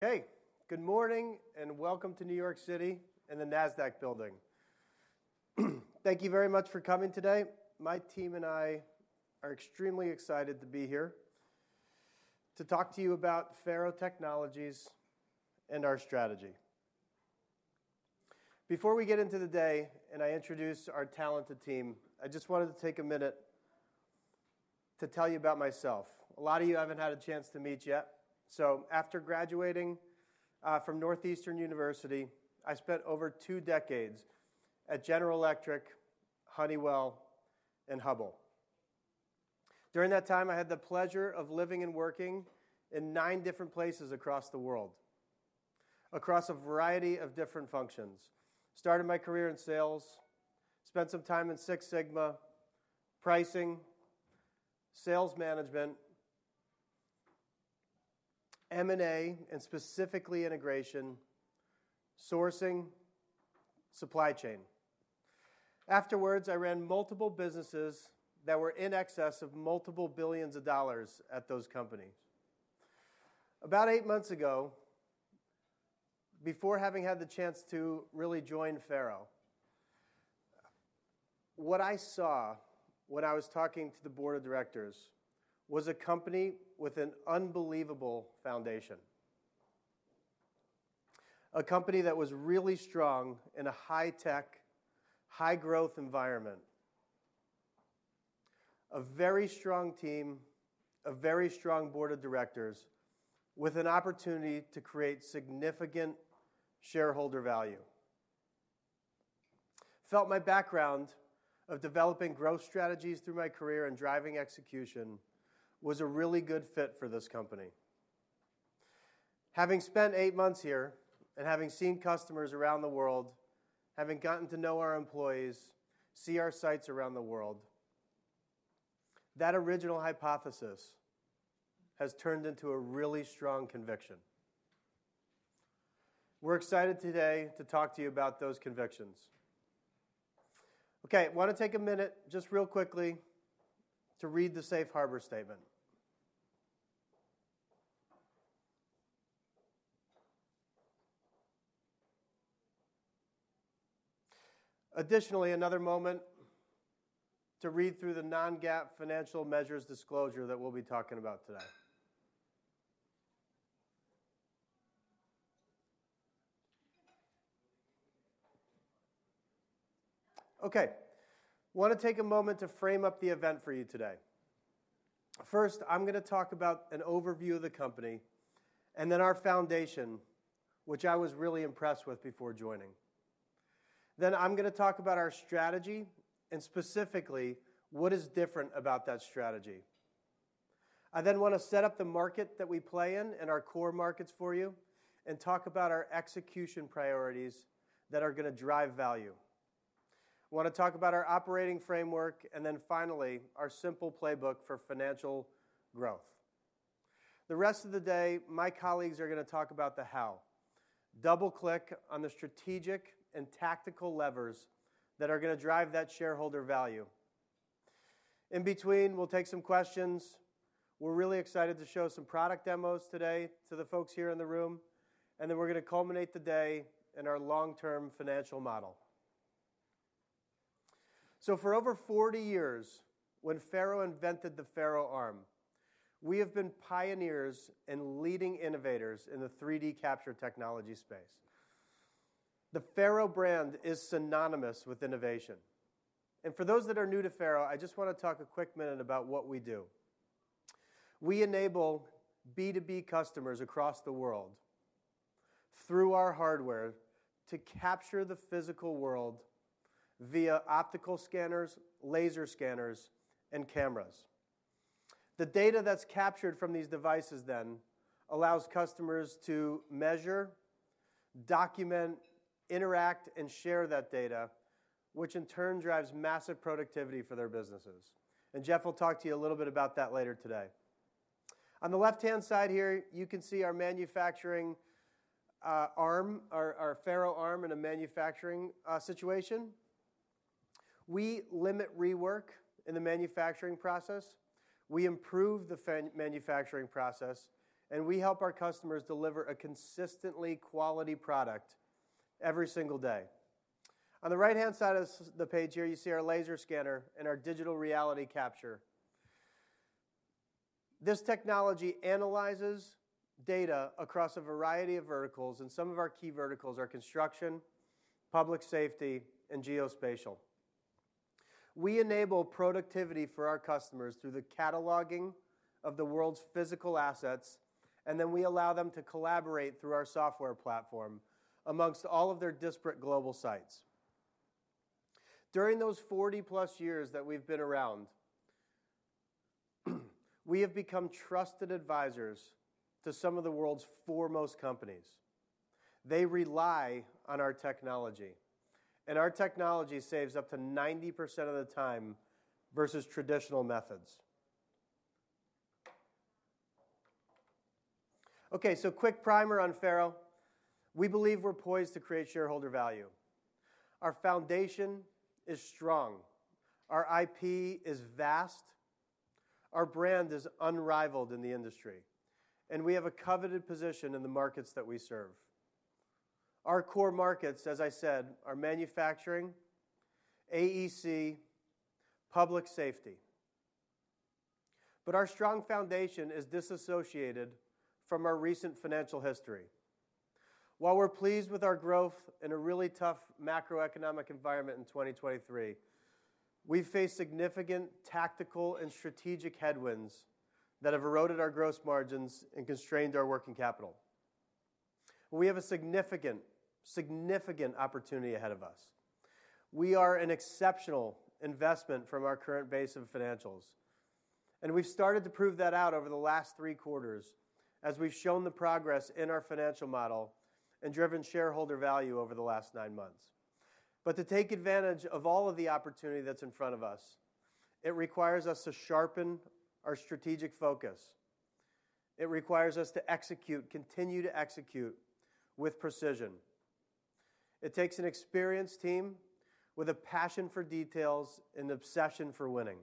Hey, good morning and welcome to New York City and the NASDAQ building. Thank you very much for coming today. My team and I are extremely excited to be here to talk to you about Faro Technologies and our strategy. Before we get into the day and I introduce our talented team, I just wanted to take a minute to tell you about myself. A lot of you haven't had a chance to meet yet. So after graduating from Northeastern University, I spent over two decades at General Electric, Honeywell, and Hubbell. During that time, I had the pleasure of living and working in nine different places across the world, across a variety of different functions. Started my career in sales, spent some time in Six Sigma, pricing, sales management, M&A, and specifically integration, sourcing, supply chain. Afterwards, I ran multiple businesses that were in excess of multiple billions of dollars at those companies. About eight months ago, before having had the chance to really join Faro, what I saw when I was talking to the board of directors was a company with an unbelievable foundation, a company that was really strong in a high tech, high growth environment, a very strong team, a very strong board of directors with an opportunity to create significant shareholder value. Felt my background of developing growth strategies through my career and driving execution was a really good fit for this company. Having spent eight months here and having seen customers around the world, having gotten to know our employees, see our sites around the world, that original hypothesis has turned into a really strong conviction. We're excited today to talk to you about those convictions. Okay, I want to take a minute just real quickly to read the Safe Harbor statement. Additionally, another moment to read through the non-GAAP financial measures disclosure that we'll be talking about today. Okay, I want to take a moment to frame up the event for you today. First, I'm going to talk about an overview of the company and then our foundation, which I was really impressed with before joining. Then I'm going to talk about our strategy and specifically what is different about that strategy. I then want to set up the market that we play in and our core markets for you and talk about our execution priorities that are going to drive value. I want to talk about our operating framework and then finally our simple playbook for financial growth. The rest of the day, my colleagues are going to talk about the how. Double-click on the strategic and tactical levers that are going to drive that shareholder value. In between, we'll take some questions. We're really excited to show some product demos today to the folks here in the room, and then we're going to culminate the day in our long-term financial model. For over 40 years, when Faro invented the FaroArm, we have been pioneers and leading innovators in the 3D capture technology space. The Faro brand is synonymous with innovation. For those that are new to Faro, I just want to talk a quick minute about what we do. We enable B2B customers across the world through our hardware to capture the physical world via optical scanners, laser scanners, and cameras. The data that's captured from these devices then allows customers to measure, document, interact, and share that data, which in turn drives massive productivity for their businesses. And Jeff will talk to you a little bit about that later today. On the left hand side here, you can see our manufacturing arm, our FaroArm in a manufacturing situation. We limit rework in the manufacturing process. We improve the manufacturing process, and we help our customers deliver a consistently quality product every single day. On the right hand side of the page here, you see our laser scanner and our Digital Reality capture. This technology analyzes data across a variety of verticals, and some of our key verticals are construction, public safety, and geospatial. We enable productivity for our customers through the cataloging of the world's physical assets, and then we allow them to collaborate through our software platform amongst all of their disparate global sites. During those 40+ years that we've been around, we have become trusted advisors to some of the world's foremost companies. They rely on our technology, and our technology saves up to 90% of the time versus traditional methods. Okay, so quick primer on Faro. We believe we're poised to create shareholder value. Our foundation is strong. Our IP is vast. Our brand is unrivaled in the industry, and we have a coveted position in the markets that we serve. Our core markets, as I said, are manufacturing, AEC, public safety. But our strong foundation is disassociated from our recent financial history. While we're pleased with our growth in a really tough macroeconomic environment in 2023, we've faced significant tactical and strategic headwinds that have eroded our gross margins and constrained our working capital. We have a significant, significant opportunity ahead of us. We are an exceptional investment from our current base of financials, and we've started to prove that out over the last three quarters as we've shown the progress in our financial model and driven shareholder value over the last nine months. But to take advantage of all of the opportunity that's in front of us, it requires us to sharpen our strategic focus. It requires us to execute, continue to execute with precision. It takes an experienced team with a passion for details and obsession for winning.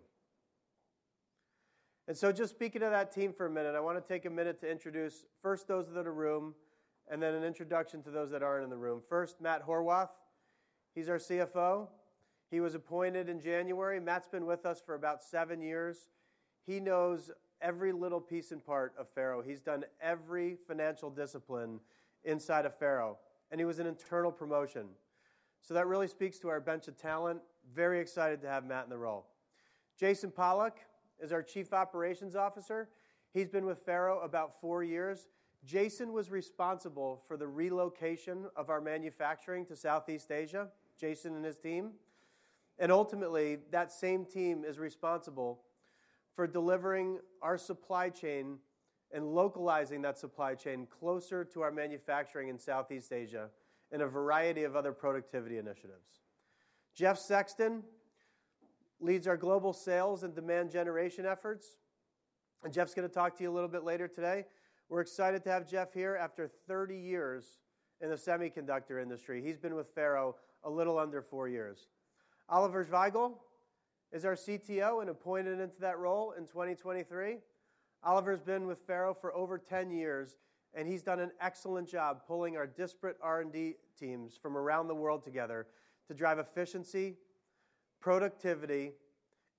Just speaking to that team for a minute, I want to take a minute to introduce first those that are in the room, and then an introduction to those that aren't in the room. First, Matt Horwath. He's our CFO. He was appointed in January. Matt's been with us for about seven years. He knows every little piece and part of Faro. He's done every financial discipline inside of Faro, and he was an internal promotion. That really speaks to our bench of talent. Very excited to have Matt in the role. Jason Pollock is our Chief Operating Officer. He's been with Faro about four years. Jason was responsible for the relocation of our manufacturing to Southeast Asia, Jason and his team. Ultimately, that same team is responsible for delivering our supply chain and localizing that supply chain closer to our manufacturing in Southeast Asia and a variety of other productivity initiatives. Jeff Sexton leads our global sales and demand generation efforts, and Jeff's going to talk to you a little bit later today. We're excited to have Jeff here after 30 years in the semiconductor industry. He's been with Faro a little under four years. Oliver Zweigle is our CTO and appointed into that role in 2023. Oliver's been with Faro for over 10 years, and he's done an excellent job pulling our disparate R&D teams from around the world together to drive efficiency, productivity,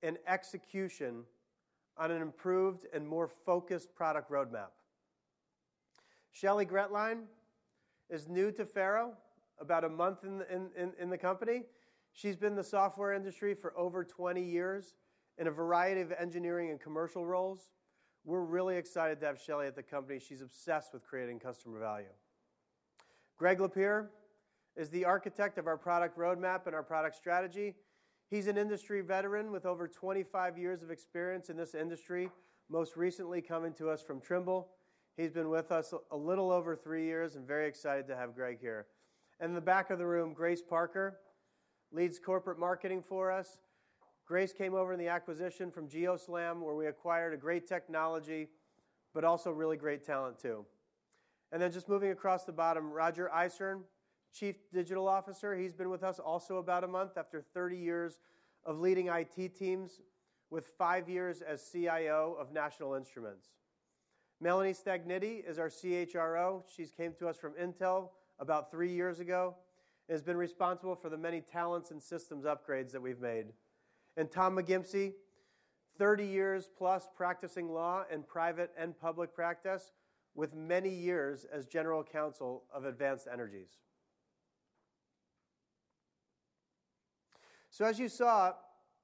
and execution on an improved and more focused product roadmap. Shelly Gretlein is new to Faro, about a month in the company. She's been in the software industry for over 20 years in a variety of engineering and commercial roles. We're really excited to have Shelly at the company. She's obsessed with creating customer value. Greg Lapierre is the architect of our product roadmap and our product strategy. He's an industry veteran with over 25 years of experience in this industry, most recently coming to us from Trimble. He's been with us a little over three years and very excited to have Greg here. In the back of the room, Grace Parker leads corporate marketing for us. Grace came over in the acquisition from GeoSLAM, where we acquired a great technology, but also really great talent too. Then just moving across the bottom, Roger Isern, Chief Digital Officer. He's been with us also about a month after 30 years of leading IT teams with five years as CIO of National Instruments. Melanie Stagniti is our CHRO. She came to us from Intel about 3 years ago and has been responsible for the many talents and systems upgrades that we've made. And Tom McGimpsey, 30 years plus practicing law in private and public practice with many years as General Counsel of Advanced Energy Industries. So as you saw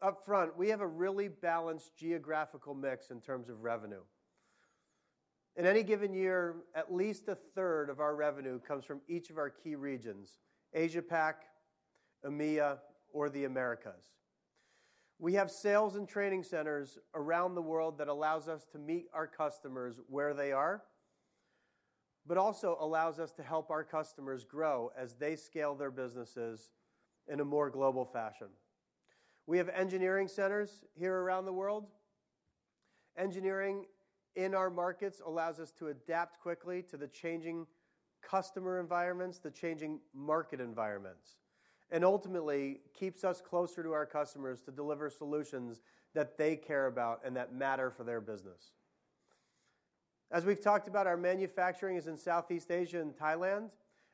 up front, we have a really balanced geographical mix in terms of revenue. In any given year, at least a third of our revenue comes from each of our key regions: Asia-Pac, EMEA, or the Americas. We have sales and training centers around the world that allow us to meet our customers where they are, but also allow us to help our customers grow as they scale their businesses in a more global fashion. We have engineering centers here around the world. Engineering in our markets allows us to adapt quickly to the changing customer environments, the changing market environments, and ultimately keeps us closer to our customers to deliver solutions that they care about and that matter for their business. As we've talked about, our manufacturing is in Southeast Asia and Thailand,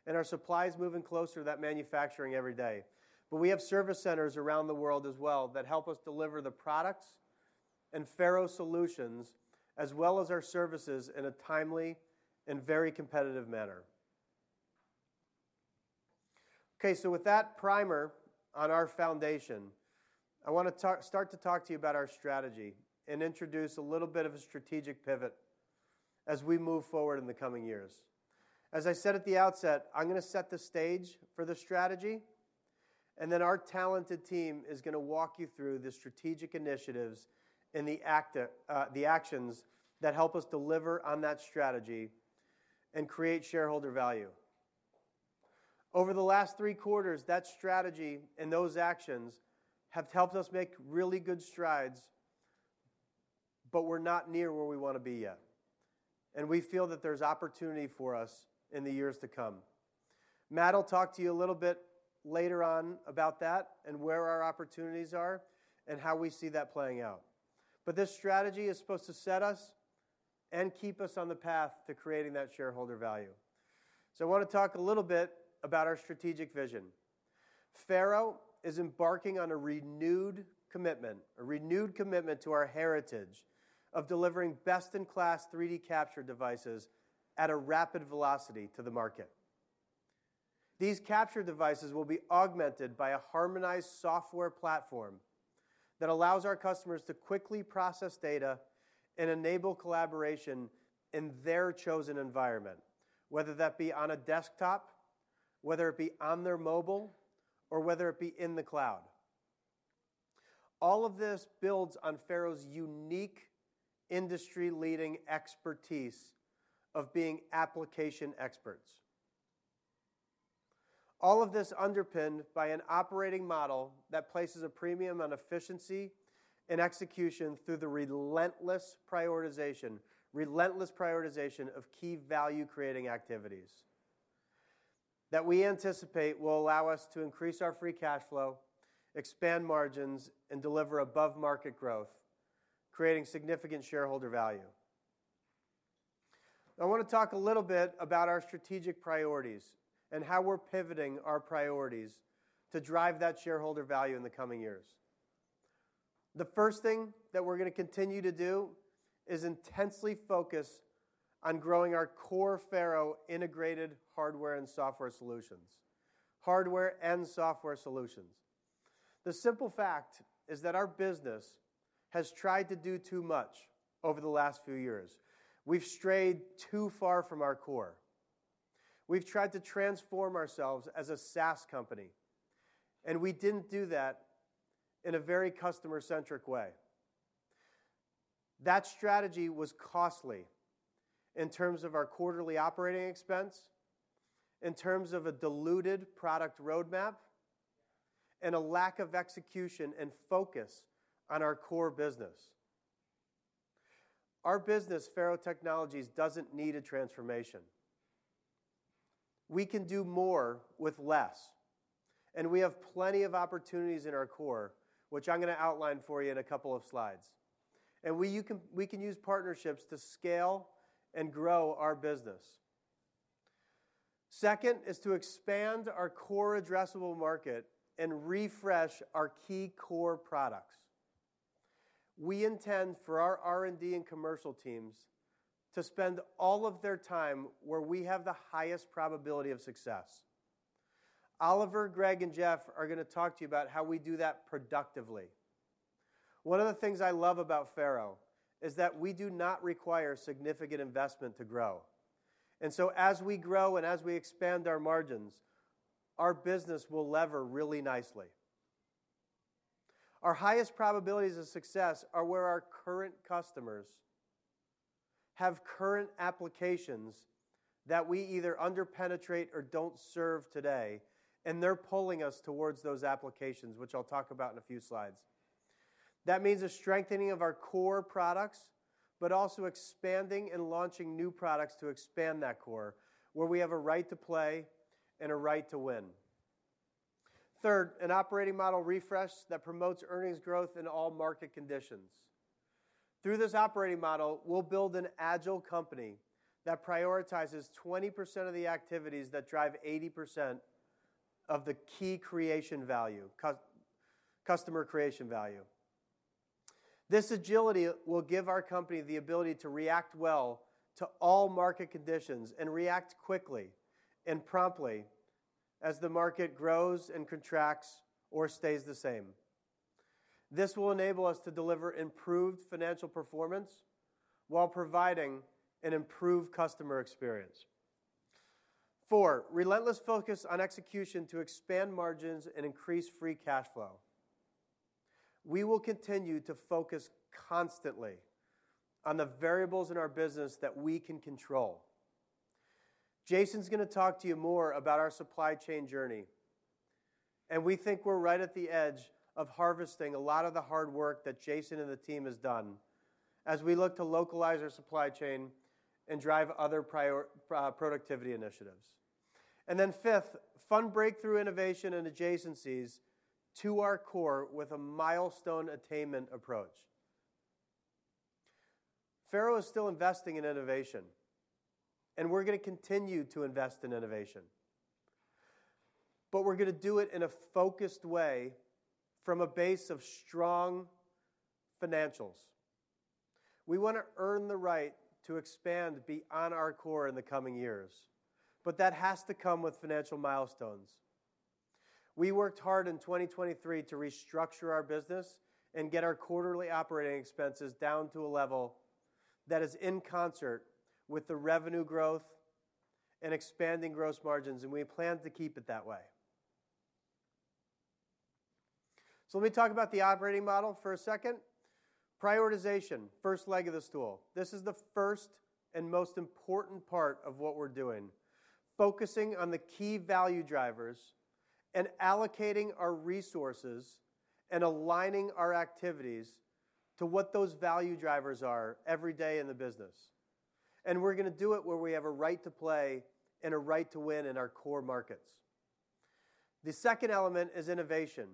and our supply is moving closer to that manufacturing every day. We have service centers around the world as well that help us deliver the products and Faro solutions, as well as our services, in a timely and very competitive manner. Okay, so with that primer on our foundation, I want to start to talk to you about our strategy and introduce a little bit of a strategic pivot as we move forward in the coming years. As I said at the outset, I'm going to set the stage for the strategy, and then our talented team is going to walk you through the strategic initiatives and the actions that help us deliver on that strategy and create shareholder value. Over the last three quarters, that strategy and those actions have helped us make really good strides, but we're not near where we want to be yet, and we feel that there's opportunity for us in the years to come. Matt will talk to you a little bit later on about that and where our opportunities are and how we see that playing out. But this strategy is supposed to set us and keep us on the path to creating that shareholder value. So I want to talk a little bit about our strategic vision. Faro is embarking on a renewed commitment, a renewed commitment to our heritage of delivering best in class 3D capture devices at a rapid velocity to the market. These capture devices will be augmented by a harmonized software platform that allows our customers to quickly process data and enable collaboration in their chosen environment, whether that be on a desktop, whether it be on their mobile, or whether it be in the cloud. All of this builds on Faro's unique industry-leading expertise of being application experts. All of this is underpinned by an operating model that places a premium on efficiency and execution through the relentless prioritization, relentless prioritization of key value creating activities that we anticipate will allow us to increase our free cash flow, expand margins, and deliver above market growth, creating significant shareholder value. I want to talk a little bit about our strategic priorities and how we're pivoting our priorities to drive that shareholder value in the coming years. The first thing that we're going to continue to do is intensely focus on growing our core Faro integrated hardware and software solutions, hardware and software solutions. The simple fact is that our business has tried to do too much over the last few years. We've strayed too far from our core. We've tried to transform ourselves as a SaaS company, and we didn't do that in a very customer-centric way. That strategy was costly in terms of our quarterly operating expense, in terms of a diluted product roadmap, and a lack of execution and focus on our core business. Our business, Faro Technologies, doesn't need a transformation. We can do more with less, and we have plenty of opportunities in our core, which I'm going to outline for you in a couple of slides. We can use partnerships to scale and grow our business. Second is to expand our core addressable market and refresh our key core products. We intend for our R&D and commercial teams to spend all of their time where we have the highest probability of success. Oliver, Greg, and Jeff are going to talk to you about how we do that productively. One of the things I love about Faro is that we do not require significant investment to grow. And so as we grow and as we expand our margins, our business will lever really nicely. Our highest probabilities of success are where our current customers have current applications that we either underpenetrate or don't serve today, and they're pulling us towards those applications, which I'll talk about in a few slides. That means a strengthening of our core products, but also expanding and launching new products to expand that core, where we have a right to play and a right to win. Third, an operating model refresh that promotes earnings growth in all market conditions. Through this operating model, we'll build an agile company that prioritizes 20% of the activities that drive 80% of the key creation value, customer creation value. This agility will give our company the ability to react well to all market conditions and react quickly and promptly as the market grows and contracts or stays the same. This will enable us to deliver improved financial performance while providing an improved customer experience. Four, relentless focus on execution to expand margins and increase free cash flow. We will continue to focus constantly on the variables in our business that we can control. Jason's going to talk to you more about our supply chain journey, and we think we're right at the edge of harvesting a lot of the hard work that Jason and the team has done as we look to localize our supply chain and drive other productivity initiatives. And then fifth, fund breakthrough innovation and adjacencies to our core with a milestone attainment approach. Faro is still investing in innovation, and we're going to continue to invest in innovation, but we're going to do it in a focused way from a base of strong financials. We want to earn the right to expand beyond our core in the coming years, but that has to come with financial milestones. We worked hard in 2023 to restructure our business and get our quarterly operating expenses down to a level that is in concert with the revenue growth and expanding gross margins, and we plan to keep it that way. So let me talk about the operating model for a second. Prioritization, first leg of the stool. This is the first and most important part of what we're doing: focusing on the key value drivers and allocating our resources and aligning our activities to what those value drivers are every day in the business. We're going to do it where we have a right to play and a right to win in our core markets. The second element is innovation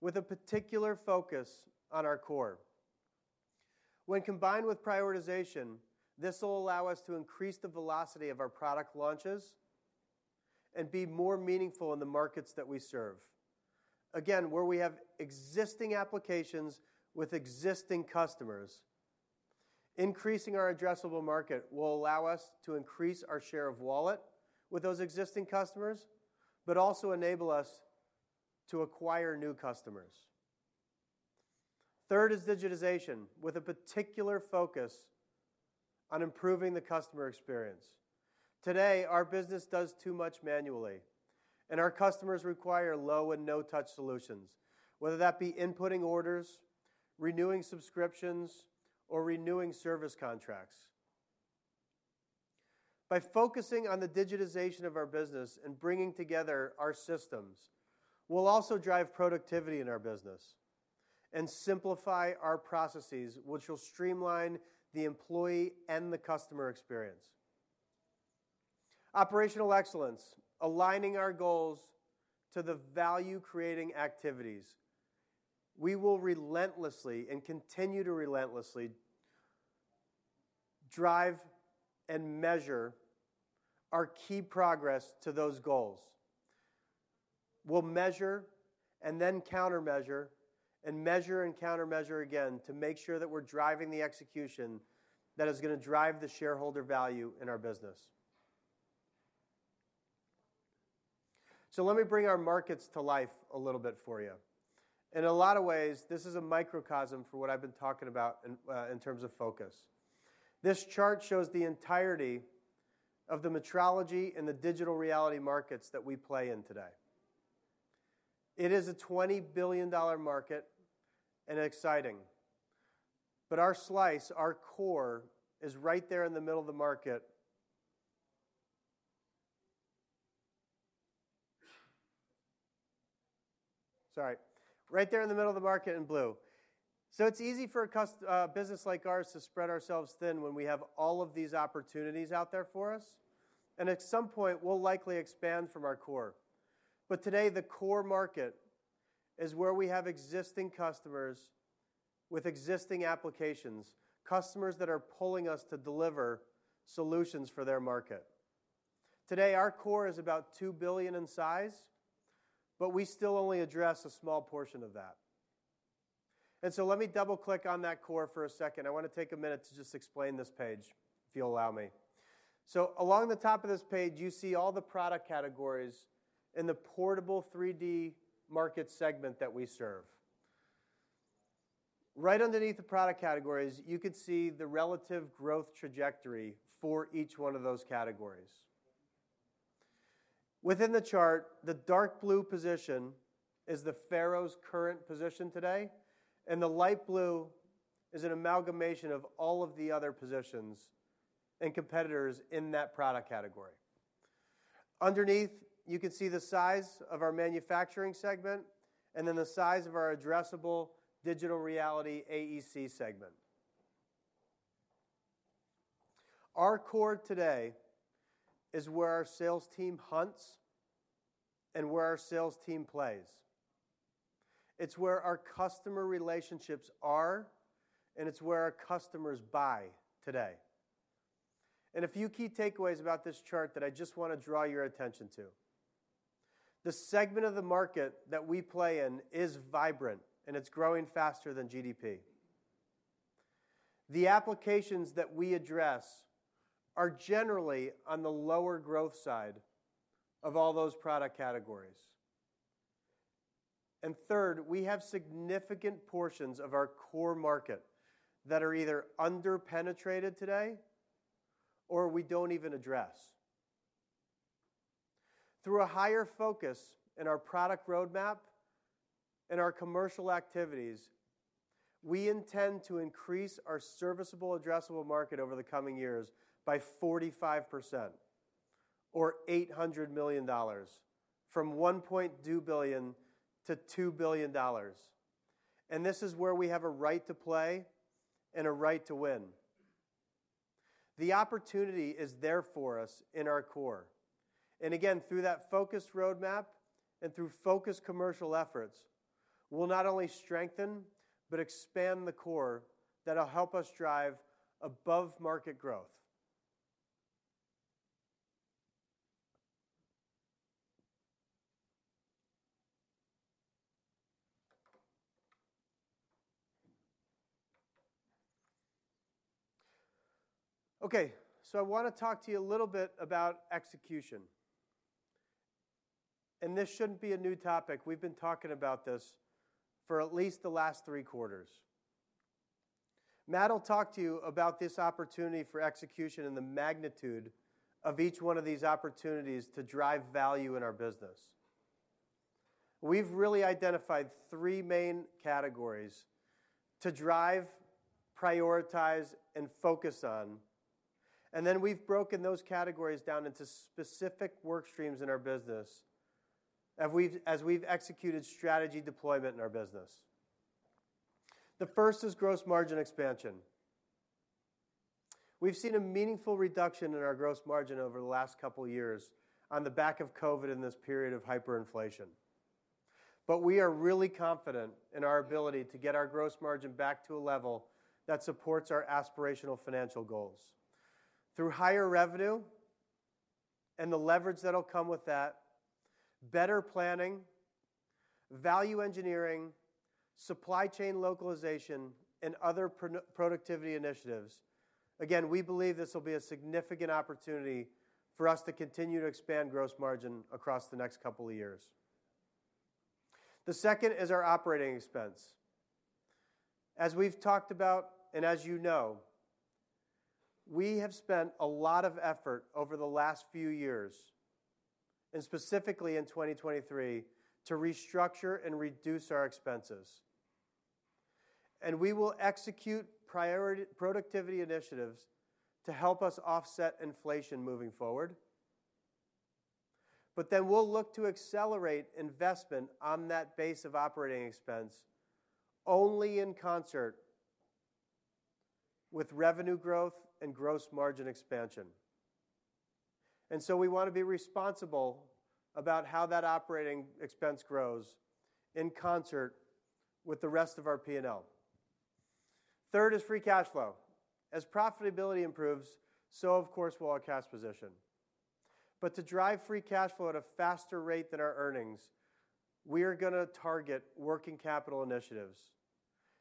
with a particular focus on our core. When combined with prioritization, this will allow us to increase the velocity of our product launches and be more meaningful in the markets that we serve. Again, where we have existing applications with existing customers. Increasing our addressable market will allow us to increase our share of wallet with those existing customers, but also enable us to acquire new customers. Third is digitization with a particular focus on improving the customer experience. Today, our business does too much manually, and our customers require low and no-touch solutions, whether that be inputting orders, renewing subscriptions, or renewing service contracts. By focusing on the digitization of our business and bringing together our systems, we'll also drive productivity in our business and simplify our processes, which will streamline the employee and the customer experience. Operational excellence, aligning our goals to the value creating activities. We will relentlessly and continue to relentlessly drive and measure our key progress to those goals. We'll measure and then countermeasure and measure and countermeasure again to make sure that we're driving the execution that is going to drive the shareholder value in our business. So let me bring our markets to life a little bit for you. In a lot of ways, this is a microcosm for what I've been talking about in terms of focus. This chart shows the entirety of the metrology and the digital reality markets that we play in today. It is a $20 billion market and exciting, but our slice, our core, is right there in the middle of the market. Sorry. Right there in the middle of the market in blue. So it's easy for a business like ours to spread ourselves thin when we have all of these opportunities out there for us, and at some point, we'll likely expand from our core. But today, the core market is where we have existing customers with existing applications, customers that are pulling us to deliver solutions for their market. Today, our core is about $2 billion in size, but we still only address a small portion of that. And so let me double-click on that core for a second. I want to take a minute to just explain this page, if you'll allow me. So along the top of this page, you see all the product categories in the portable 3D market segment that we serve. Right underneath the product categories, you could see the relative growth trajectory for each one of those categories. Within the chart, the dark blue position is the Faro's current position today, and the light blue is an amalgamation of all of the other positions and competitors in that product category. Underneath, you can see the size of our manufacturing segment and then the size of our addressable digital reality AEC segment. Our core today is where our sales team hunts and where our sales team plays. It's where our customer relationships are, and it's where our customers buy today. A few key takeaways about this chart that I just want to draw your attention to. The segment of the market that we play in is vibrant, and it's growing faster than GDP. The applications that we address are generally on the lower growth side of all those product categories. And third, we have significant portions of our core market that are either underpenetrated today or we don't even address. Through a higher focus in our product roadmap and our commercial activities, we intend to increase our serviceable addressable market over the coming years by 45% or $800 million from $1.2 billion-$2 billion. And this is where we have a right to play and a right to win. The opportunity is there for us in our core. And again, through that focused roadmap and through focused commercial efforts, we'll not only strengthen but expand the core that will help us drive above market growth. Okay. I want to talk to you a little bit about execution. This shouldn't be a new topic. We've been talking about this for at least the last three quarters. Matt will talk to you about this opportunity for execution and the magnitude of each one of these opportunities to drive value in our business. We've really identified three main categories to drive, prioritize, and focus on, and then we've broken those categories down into specific work streams in our business as we've executed strategy deployment in our business. The first is gross margin expansion. We've seen a meaningful reduction in our gross margin over the last couple of years on the back of COVID and this period of hyperinflation. We are really confident in our ability to get our gross margin back to a level that supports our aspirational financial goals through higher revenue and the leverage that will come with that, better planning, value engineering, supply chain localization, and other productivity initiatives. Again, we believe this will be a significant opportunity for us to continue to expand gross margin across the next couple of years. The second is our operating expense. As we've talked about and as you know, we have spent a lot of effort over the last few years, and specifically in 2023, to restructure and reduce our expenses. We will execute productivity initiatives to help us offset inflation moving forward, but then we'll look to accelerate investment on that base of operating expense only in concert with revenue growth and gross margin expansion. So we want to be responsible about how that operating expense grows in concert with the rest of our P&L. Third is free cash flow. As profitability improves, so, of course, will our cash position. But to drive free cash flow at a faster rate than our earnings, we are going to target working capital initiatives.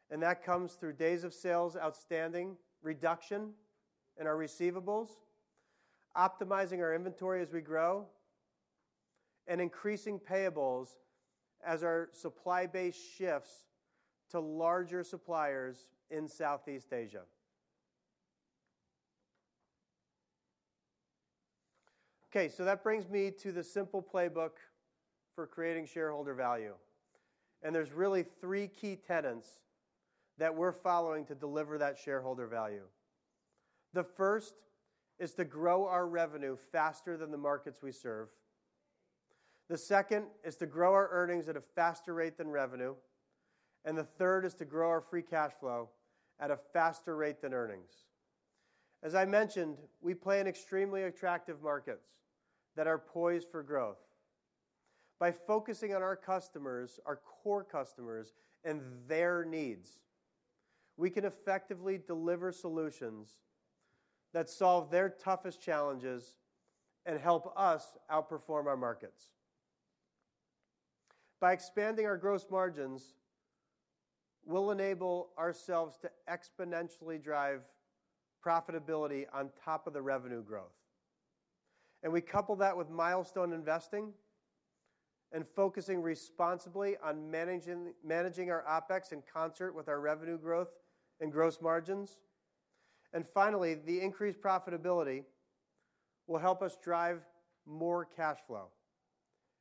And that comes through days of sales outstanding reduction in our receivables, optimizing our inventory as we grow, and increasing payables as our supply base shifts to larger suppliers in Southeast Asia. Okay. So that brings me to the simple playbook for creating shareholder value. And there's really three key tenets that we're following to deliver that shareholder value. The first is to grow our revenue faster than the markets we serve. The second is to grow our earnings at a faster rate than revenue. The third is to grow our free cash flow at a faster rate than earnings. As I mentioned, we play in extremely attractive markets that are poised for growth. By focusing on our customers, our core customers, and their needs, we can effectively deliver solutions that solve their toughest challenges and help us outperform our markets. By expanding our gross margins, we'll enable ourselves to exponentially drive profitability on top of the revenue growth. And we couple that with milestone investing and focusing responsibly on managing our OpEx in concert with our revenue growth and gross margins. And finally, the increased profitability will help us drive more cash flow.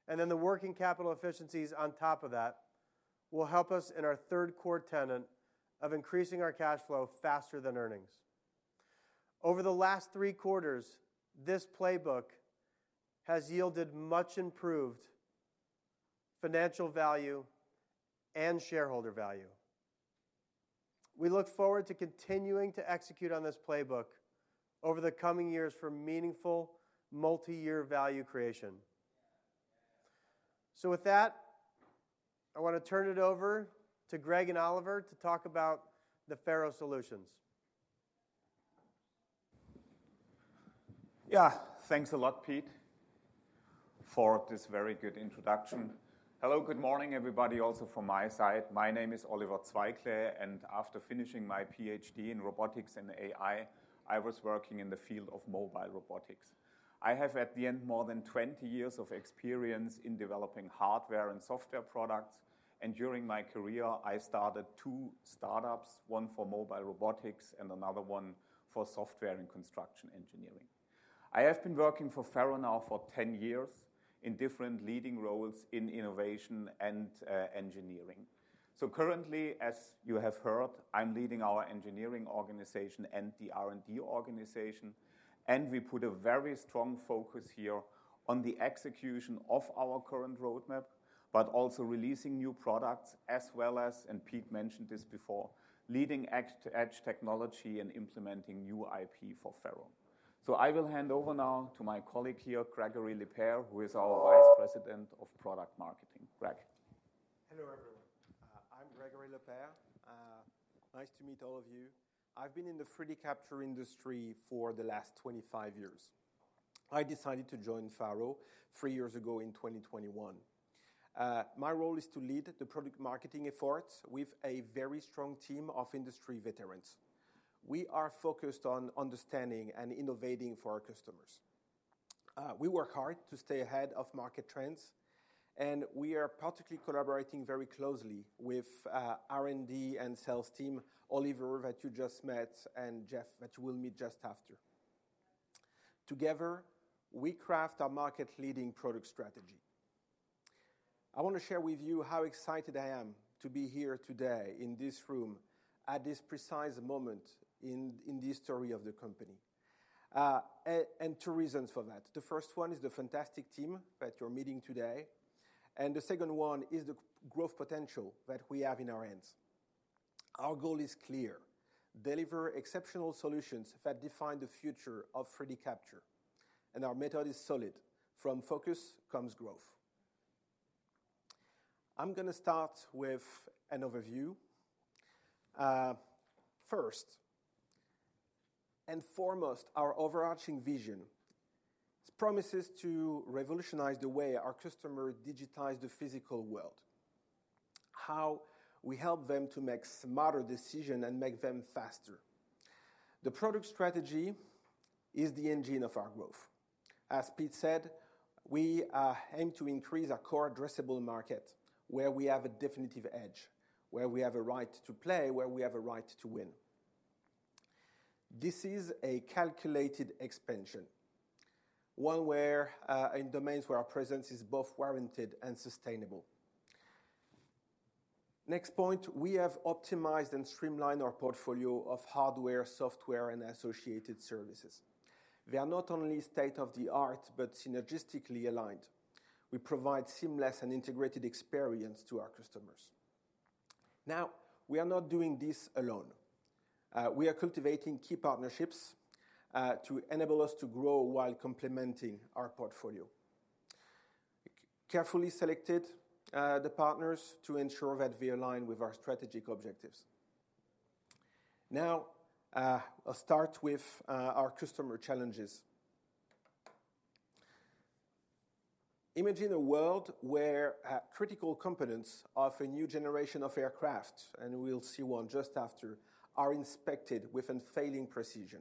And then the working capital efficiencies on top of that will help us in our third core tenet of increasing our cash flow faster than earnings. Over the last three quarters, this playbook has yielded much improved financial value and shareholder value. We look forward to continuing to execute on this playbook over the coming years for meaningful multi-year value creation. With that, I want to turn it over to Greg and Oliver to talk about the Faro solutions. Yeah. Thanks a lot, Pete, for this very good introduction. Hello. Good morning, everybody, also from my side. My name is Oliver Zweigle, and after finishing my PhD in robotics and AI, I was working in the field of mobile robotics. I have, at the end, more than 20 years of experience in developing hardware and software products. And during my career, I started two startups, one for mobile robotics and another one for software and construction engineering. I have been working for Faro now for 10 years in different leading roles in innovation and engineering. So currently, as you have heard, I'm leading our engineering organization and the R&D organization, and we put a very strong focus here on the execution of our current roadmap, but also releasing new products as well as, and Pete mentioned this before, leading edge technology and implementing new IP for Faro. I will hand over now to my colleague here, Gregory Lapierre, who is our Vice President of Product Marketing. Greg. Hello, everyone. I'm Greg Lapierre. Nice to meet all of you. I've been in the 3D capture industry for the last 25 years. I decided to join Faro three years ago in 2021. My role is to lead the product marketing efforts with a very strong team of industry veterans. We are focused on understanding and innovating for our customers. We work hard to stay ahead of market trends, and we are particularly collaborating very closely with R&D and sales team, Oliver, that you just met, and Jeff, that you will meet just after. Together, we craft our market-leading product strategy. I want to share with you how excited I am to be here today in this room at this precise moment in the history of the company and two reasons for that. The first one is the fantastic team that you're meeting today, and the second one is the growth potential that we have in our hands. Our goal is clear: deliver exceptional solutions that define the future of 3D capture, and our method is solid. From focus comes growth. I'm going to start with an overview. First and foremost, our overarching vision promises to revolutionize the way our customers digitize the physical world, how we help them to make smarter decisions and make them faster. The product strategy is the engine of our growth. As Pete said, we aim to increase our core addressable market where we have a definitive edge, where we have a right to play, where we have a right to win. This is a calculated expansion, one in domains where our presence is both warranted and sustainable. Next point, we have optimized and streamlined our portfolio of hardware, software, and associated services. They are not only state of the art but synergistically aligned. We provide seamless and integrated experience to our customers. Now, we are not doing this alone. We are cultivating key partnerships to enable us to grow while complementing our portfolio. Carefully selected the partners to ensure that we align with our strategic objectives. Now, I'll start with our customer challenges. Imagine a world where critical components of a new generation of aircraft, and we'll see one just after, are inspected with unfailing precision,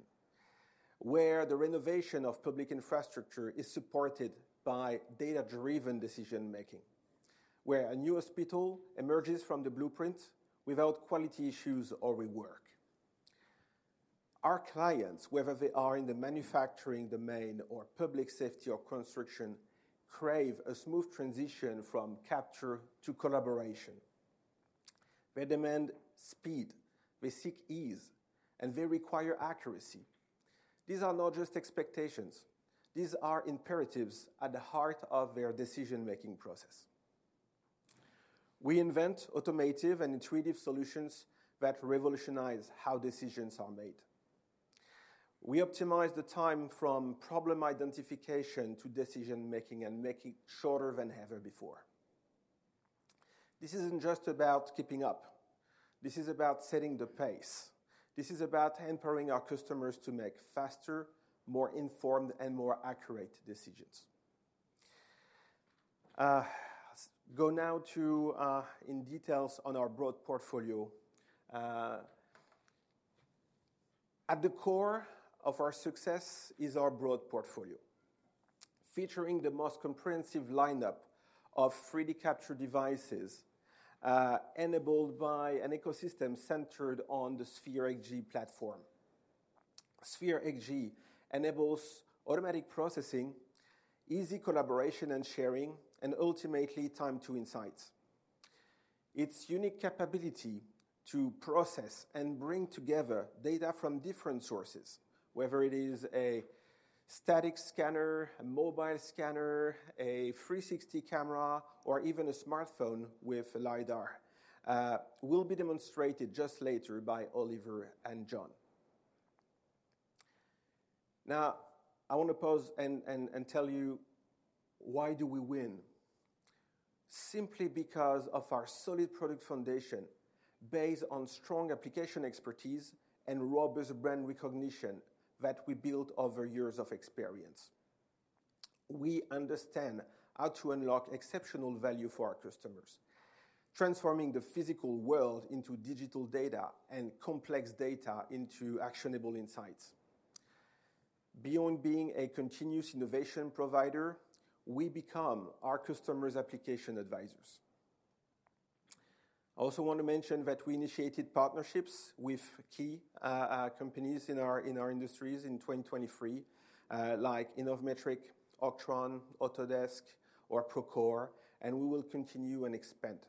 where the renovation of public infrastructure is supported by data-driven decision-making, where a new hospital emerges from the blueprint without quality issues or rework. Our clients, whether they are in the manufacturing domain or public safety or construction, crave a smooth transition from capture to collaboration. They demand speed. They seek ease, and they require accuracy. These are not just expectations. These are imperatives at the heart of their decision-making process. We invent automated and intuitive solutions that revolutionize how decisions are made. We optimize the time from problem identification to decision-making and make it shorter than ever before. This isn't just about keeping up. This is about setting the pace. This is about empowering our customers to make faster, more informed, and more accurate decisions. Go now into details on our broad portfolio. At the core of our success is our broad portfolio featuring the most comprehensive lineup of 3D capture devices enabled by an ecosystem centered on the Sphere XG platform. Sphere XG enables automatic processing, easy collaboration and sharing, and ultimately, time-to-insights. Its unique capability to process and bring together data from different sources, whether it is a static scanner, a mobile scanner, a 360 camera, or even a smartphone with LiDAR, will be demonstrated just later by Oliver and John. Now, I want to pause and tell you, why do we win? Simply because of our solid product foundation based on strong application expertise and robust brand recognition that we built over years of experience. We understand how to unlock exceptional value for our customers, transforming the physical world into digital data and complex data into actionable insights. Beyond being a continuous innovation provider, we become our customers' application advisors. I also want to mention that we initiated partnerships with key companies in our industries in 2023 like InnovMetric, Oqton, Autodesk, or Procore, and we will continue and expand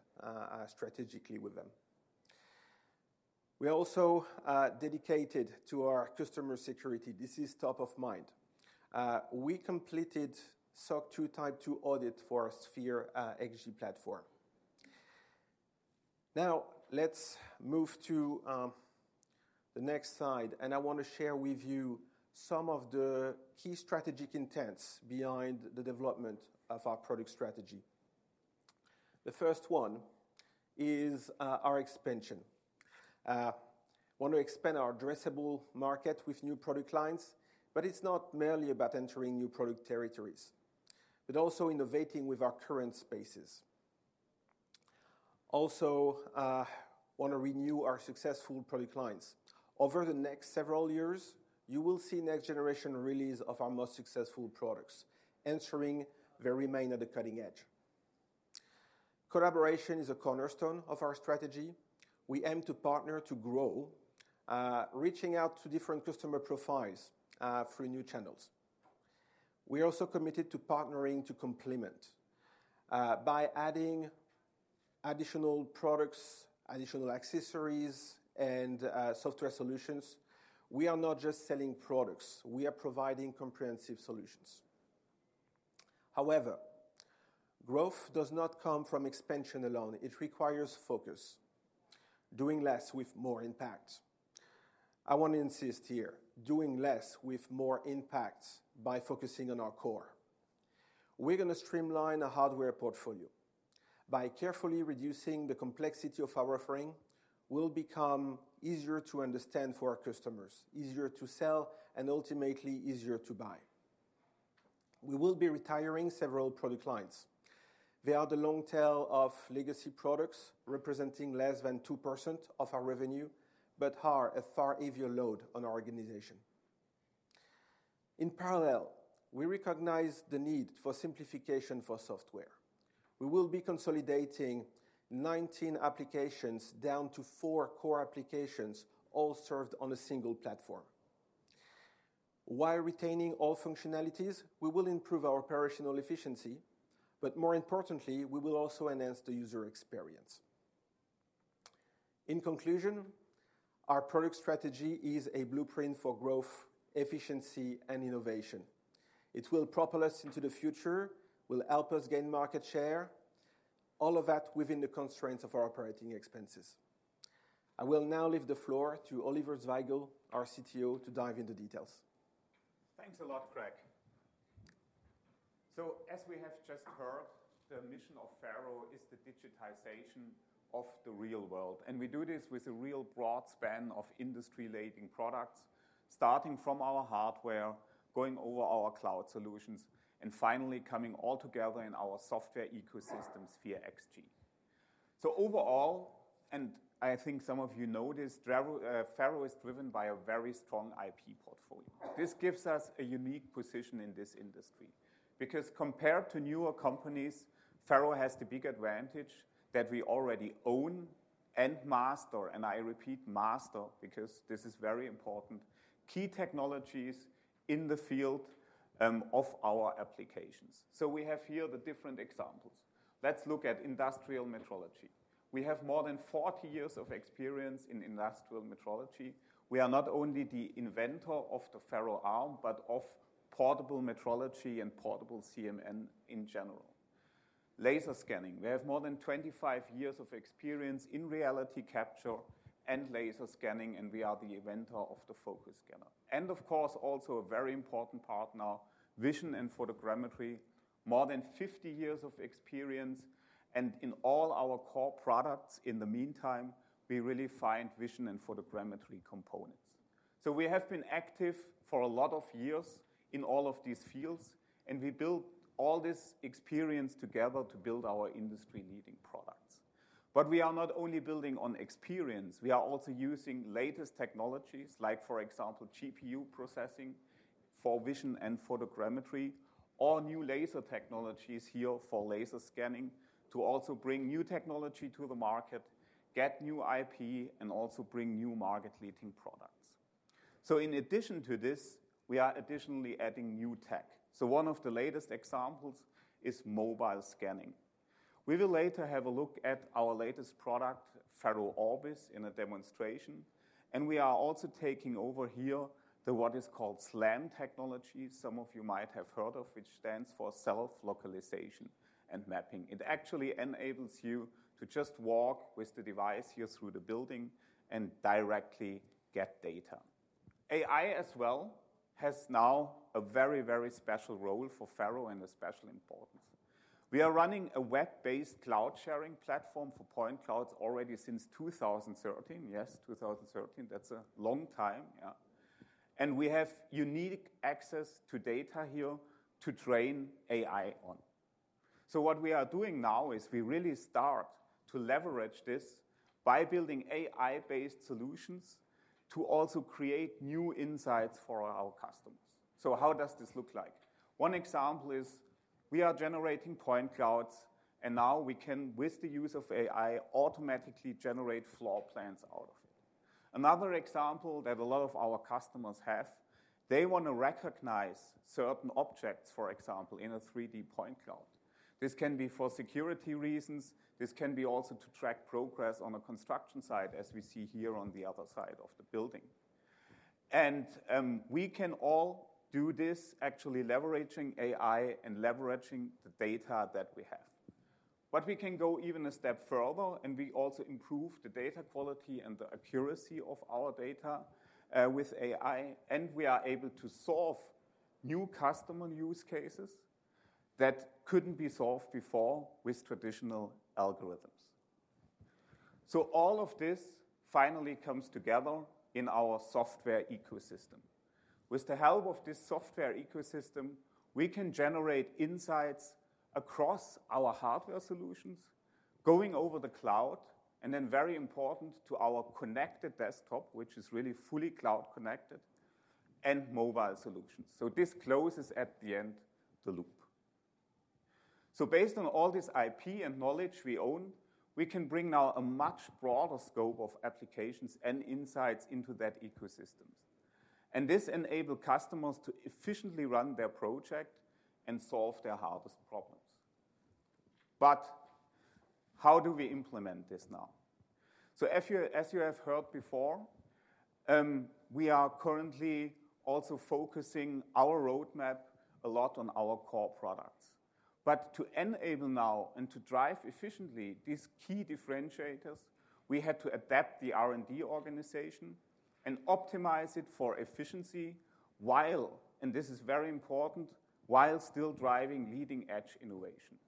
strategically with them. We are also dedicated to our customer security. This is top of mind. We completed SOC 2 Type 2 audit for our Sphere XG platform. Now, let's move to the next slide, and I want to share with you some of the key strategic intents behind the development of our product strategy. The first one is our expansion. Want to expand our addressable market with new product lines, but it's not merely about entering new product territories, but also innovating with our current spaces. Also, want to renew our successful product lines. Over the next several years, you will see next-generation release of our most successful products, ensuring they remain at the cutting edge. Collaboration is a cornerstone of our strategy. We aim to partner to grow, reaching out to different customer profiles through new channels. We are also committed to partnering to complement by adding additional products, additional accessories, and software solutions. We are not just selling products. We are providing comprehensive solutions. However, growth does not come from expansion alone. It requires focus, doing less with more impact. I want to insist here, doing less with more impact by focusing on our core. We're going to streamline our hardware portfolio by carefully reducing the complexity of our offering. It will become easier to understand for our customers, easier to sell, and ultimately, easier to buy. We will be retiring several product lines. They are the long tail of legacy products representing less than 2% of our revenue but are a far heavier load on our organization. In parallel, we recognize the need for simplification for software. We will be consolidating 19 applications down to four core applications, all served on a single platform. While retaining all functionalities, we will improve our operational efficiency, but more importantly, we will also enhance the user experience. In conclusion, our product strategy is a blueprint for growth, efficiency, and innovation. It will propel us into the future, will help us gain market share, all of that within the constraints of our operating expenses. I will now leave the floor to Oliver Zweigle, our CTO, to dive into details. Thanks a lot, Greg. So as we have just heard, the mission of Faro is the digitization of the real world, and we do this with a real broad span of industry-leading products, starting from our hardware, going over our cloud solutions, and finally coming all together in our software ecosystem, Sphere XG. So overall, and I think some of you know this, Faro is driven by a very strong IP portfolio. This gives us a unique position in this industry because compared to newer companies, Faro has the big advantage that we already own and master, and I repeat, master because this is very important, key technologies in the field of our applications. So we have here the different examples. Let's look at industrial metrology. We have more than 40 years of experience in industrial metrology. We are not only the inventor of the FaroArm but of portable metrology and portable CMM in general. Laser scanning, we have more than 25 years of experience in reality capture and laser scanning, and we are the inventor of the Focus scanner. And of course, also a very important partner, vision and photogrammetry, more than 50 years of experience. And in all our core products, in the meantime, we really find vision and photogrammetry components. So we have been active for a lot of years in all of these fields, and we built all this experience together to build our industry-leading products. But we are not only building on experience. We are also using latest technologies like, for example, GPU processing for vision and photogrammetry or new laser technologies here for laser scanning to also bring new technology to the market, get new IP, and also bring new market-leading products. So in addition to this, we are additionally adding new tech. So one of the latest examples is mobile scanning. We will later have a look at our latest product, Faro Orbis, in a demonstration. And we are also taking over here the what is called SLAM technology, some of you might have heard of, which stands for self-localization and mapping. It actually enables you to just walk with the device here through the building and directly get data. AI as well has now a very, very special role for Faro and a special importance. We are running a web-based cloud sharing platform for point clouds already since 2013. Yes, 2013. That's a long time. We have unique access to data here to train AI on. What we are doing now is we really start to leverage this by building AI-based solutions to also create new insights for our customers. So how does this look like? One example is we are generating point clouds, and now we can, with the use of AI, automatically generate floor plans out of it. Another example that a lot of our customers have, they want to recognize certain objects, for example, in a 3D point cloud. This can be for security reasons. This can be also to track progress on a construction site, as we see here on the other side of the building. We can all do this, actually leveraging AI and leveraging the data that we have. But we can go even a step further, and we also improve the data quality and the accuracy of our data with AI, and we are able to solve new customer use cases that couldn't be solved before with traditional algorithms. All of this finally comes together in our software ecosystem. With the help of this software ecosystem, we can generate insights across our hardware solutions, going over the cloud, and then, very important, to our connected desktop, which is really fully cloud-connected, and mobile solutions. This closes at the end the loop. So based on all this IP and knowledge we own, we can bring now a much broader scope of applications and insights into that ecosystem. And this enables customers to efficiently run their project and solve their hardest problems. But how do we implement this now? As you have heard before, we are currently also focusing our roadmap a lot on our core products. But to enable now and to drive efficiently these key differentiators, we had to adapt the R&D organization and optimize it for efficiency while, and this is very important, while still driving leading-edge innovation.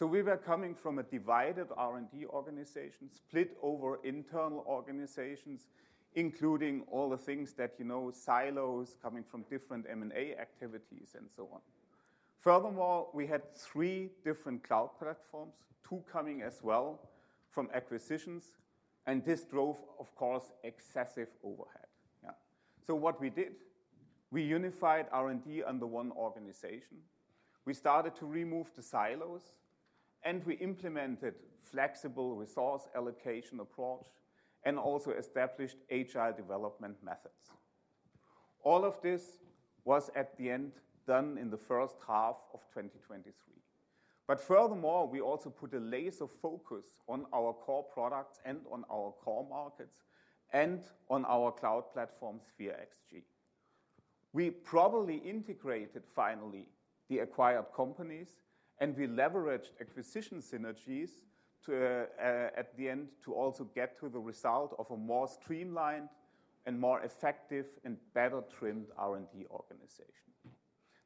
So we were coming from a divided R&D organization, split over internal organizations, including all the things that you know, silos coming from different M&A activities and so on. Furthermore, we had three different cloud platforms, two coming as well from acquisitions. And this drove, of course, excessive overhead. What we did, we unified R&D under one organization. We started to remove the silos, and we implemented a flexible resource allocation approach and also established agile development methods. All of this was, at the end, done in the first half of 2023. Furthermore, we also put a layer of focus on our core products and on our core markets and on our cloud platform, Sphere XG. We probably integrated finally the acquired companies, and we leveraged acquisition synergies at the end to also get to the result of a more streamlined and more effective and better-trimmed R&D organization.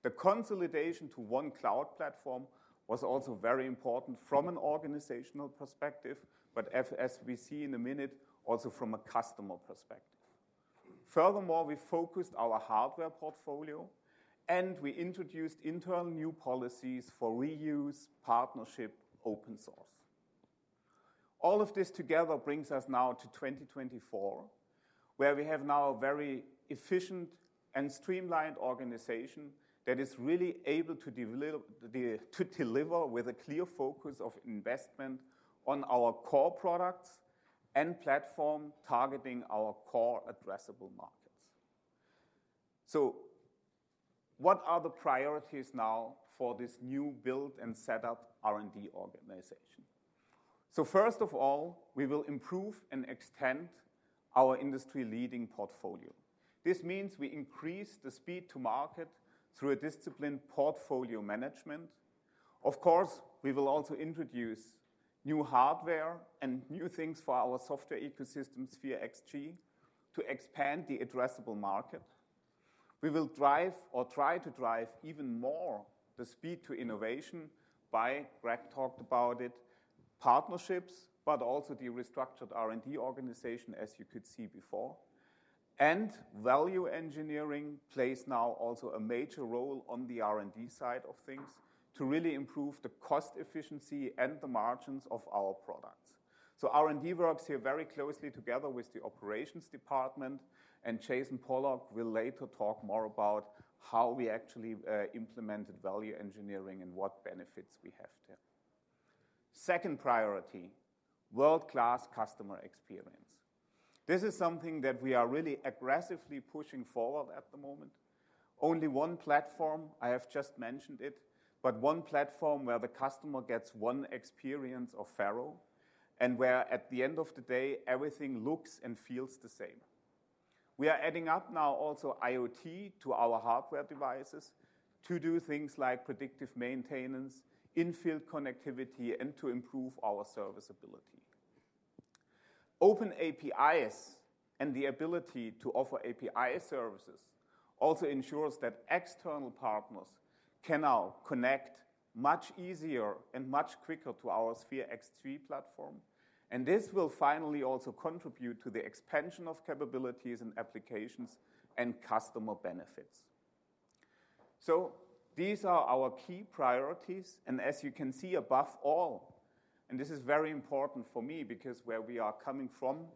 The consolidation to one cloud platform was also very important from an organizational perspective, but as we see in a minute, also from a customer perspective. Furthermore, we focused our hardware portfolio, and we introduced internal new policies for reuse, partnership, open source. All of this together brings us now to 2024, where we have now a very efficient and streamlined organization that is really able to deliver with a clear focus of investment on our core products and platform, targeting our core addressable markets. So what are the priorities now for this newly built and set up R&D organization? So first of all, we will improve and extend our industry-leading portfolio. This means we increase the speed to market through a disciplined portfolio management. Of course, we will also introduce new hardware and new things for our software ecosystem, Sphere XG, to expand the addressable market. We will drive or try to drive even more the speed to innovation by, Greg talked about it, partnerships, but also the restructured R&D organization, as you could see before, and value engineering plays now also a major role on the R&D side of things to really improve the cost efficiency and the margins of our products. So R&D works here very closely together with the operations department, and Jason Pollock will later talk more about how we actually implemented value engineering and what benefits we have there. Second priority, world-class customer experience. This is something that we are really aggressively pushing forward at the moment. Only one platform, I have just mentioned it, but one platform where the customer gets one experience of Faro and where, at the end of the day, everything looks and feels the same. We are adding up now also IoT to our hardware devices to do things like predictive maintenance, in-field connectivity, and to improve our serviceability. Open APIs and the ability to offer API services also ensures that external partners can now connect much easier and much quicker to our Sphere XG platform. This will finally also contribute to the expansion of capabilities and applications and customer benefits. These are our key priorities. As you can see above all, and this is very important for me because where we are coming from,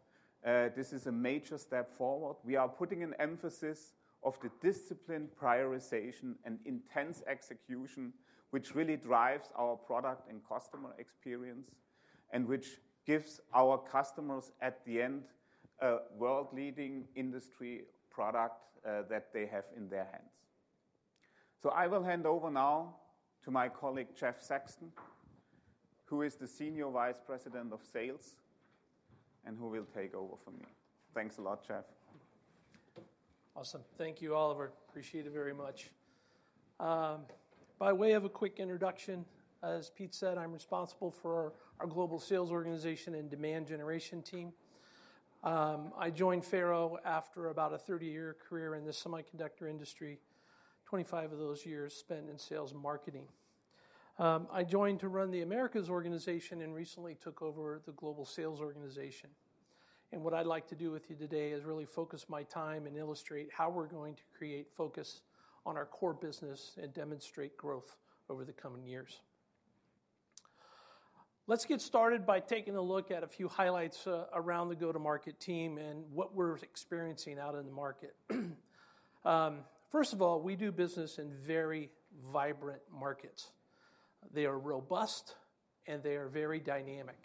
this is a major step forward. We are putting an emphasis on the discipline, prioritization, and intense execution, which really drives our product and customer experience and which gives our customers, at the end, a world-leading industry product that they have in their hands. So I will hand over now to my colleague Jeff Sexton, who is the Senior Vice President of Sales and who will take over for me. Thanks a lot, Jeff. Awesome. Thank you, Oliver. Appreciate it very much. By way of a quick introduction, as Pete said, I'm responsible for our global sales organization and demand generation team. I joined Faro after about a 30-year career in the semiconductor industry. 25 of those years spent in sales and marketing. I joined to run the Americas organization and recently took over the global sales organization. And what I'd like to do with you today is really focus my time and illustrate how we're going to create focus on our core business and demonstrate growth over the coming years. Let's get started by taking a look at a few highlights around the go-to-market team and what we're experiencing out in the market. First of all, we do business in very vibrant markets. They are robust, and they are very dynamic.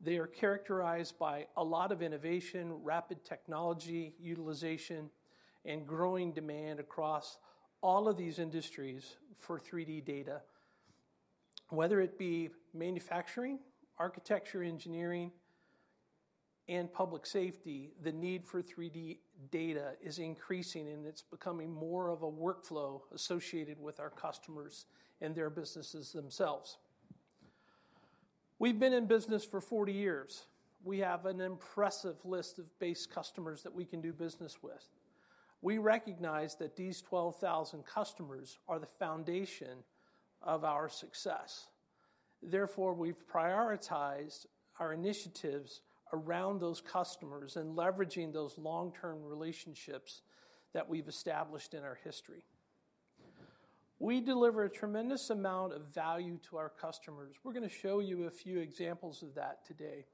They are characterized by a lot of innovation, rapid technology utilization, and growing demand across all of these industries for 3D data. Whether it be manufacturing, architecture, engineering, and public safety, the need for 3D data is increasing, and it's becoming more of a workflow associated with our customers and their businesses themselves. We've been in business for 40 years. We have an impressive list of base customers that we can do business with. We recognize that these 12,000 customers are the foundation of our success. Therefore, we've prioritized our initiatives around those customers and leveraging those long-term relationships that we've established in our history. We deliver a tremendous amount of value to our customers. We're going to show you a few examples of that today.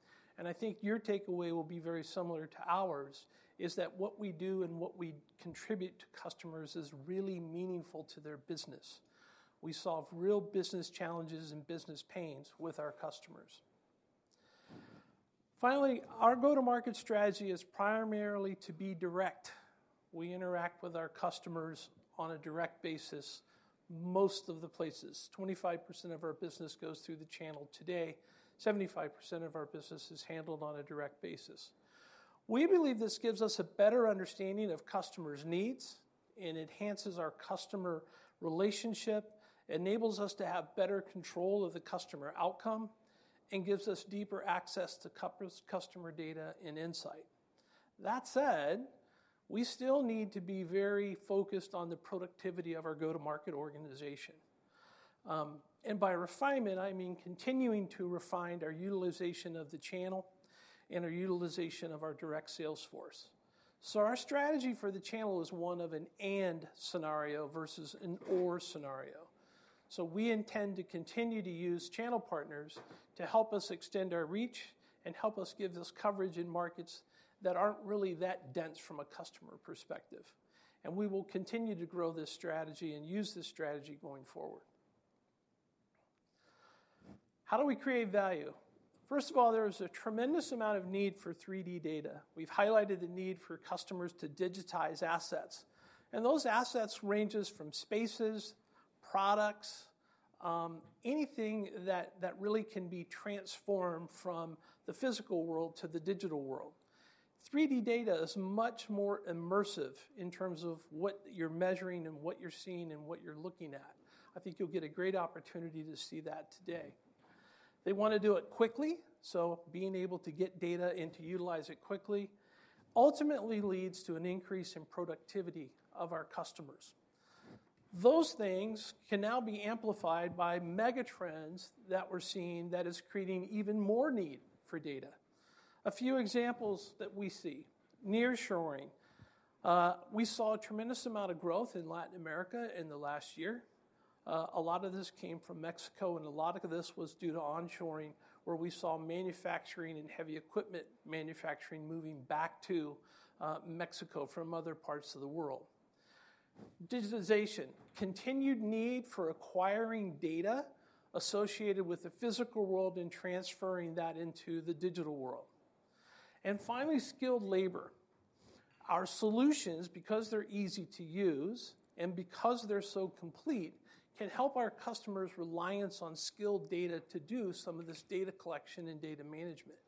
I think your takeaway will be very similar to ours, is that what we do and what we contribute to customers is really meaningful to their business. We solve real business challenges and business pains with our customers. Finally, our go-to-market strategy is primarily to be direct. We interact with our customers on a direct basis most of the places. 25% of our business goes through the channel today. 75% of our business is handled on a direct basis. We believe this gives us a better understanding of customers' needs and enhances our customer relationship, enables us to have better control of the customer outcome, and gives us deeper access to customer data and insight. That said, we still need to be very focused on the productivity of our go-to-market organization. By refinement, I mean continuing to refine our utilization of the channel and our utilization of our direct sales force. Our strategy for the channel is one of an and scenario versus an or scenario. We intend to continue to use channel partners to help us extend our reach and help us give this coverage in markets that aren't really that dense from a customer perspective. We will continue to grow this strategy and use this strategy going forward. How do we create value? First of all, there is a tremendous amount of need for 3D data. We've highlighted the need for customers to digitize assets. Those assets range from spaces, products, anything that really can be transformed from the physical world to the digital world. 3D data is much more immersive in terms of what you're measuring and what you're seeing and what you're looking at. I think you'll get a great opportunity to see that today. They want to do it quickly, so being able to get data and to utilize it quickly ultimately leads to an increase in productivity of our customers. Those things can now be amplified by mega trends that we're seeing that are creating even more need for data. A few examples that we see: nearshoring. We saw a tremendous amount of growth in Latin America in the last year. A lot of this came from Mexico, and a lot of this was due to onshoring, where we saw manufacturing and heavy equipment manufacturing moving back to Mexico from other parts of the world. Digitization: continued need for acquiring data associated with the physical world and transferring that into the digital world. Finally, skilled labor. Our solutions, because they're easy to use and because they're so complete, can help our customers' reliance on skilled labor to do some of this data collection and data management.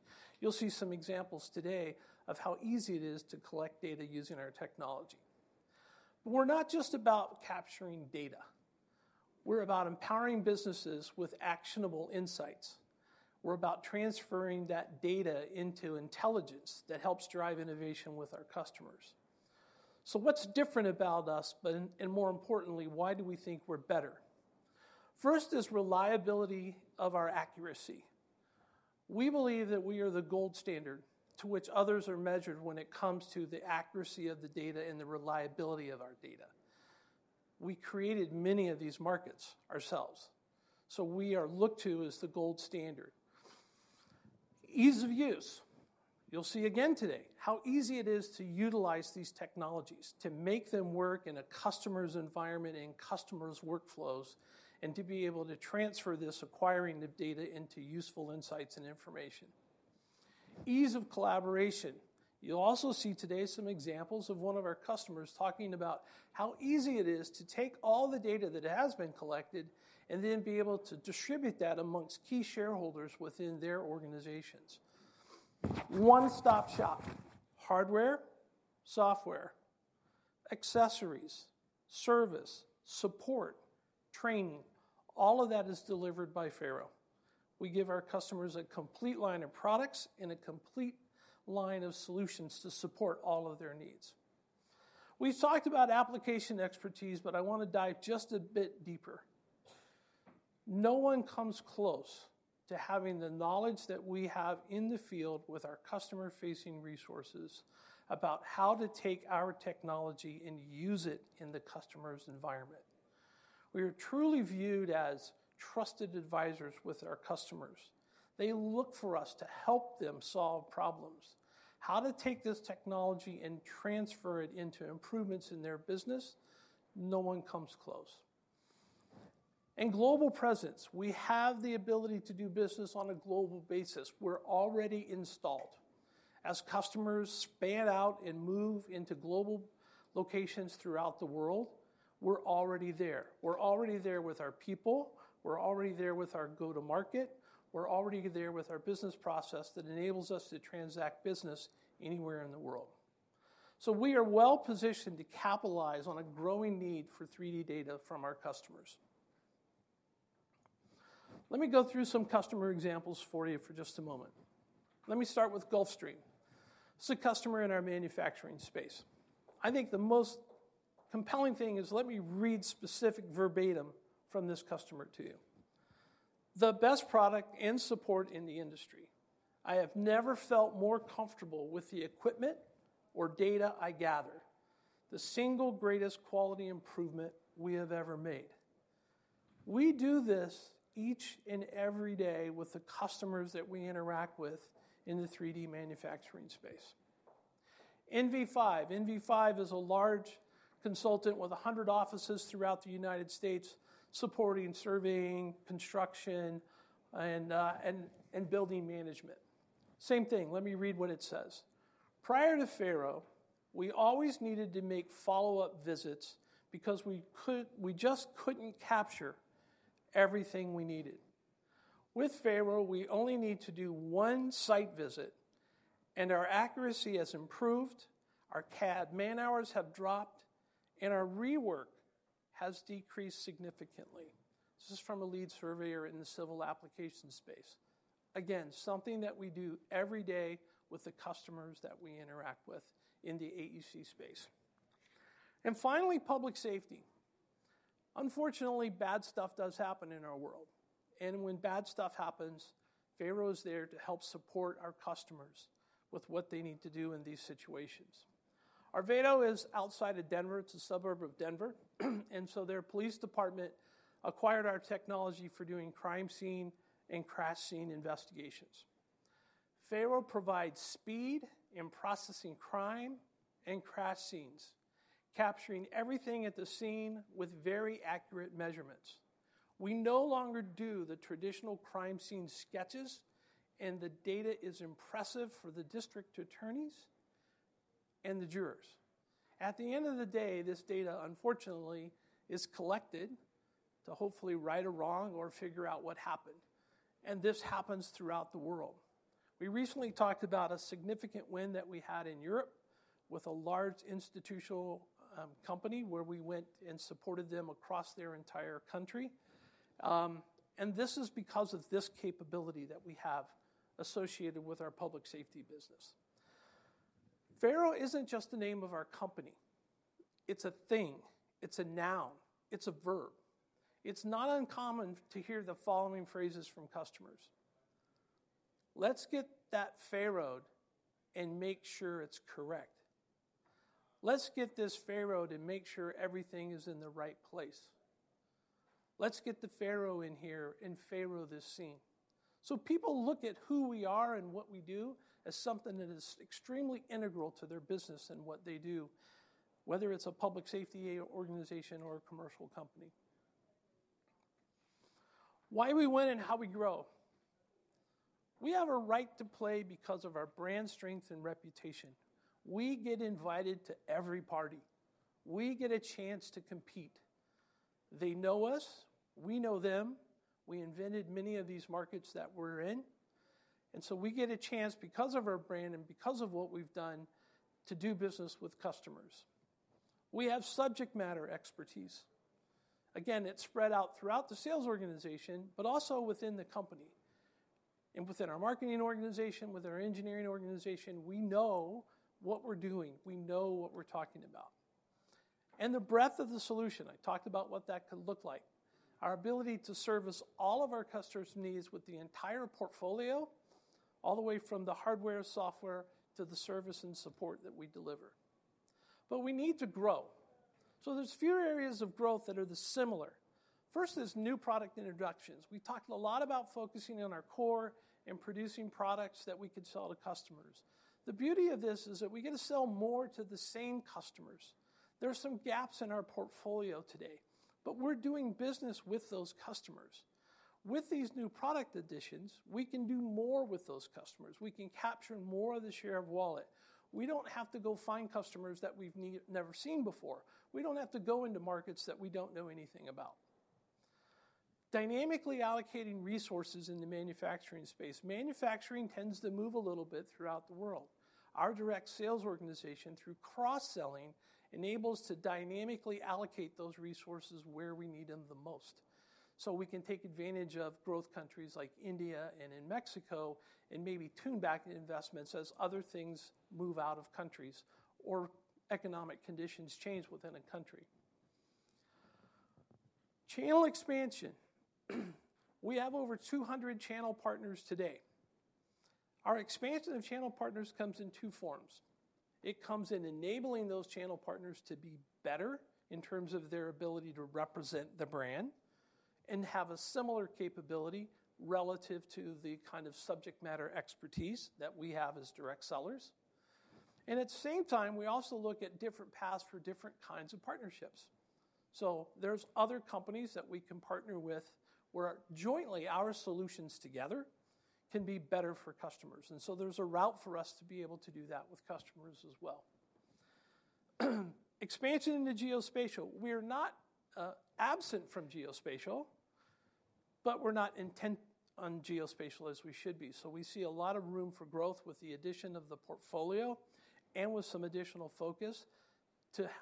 You'll see some examples today of how easy it is to collect data using our technology. We're not just about capturing data. We're about empowering businesses with actionable insights. We're about transferring that data into intelligence that helps drive innovation with our customers. So what's different about us? More importantly, why do we think we're better? First is reliability of our accuracy. We believe that we are the gold standard to which others are measured when it comes to the accuracy of the data and the reliability of our data. We created many of these markets ourselves, so we are looked to as the gold standard. Ease of use. You'll see again today how easy it is to utilize these technologies, to make them work in a customer's environment and customer's workflows, and to be able to transfer this acquiring the data into useful insights and information. Ease of collaboration. You'll also see today some examples of one of our customers talking about how easy it is to take all the data that has been collected and then be able to distribute that amongst key shareholders within their organizations. One-stop shop: hardware, software, accessories, service, support, training. All of that is delivered by Faro. We give our customers a complete line of products and a complete line of solutions to support all of their needs. We've talked about application expertise, but I want to dive just a bit deeper. No one comes close to having the knowledge that we have in the field with our customer-facing resources about how to take our technology and use it in the customer's environment. We are truly viewed as trusted advisors with our customers. They look for us to help them solve problems. How to take this technology and transfer it into improvements in their business? No one comes close. Global presence. We have the ability to do business on a global basis. We're already installed. As customers span out and move into global locations throughout the world, we're already there. We're already there with our people. We're already there with our go-to-market. We're already there with our business process that enables us to transact business anywhere in the world. We are well positioned to capitalize on a growing need for 3D data from our customers. Let me go through some customer examples for you for just a moment. Let me start with Gulfstream. This is a customer in our manufacturing space. I think the most compelling thing is let me read specific verbatim from this customer to you. "The best product and support in the industry. I have never felt more comfortable with the equipment or data I gather. The single greatest quality improvement we have ever made." We do this each and every day with the customers that we interact with in the 3D manufacturing space. NV5. NV5 is a large consultant with 100 offices throughout the United States supporting surveying, construction, and building management. Same thing. Let me read what it says. "Prior to Faro, we always needed to make follow-up visits because we just couldn't capture everything we needed. With Faro, we only need to do one site visit, and our accuracy has improved. Our CAD man-hours have dropped, and our rework has decreased significantly." This is from a lead surveyor in the civil application space. Again, something that we do every day with the customers that we interact with in the AEC space. Finally, public safety. Unfortunately, bad stuff does happen in our world. When bad stuff happens, Faro is there to help support our customers with what they need to do in these situations. Arvada is outside of Denver. It's a suburb of Denver. So their police department acquired our technology for doing crime scene and crash scene investigations. Faro provides speed in processing crime and crash scenes, capturing everything at the scene with very accurate measurements. We no longer do the traditional crime scene sketches, and the data is impressive for the district attorneys and the jurors. At the end of the day, this data, unfortunately, is collected to hopefully right a wrong or figure out what happened. This happens throughout the world. We recently talked about a significant win that we had in Europe with a large institutional company where we went and supported them across their entire country. This is because of this capability that we have associated with our public safety business. Faro isn't just the name of our company. It's a thing. It's a noun. It's a verb. It's not uncommon to hear the following phrases from customers. "Let's get that Faroed and make sure it's correct. Let's get this Faroed and make sure everything is in the right place. Let's get the Faro in here and Faro this scene." So people look at who we are and what we do as something that is extremely integral to their business and what they do, whether it's a public safety organization or a commercial company. Why we win and how we grow. We have a right to play because of our brand strength and reputation. We get invited to every party. We get a chance to compete. They know us. We know them. We invented many of these markets that we're in. And so we get a chance because of our brand and because of what we've done to do business with customers. We have subject matter expertise. Again, it's spread out throughout the sales organization but also within the company. And within our marketing organization, within our engineering organization, we know what we're doing. We know what we're talking about. And the breadth of the solution. I talked about what that could look like. Our ability to service all of our customers' needs with the entire portfolio, all the way from the hardware, software, to the service and support that we deliver. But we need to grow. So there's few areas of growth that are the similar. First is new product introductions. We talked a lot about focusing on our core and producing products that we could sell to customers. The beauty of this is that we get to sell more to the same customers. There are some gaps in our portfolio today, but we're doing business with those customers. With these new product additions, we can do more with those customers. We can capture more of the share of wallet. We don't have to go find customers that we've never seen before. We don't have to go into markets that we don't know anything about. Dynamically allocating resources in the manufacturing space. Manufacturing tends to move a little bit throughout the world. Our direct sales organization, through cross-selling, enables us to dynamically allocate those resources where we need them the most. So we can take advantage of growth countries like India and in Mexico and maybe tune back investments as other things move out of countries or economic conditions change within a country. Channel expansion. We have over 200 channel partners today. Our expansion of channel partners comes in two forms. It comes in enabling those channel partners to be better in terms of their ability to represent the brand and have a similar capability relative to the kind of subject matter expertise that we have as direct sellers. At the same time, we also look at different paths for different kinds of partnerships. There's other companies that we can partner with where jointly our solutions together can be better for customers. There's a route for us to be able to do that with customers as well. Expansion into Geospatial. We are not absent from Geospatial, but we're not intent on Geospatial as we should be. We see a lot of room for growth with the addition of the portfolio and with some additional focus to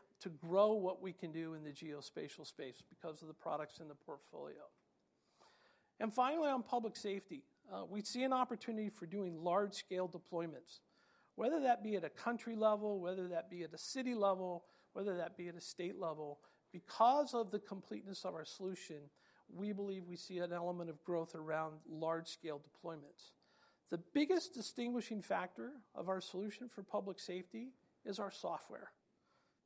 grow what we can do in the Geospatial space because of the products in the portfolio. Finally, on Public Safety, we see an opportunity for doing large-scale deployments, whether that be at a country level, whether that be at a city level, whether that be at a state level. Because of the completeness of our solution, we believe we see an element of growth around large-scale deployments. The biggest distinguishing factor of our solution for public safety is our software.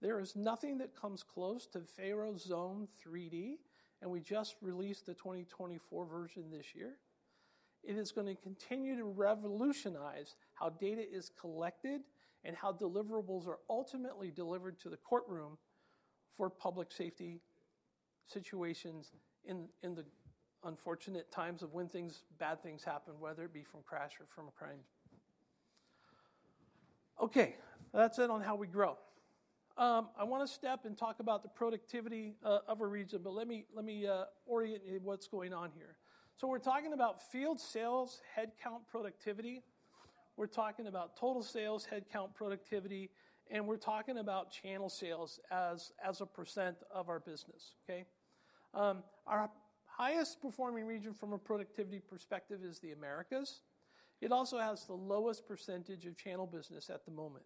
There is nothing that comes close to Faro Zone 3D, and we just released the 2024 version this year. It is going to continue to revolutionize how data is collected and how deliverables are ultimately delivered to the courtroom for public safety situations in the unfortunate times of when bad things happen, whether it be from crash or from a crime. Okay. That's it on how we grow. I want to step and talk about the productivity of a region, but let me orient you what's going on here. So we're talking about field sales headcount productivity. We're talking about total sales headcount productivity, and we're talking about channel sales as a percent of our business. Okay? Our highest performing region from a productivity perspective is the Americas. It also has the lowest percentage of channel business at the moment.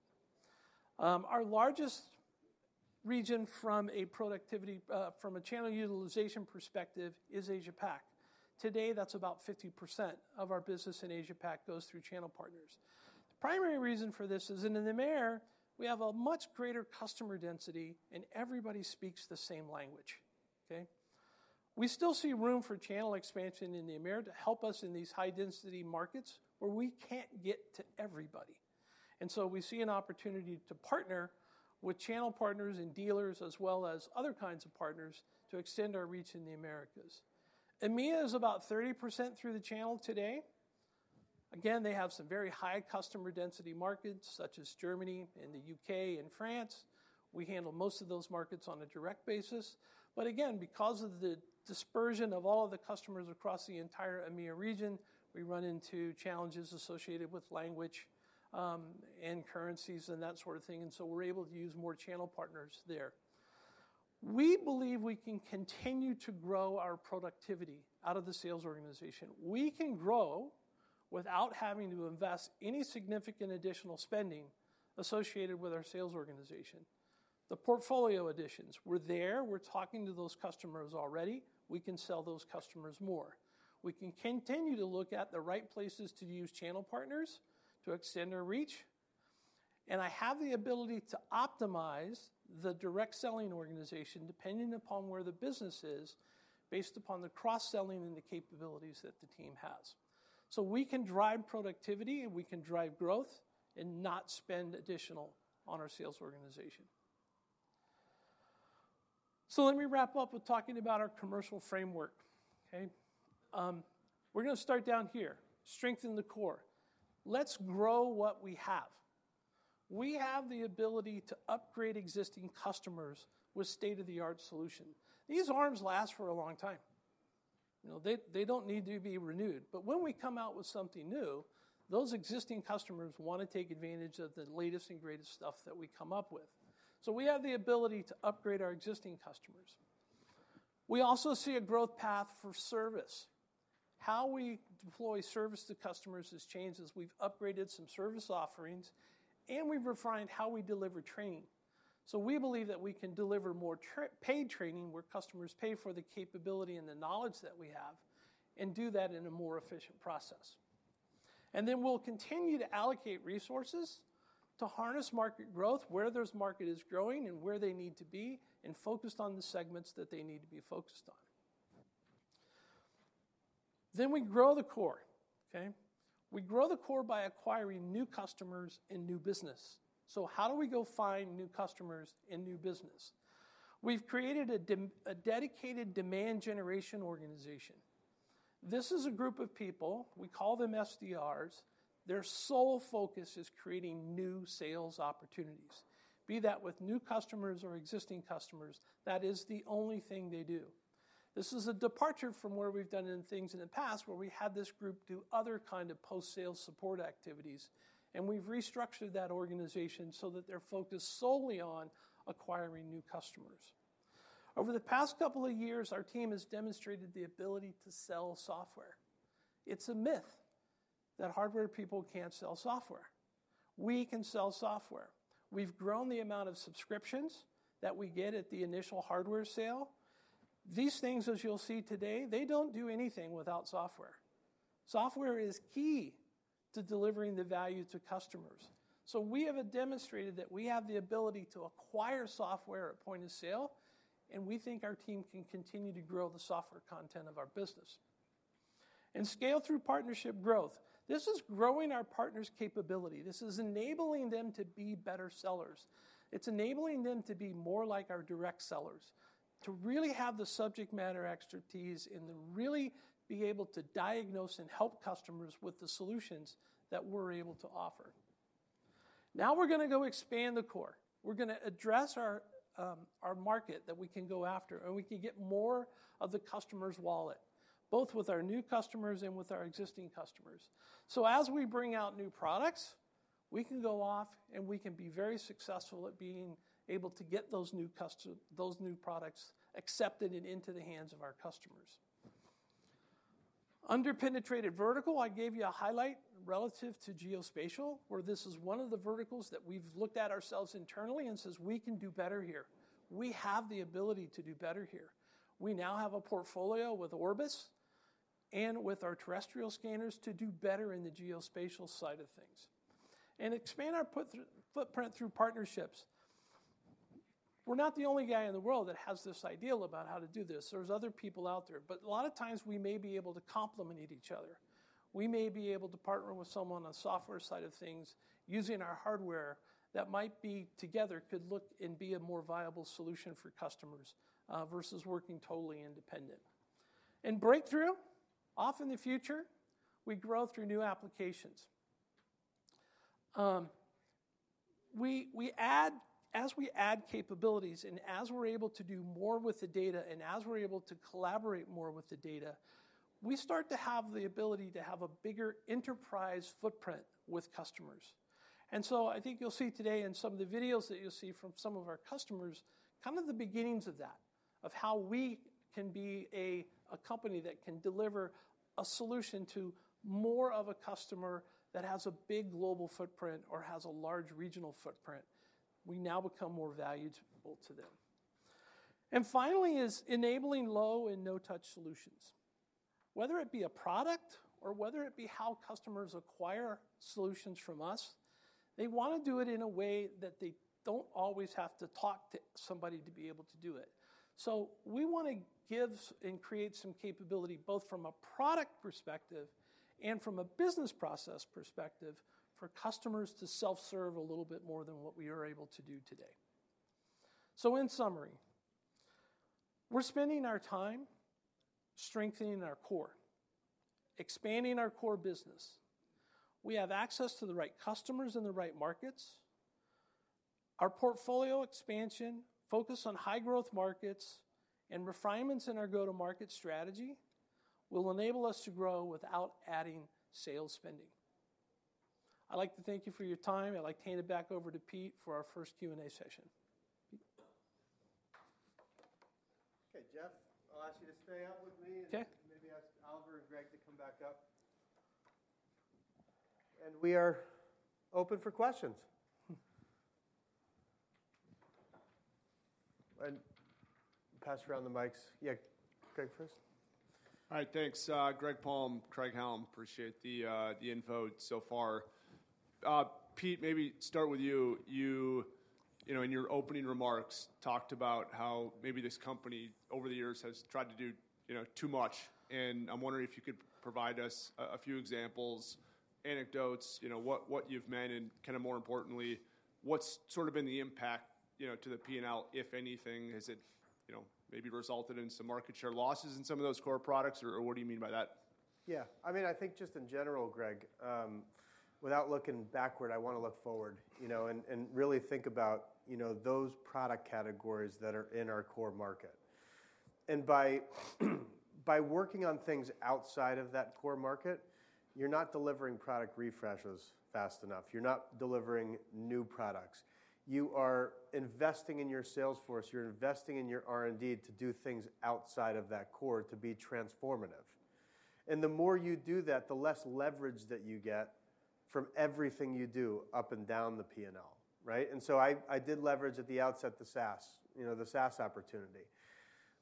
Our largest region from a channel utilization perspective is Asia-Pac. Today, that's about 50% of our business in Asia-Pac goes through channel partners. The primary reason for this is that in the Americas, we have a much greater customer density, and everybody speaks the same language. Okay? We still see room for channel expansion in the Americas to help us in these high-density markets where we can't get to everybody. And so we see an opportunity to partner with channel partners and dealers as well as other kinds of partners to extend our reach in the Americas. EMEA is about 30% through the channel today. Again, they have some very high customer density markets such as Germany and the UK and France. We handle most of those markets on a direct basis. But again, because of the dispersion of all of the customers across the entire EMEA region, we run into challenges associated with language and currencies and that sort of thing. And so we're able to use more channel partners there. We believe we can continue to grow our productivity out of the sales organization. We can grow without having to invest any significant additional spending associated with our sales organization. The portfolio additions. We're there. We're talking to those customers already. We can sell those customers more. We can continue to look at the right places to use channel partners to extend our reach. And I have the ability to optimize the direct selling organization depending upon where the business is based upon the cross-selling and the capabilities that the team has. So we can drive productivity, and we can drive growth and not spend additional on our sales organization. So let me wrap up with talking about our commercial framework. Okay? We're going to start down here. Strengthen the core. Let's grow what we have. We have the ability to upgrade existing customers with state-of-the-art solutions. These arms last for a long time. They don't need to be renewed. But when we come out with something new, those existing customers want to take advantage of the latest and greatest stuff that we come up with. So we have the ability to upgrade our existing customers. We also see a growth path for service. How we deploy service to customers has changed as we've upgraded some service offerings, and we've refined how we deliver training. So we believe that we can deliver more paid training where customers pay for the capability and the knowledge that we have and do that in a more efficient process. And then we'll continue to allocate resources to harness market growth where those markets are growing and where they need to be and focus on the segments that they need to be focused on. Then we grow the core. Okay? We grow the core by acquiring new customers and new business. So how do we go find new customers and new business? We've created a dedicated demand generation organization. This is a group of people. We call them SDRs. Their sole focus is creating new sales opportunities, be that with new customers or existing customers. That is the only thing they do. This is a departure from where we've done things in the past where we had this group do other kinds of post-sales support activities. We've restructured that organization so that they're focused solely on acquiring new customers. Over the past couple of years, our team has demonstrated the ability to sell software. It's a myth that hardware people can't sell software. We can sell software. We've grown the amount of subscriptions that we get at the initial hardware sale. These things, as you'll see today, they don't do anything without software. Software is key to delivering the value to customers. So we have demonstrated that we have the ability to acquire software at point of sale, and we think our team can continue to grow the software content of our business. And scale through partnership growth. This is growing our partners' capability. This is enabling them to be better sellers. It's enabling them to be more like our direct sellers, to really have the subject matter expertise and really be able to diagnose and help customers with the solutions that we're able to offer. Now we're going to go expand the core. We're going to address our market that we can go after, and we can get more of the customer's wallet, both with our new customers and with our existing customers. So as we bring out new products, we can go off, and we can be very successful at being able to get those new products accepted and into the hands of our customers. Underpenetrated vertical, I gave you a highlight relative to Geospatial where this is one of the verticals that we've looked at ourselves internally and said, "We can do better here. “We have the ability to do better here.” We now have a portfolio with Orbis and with our terrestrial scanners to do better in the geospatial side of things and expand our footprint through partnerships. We're not the only guy in the world that has this idea about how to do this. There's other people out there. But a lot of times, we may be able to complement each other. We may be able to partner with someone on the software side of things using our hardware that might be together could look and be a more viable solution for customers versus working totally independent. And breakthrough. Often in the future, we grow through new applications. As we add capabilities and as we're able to do more with the data and as we're able to collaborate more with the data, we start to have the ability to have a bigger enterprise footprint with customers. And so I think you'll see today in some of the videos that you'll see from some of our customers kind of the beginnings of that, of how we can be a company that can deliver a solution to more of a customer that has a big global footprint or has a large regional footprint. We now become more valuable to them. And finally is enabling low and no-touch solutions. Whether it be a product or whether it be how customers acquire solutions from us, they want to do it in a way that they don't always have to talk to somebody to be able to do it. We want to give and create some capability both from a product perspective and from a business process perspective for customers to self-serve a little bit more than what we are able to do today. In summary, we're spending our time strengthening our core, expanding our core business. We have access to the right customers in the right markets. Our portfolio expansion, focus on high-growth markets, and refinements in our go-to-market strategy will enable us to grow without adding sales spending. I'd like to thank you for your time. I'd like to hand it back over to Pete for our first Q&A session. Okay. Jeff, I'll ask you to stay up with me and maybe ask Oliver and Greg to come back up. And we are open for questions. And pass around the mics. Yeah. Greg first. All right. Thanks. Greg Palm, Craig-Hallum, appreciate the info so far. Pete, maybe start with you. In your opening remarks, talked about how maybe this company over the years has tried to do too much. I'm wondering if you could provide us a few examples, anecdotes, what you've meant, and kind of more importantly, what's sort of been the impact to the P&L, if anything? Has it maybe resulted in some market share losses in some of those core products, or what do you mean by that? Yeah. I mean, I think just in general, Greg, without looking backward, I want to look forward and really think about those product categories that are in our core market. By working on things outside of that core market, you're not delivering product refreshes fast enough. You're not delivering new products. You are investing in your sales force. You're investing in your R&D to do things outside of that core to be transformative. The more you do that, the less leverage that you get from everything you do up and down the P&L. Right? So I did leverage at the outset the SaaS opportunity.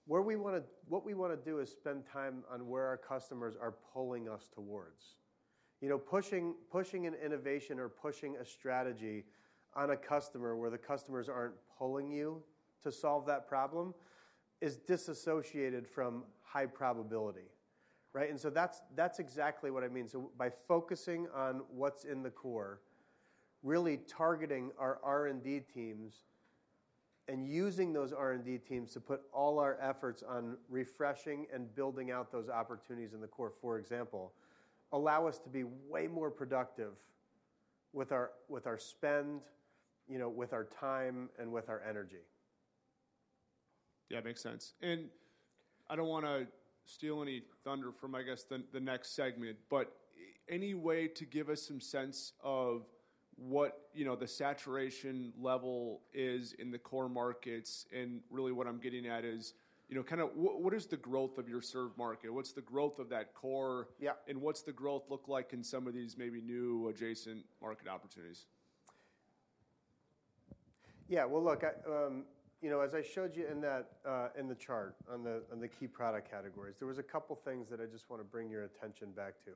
What we want to do is spend time on where our customers are pulling us towards. Pushing an innovation or pushing a strategy on a customer where the customers aren't pulling you to solve that problem is disassociated from high probability. Right? That's exactly what I mean. By focusing on what's in the core, really targeting our R&D teams and using those R&D teams to put all our efforts on refreshing and building out those opportunities in the core, for example, allow us to be way more productive with our spend, with our time, and with our energy. Yeah. Makes sense. And I don't want to steal any thunder from, I guess, the next segment, but any way to give us some sense of what the saturation level is in the core markets? And really, what I'm getting at is kind of what is the growth of your serve market? What's the growth of that core? And what's the growth look like in some of these maybe new adjacent market opportunities? Yeah. Well, look, as I showed you in the chart on the key product categories, there was a couple of things that I just want to bring your attention back to.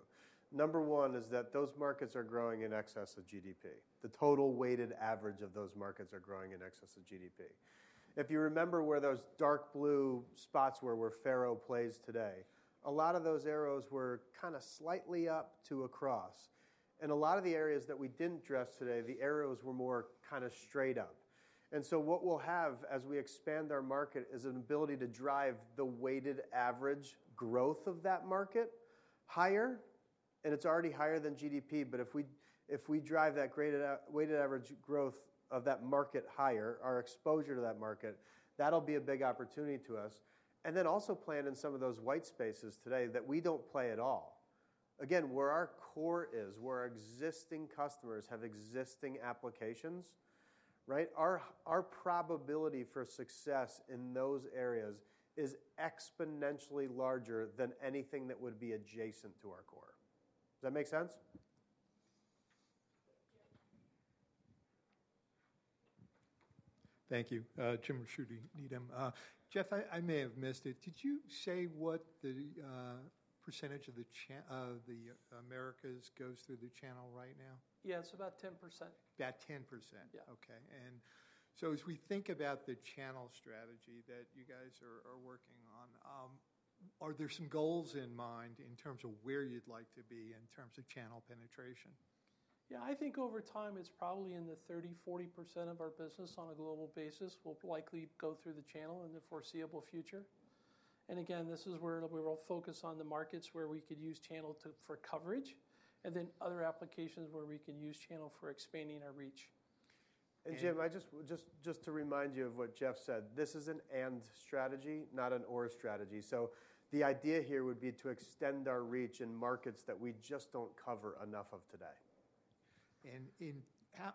Number one is that those markets are growing in excess of GDP. The total weighted average of those markets are growing in excess of GDP. If you remember where those dark blue spots were where Faro plays today, a lot of those arrows were kind of slightly up to across. And a lot of the areas that we didn't address today, the arrows were more kind of straight up. And so what we'll have as we expand our market is an ability to drive the weighted average growth of that market higher. And it's already higher than GDP. But if we drive that weighted average growth of that market higher, our exposure to that market, that'll be a big opportunity to us. And then also plan in some of those white spaces today that we don't play at all. Again, where our core is, where our existing customers have existing applications, right, our probability for success in those areas is exponentially larger than anything that would be adjacent to our core. Does that make sense? Thank you. Jim Ricchiuti, Needham. Jeff, I may have missed it. Did you say what the percentage of the Americas goes through the channel right now? Yeah. It's about 10%. About 10%. Okay. And so as we think about the channel strategy that you guys are working on, are there some goals in mind in terms of where you'd like to be in terms of channel penetration? Yeah. I think over time, it's probably in the 30%-40% of our business on a global basis will likely go through the channel in the foreseeable future. And again, this is where we'll focus on the markets where we could use channel for coverage and then other applications where we can use channel for expanding our reach. And Jim, just to remind you of what Jeff said, this is an and strategy, not an or strategy. So the idea here would be to extend our reach in markets that we just don't cover enough of today.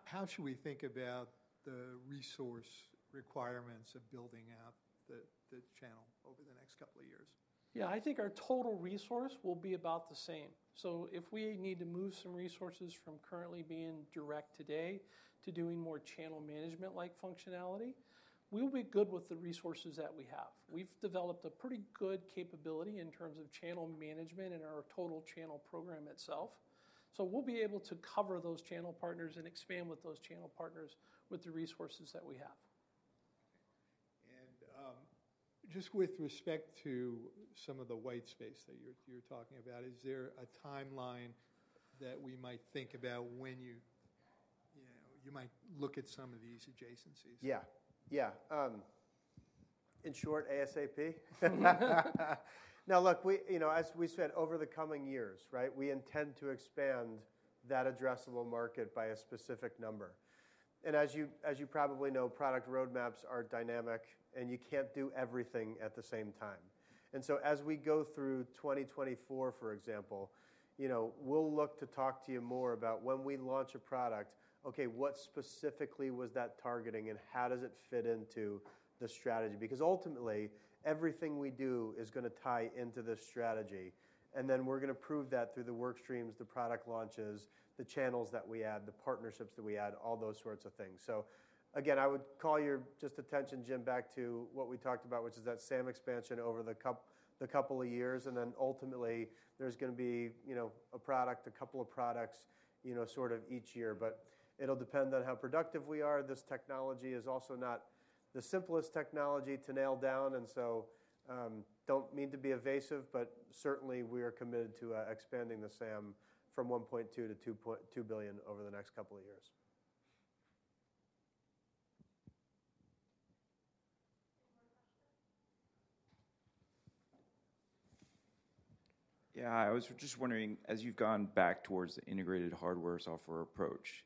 How should we think about the resource requirements of building out the channel over the next couple of years? Yeah. I think our total resource will be about the same. So if we need to move some resources from currently being direct today to doing more channel management-like functionality, we'll be good with the resources that we have. We've developed a pretty good capability in terms of channel management in our total channel program itself. So we'll be able to cover those channel partners and expand with those channel partners with the resources that we have. Just with respect to some of the white space that you're talking about, is there a timeline that we might think about when you might look at some of these adjacencies? Yeah. Yeah. In short, ASAP. Now, look, as we said, over the coming years, right, we intend to expand that addressable market by a specific number. And as you probably know, product roadmaps are dynamic, and you can't do everything at the same time. And so as we go through 2024, for example, we'll look to talk to you more about when we launch a product, okay, what specifically was that targeting, and how does it fit into the strategy? Because ultimately, everything we do is going to tie into this strategy. And then we're going to prove that through the workstreams, the product launches, the channels that we add, the partnerships that we add, all those sorts of things. So again, I would call your just attention, Jim, back to what we talked about, which is that SAM expansion over the couple of years. Then ultimately, there's going to be a product, a couple of products sort of each year. It'll depend on how productive we are. This technology is also not the simplest technology to nail down. So don't mean to be evasive, but certainly, we are committed to expanding the SAM from $1.2 billion to $2 billion over the next couple of years. Any more questions? Yeah. I was just wondering, as you've gone back towards the integrated hardware software approach,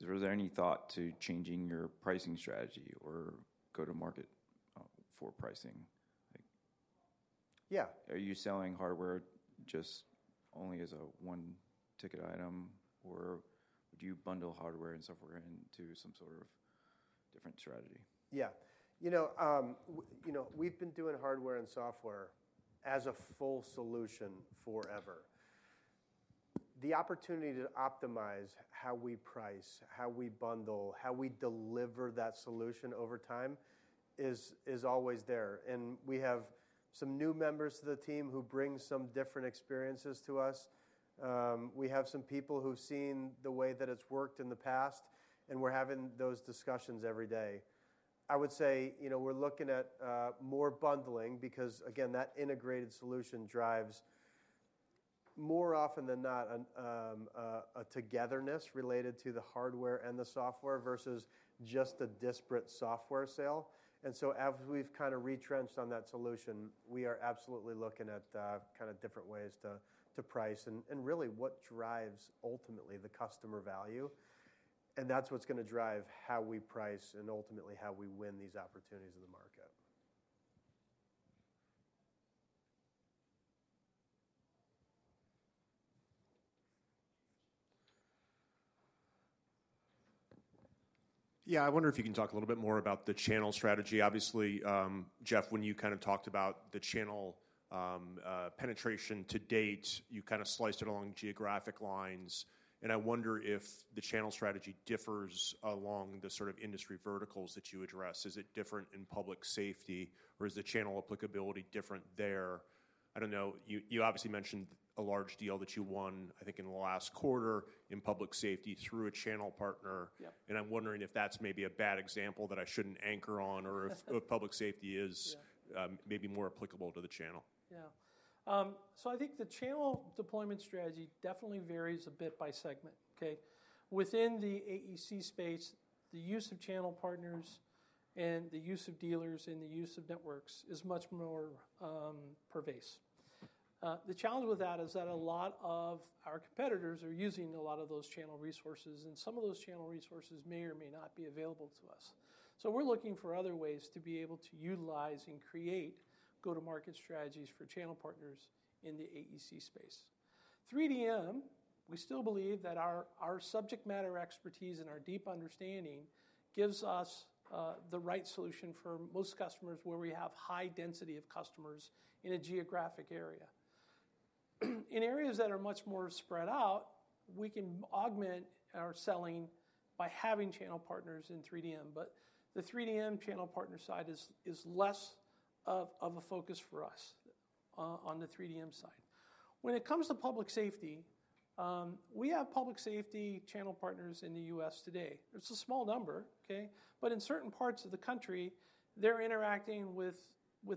was there any thought to changing your pricing strategy or go-to-market for pricing? Yeah. Are you selling hardware just only as a one-ticket item, or would you bundle hardware and software into some sort of different strategy? Yeah. We've been doing hardware and software as a full solution forever. The opportunity to optimize how we price, how we bundle, how we deliver that solution over time is always there. We have some new members to the team who bring some different experiences to us. We have some people who've seen the way that it's worked in the past, and we're having those discussions every day. I would say we're looking at more bundling because, again, that integrated solution drives more often than not a togetherness related to the hardware and the software versus just a disparate software sale. So as we've kind of retrenched on that solution, we are absolutely looking at kind of different ways to price and really what drives ultimately the customer value. And that's what's going to drive how we price and ultimately how we win these opportunities in the market. Yeah. I wonder if you can talk a little bit more about the channel strategy. Obviously, Jeff, when you kind of talked about the channel penetration to date, you kind of sliced it along geographic lines. And I wonder if the channel strategy differs along the sort of industry verticals that you address. Is it different in public safety, or is the channel applicability different there? I don't know. You obviously mentioned a large deal that you won, I think, in the last quarter in public safety through a channel partner. And I'm wondering if that's maybe a bad example that I shouldn't anchor on or if public safety is maybe more applicable to the channel. Yeah. So I think the channel deployment strategy definitely varies a bit by segment. Okay? Within the AEC space, the use of channel partners and the use of dealers and the use of networks is much more pervasive. The challenge with that is that a lot of our competitors are using a lot of those channel resources, and some of those channel resources may or may not be available to us. So we're looking for other ways to be able to utilize and create go-to-market strategies for channel partners in the AEC space. 3DM, we still believe that our subject matter expertise and our deep understanding gives us the right solution for most customers where we have high density of customers in a geographic area. In areas that are much more spread out, we can augment our selling by having channel partners in 3DM. But the 3DM channel partner side is less of a focus for us on the 3DM side. When it comes to public safety, we have public safety channel partners in the U.S. today. It's a small number. Okay? But in certain parts of the country, they're interacting with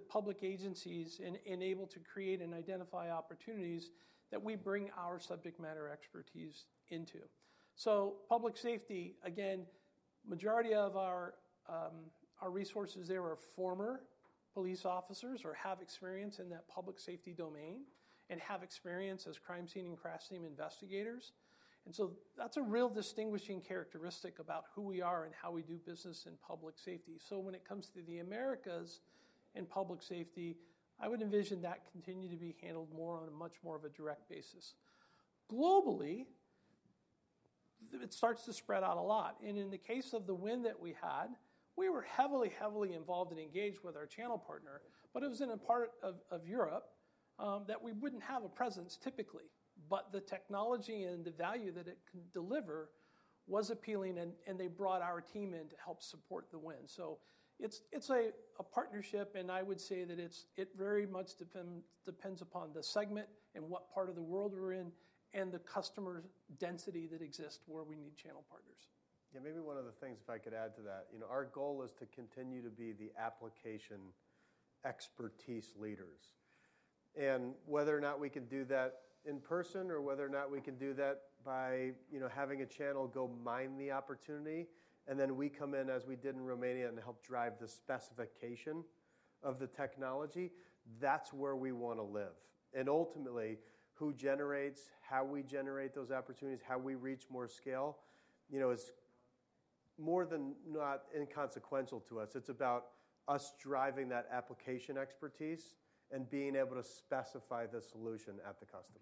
public agencies and able to create and identify opportunities that we bring our subject matter expertise into. So public safety, again, majority of our resources there are former police officers or have experience in that public safety domain and have experience as crime scene and crash scene investigators. And so that's a real distinguishing characteristic about who we are and how we do business in public safety. So when it comes to the Americas and public safety, I would envision that continuing to be handled more on a much more of a direct basis. Globally, it starts to spread out a lot. In the case of the win that we had, we were heavily, heavily involved and engaged with our channel partner. But it was in a part of Europe that we wouldn't have a presence typically. But the technology and the value that it can deliver was appealing, and they brought our team in to help support the win. So it's a partnership, and I would say that it very much depends upon the segment and what part of the world we're in and the customer density that exists where we need channel partners. Yeah. Maybe one of the things, if I could add to that, our goal is to continue to be the application expertise leaders. And whether or not we can do that in person or whether or not we can do that by having a channel go mine the opportunity and then we come in as we did in Romania and help drive the specification of the technology, that's where we want to live. And ultimately, who generates, how we generate those opportunities, how we reach more scale is more than not inconsequential to us. It's about us driving that application expertise and being able to specify the solution at the customer.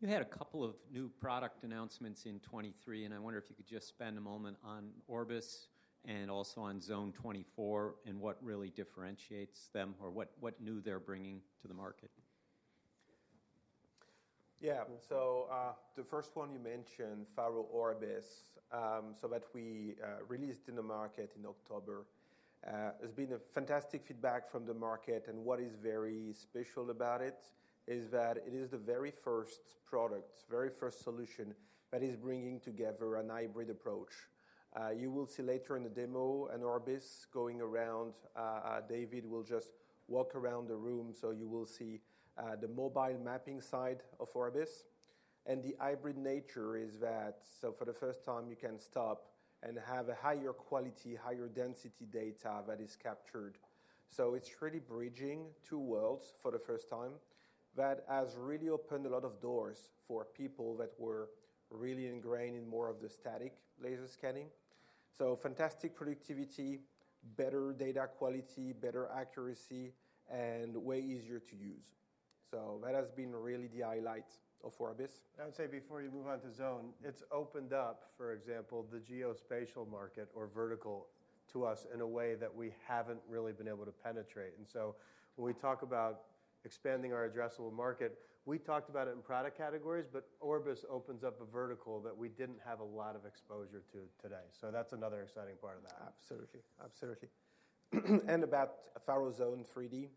You had a couple of new product announcements in 2023, and I wonder if you could just spend a moment on Orbis and also on Zone 3D and what really differentiates them or what new they're bringing to the market. Yeah. So the first one you mentioned, Faro Orbis, so that we released in the market in October, has been fantastic feedback from the market. And what is very special about it is that it is the very first product, very first solution that is bringing together a hybrid approach. You will see later in the demo an Orbis going around. David will just walk around the room, so you will see the mobile mapping side of Orbis. And the hybrid nature is that, so for the first time, you can stop and have a higher quality, higher density data that is captured. So it's really bridging two worlds for the first time. That has really opened a lot of doors for people that were really ingrained in more of the static laser scanning. So fantastic productivity, better data quality, better accuracy, and way easier to use. That has been really the highlight of Orbis. I would say before you move on to Zone, it's opened up, for example, the Geospatial market or vertical to us in a way that we haven't really been able to penetrate. And so when we talk about expanding our addressable market, we talked about it in product categories, but Orbis opens up a vertical that we didn't have a lot of exposure to today. So that's another exciting part of that. Absolutely. Absolutely. And about Faro Zone 3D.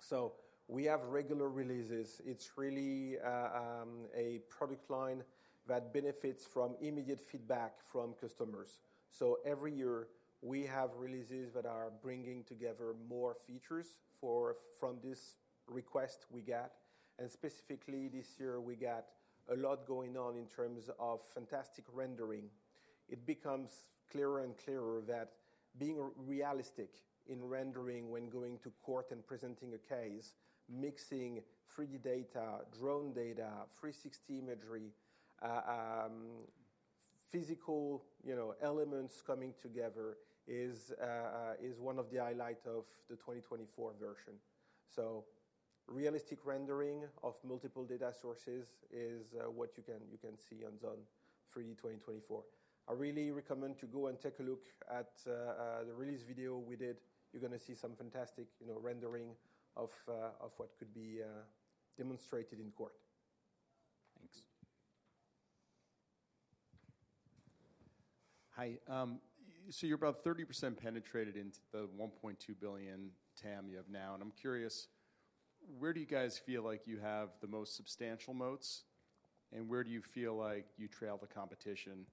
So we have regular releases. It's really a product line that benefits from immediate feedback from customers. So every year, we have releases that are bringing together more features from this request we got. And specifically, this year, we got a lot going on in terms of fantastic rendering. It becomes clearer and clearer that being realistic in rendering when going to court and presenting a case, mixing 3D data, drone data, 360 imagery, physical elements coming together is one of the highlights of the 2024 version. So realistic rendering of multiple data sources is what you can see on Zone 3D 2024. I really recommend you go and take a look at the release video we did. You're going to see some fantastic rendering of what could be demonstrated in court. Thanks. Hi. So you're about 30% penetrated into the $1.2 billion TAM you have now. And I'm curious, where do you guys feel like you have the most substantial moats, and where do you feel like you trail the competition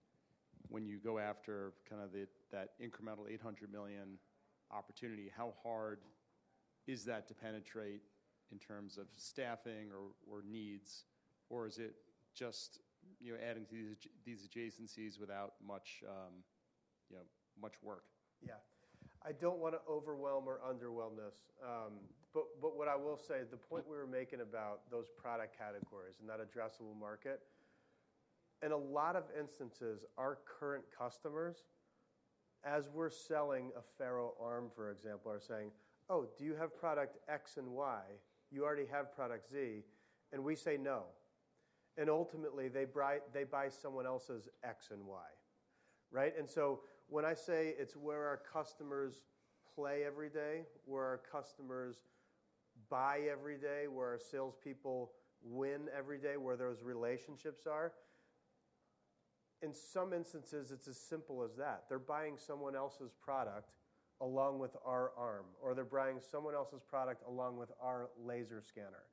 when you go after kind of that incremental $800 million opportunity? How hard is that to penetrate in terms of staffing or needs, or is it just adding to these adjacencies without much work? Yeah. I don't want to overwhelm or underwhelm this. But what I will say, the point we were making about those product categories and that addressable market, in a lot of instances, our current customers, as we're selling a FaroArm, for example, are saying, "Oh, do you have product X and Y? You already have product Z." And we say, "No." And ultimately, they buy someone else's X and Y. Right? And so when I say it's where our customers play every day, where our customers buy every day, where our salespeople win every day, where those relationships are, in some instances, it's as simple as that. They're buying someone else's product along with our Arm, or they're buying someone else's product along with our laser scanner.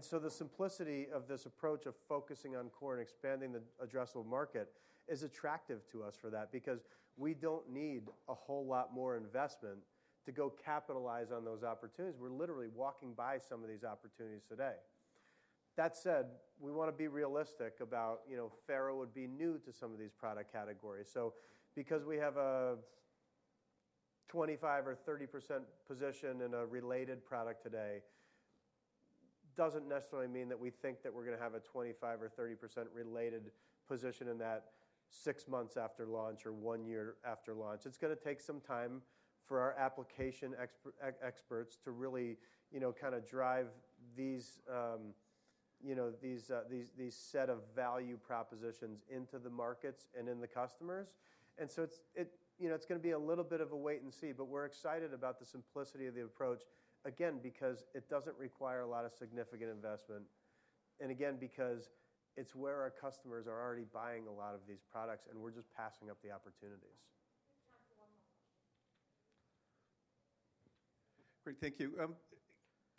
So the simplicity of this approach of focusing on core and expanding the addressable market is attractive to us for that because we don't need a whole lot more investment to go capitalize on those opportunities. We're literally walking by some of these opportunities today. That said, we want to be realistic about Faro would be new to some of these product categories. So because we have a 25% or 30% position in a related product today doesn't necessarily mean that we think that we're going to have a 25% or 30% related position in that six months after launch or one year after launch. It's going to take some time for our application experts to really kind of drive these set of value propositions into the markets and in the customers. And so it's going to be a little bit of a wait and see. But we're excited about the simplicity of the approach, again, because it doesn't require a lot of significant investment and, again, because it's where our customers are already buying a lot of these products, and we're just passing up the opportunities. Great. Thank you.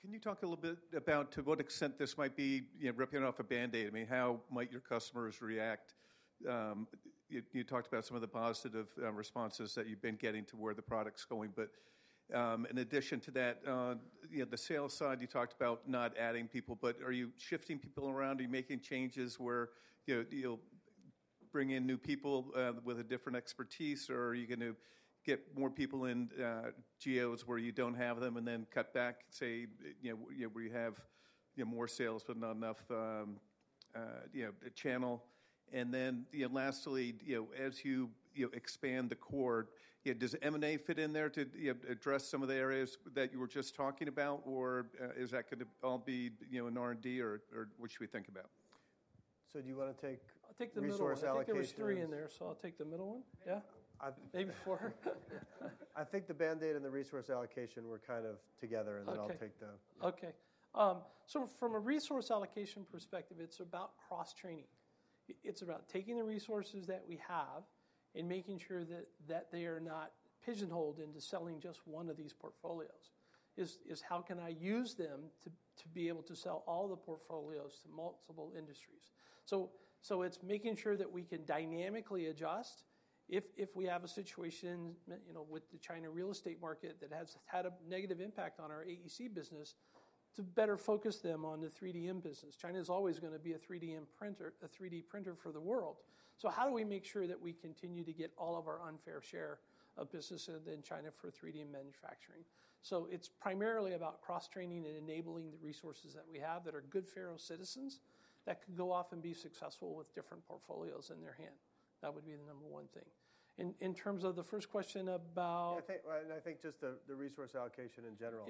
Can you talk a little bit about to what extent this might be ripping off a Band-Aid? I mean, how might your customers react? You talked about some of the positive responses that you've been getting to where the product's going. But in addition to that, the sales side, you talked about not adding people, but are you shifting people around? Are you making changes where you'll bring in new people with a different expertise, or are you going to get more people in geos where you don't have them and then cut back, say, where you have more sales but not enough channel? And then lastly, as you expand the core, does M&A fit in there to address some of the areas that you were just talking about, or is that going to all be an R&D, or what should we think about? Do you want to take resource allocation? I think there was 3 in there, so I'll take the middle one. Yeah? Maybe 4. I think the Band-Aid and the resource allocation were kind of together, and then I'll take the. Okay. Okay. So from a resource allocation perspective, it's about cross-training. It's about taking the resources that we have and making sure that they are not pigeonholed into selling just one of these portfolios. It's how can I use them to be able to sell all the portfolios to multiple industries? So it's making sure that we can dynamically adjust if we have a situation with the China real estate market that has had a negative impact on our AEC business to better focus them on the 3DM business. China is always going to be a 3DM printer for the world. So how do we make sure that we continue to get all of our unfair share of business in China for 3DM manufacturing? It's primarily about cross-training and enabling the resources that we have that are good Faro citizens that could go off and be successful with different portfolios in their hand. That would be the number one thing. In terms of the first question about. I think just the resource allocation in general.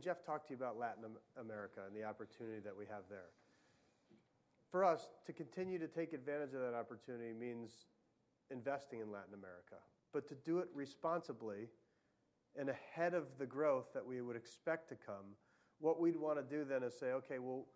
Jeff talked to you about Latin America and the opportunity that we have there. For us, to continue to take advantage of that opportunity means investing in Latin America. But to do it responsibly and ahead of the growth that we would expect to come, what we'd want to do then is say, "Okay, well,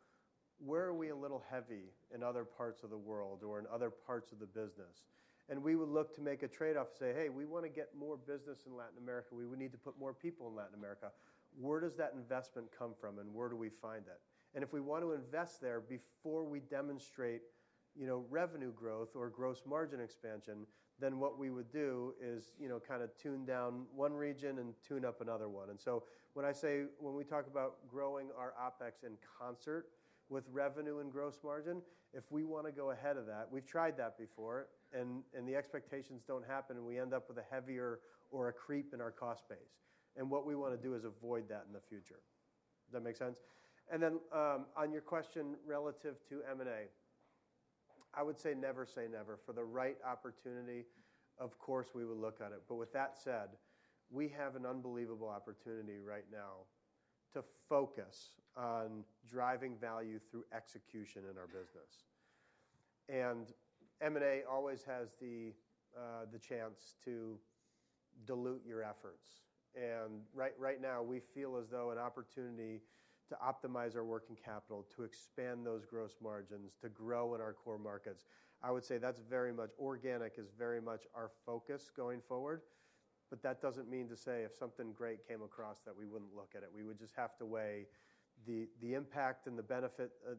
where are we a little heavy in other parts of the world or in other parts of the business?" And we would look to make a trade-off and say, "Hey, we want to get more business in Latin America. We would need to put more people in Latin America. Where does that investment come from, and where do we find it?" If we want to invest there before we demonstrate revenue growth or gross margin expansion, then what we would do is kind of tune down one region and tune up another one. So when I say when we talk about growing our OpEx in concert with revenue and gross margin, if we want to go ahead of that, we've tried that before, and the expectations don't happen, and we end up with a heavier or a creep in our cost base. What we want to do is avoid that in the future. Does that make sense? Then on your question relative to M&A, I would say never say never. For the right opportunity, of course, we would look at it. But with that said, we have an unbelievable opportunity right now to focus on driving value through execution in our business. And M&A always has the chance to dilute your efforts. And right now, we feel as though an opportunity to optimize our working capital, to expand those gross margins, to grow in our core markets, I would say that's very much organic is very much our focus going forward. But that doesn't mean to say if something great came across that we wouldn't look at it. We would just have to weigh the impact and the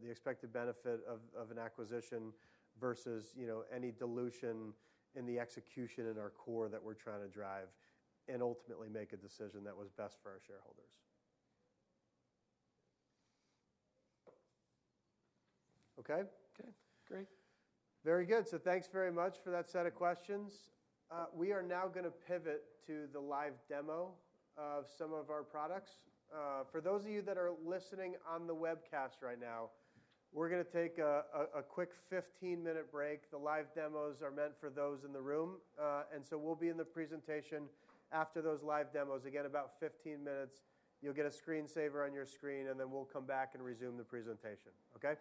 expected benefit of an acquisition versus any dilution in the execution in our core that we're trying to drive and ultimately make a decision that was best for our shareholders. Okay? Okay. Great. Very good. So thanks very much for that set of questions. We are now going to pivot to the live demo of some of our products. For those of you that are listening on the webcast right now, we're going to take a quick 15-minute break. The live demos are meant for those in the room. And so we'll be in the presentation after those live demos. Again, about 15 minutes, you'll get a screensaver on your screen, and then we'll come back and resume the presentation. Okay?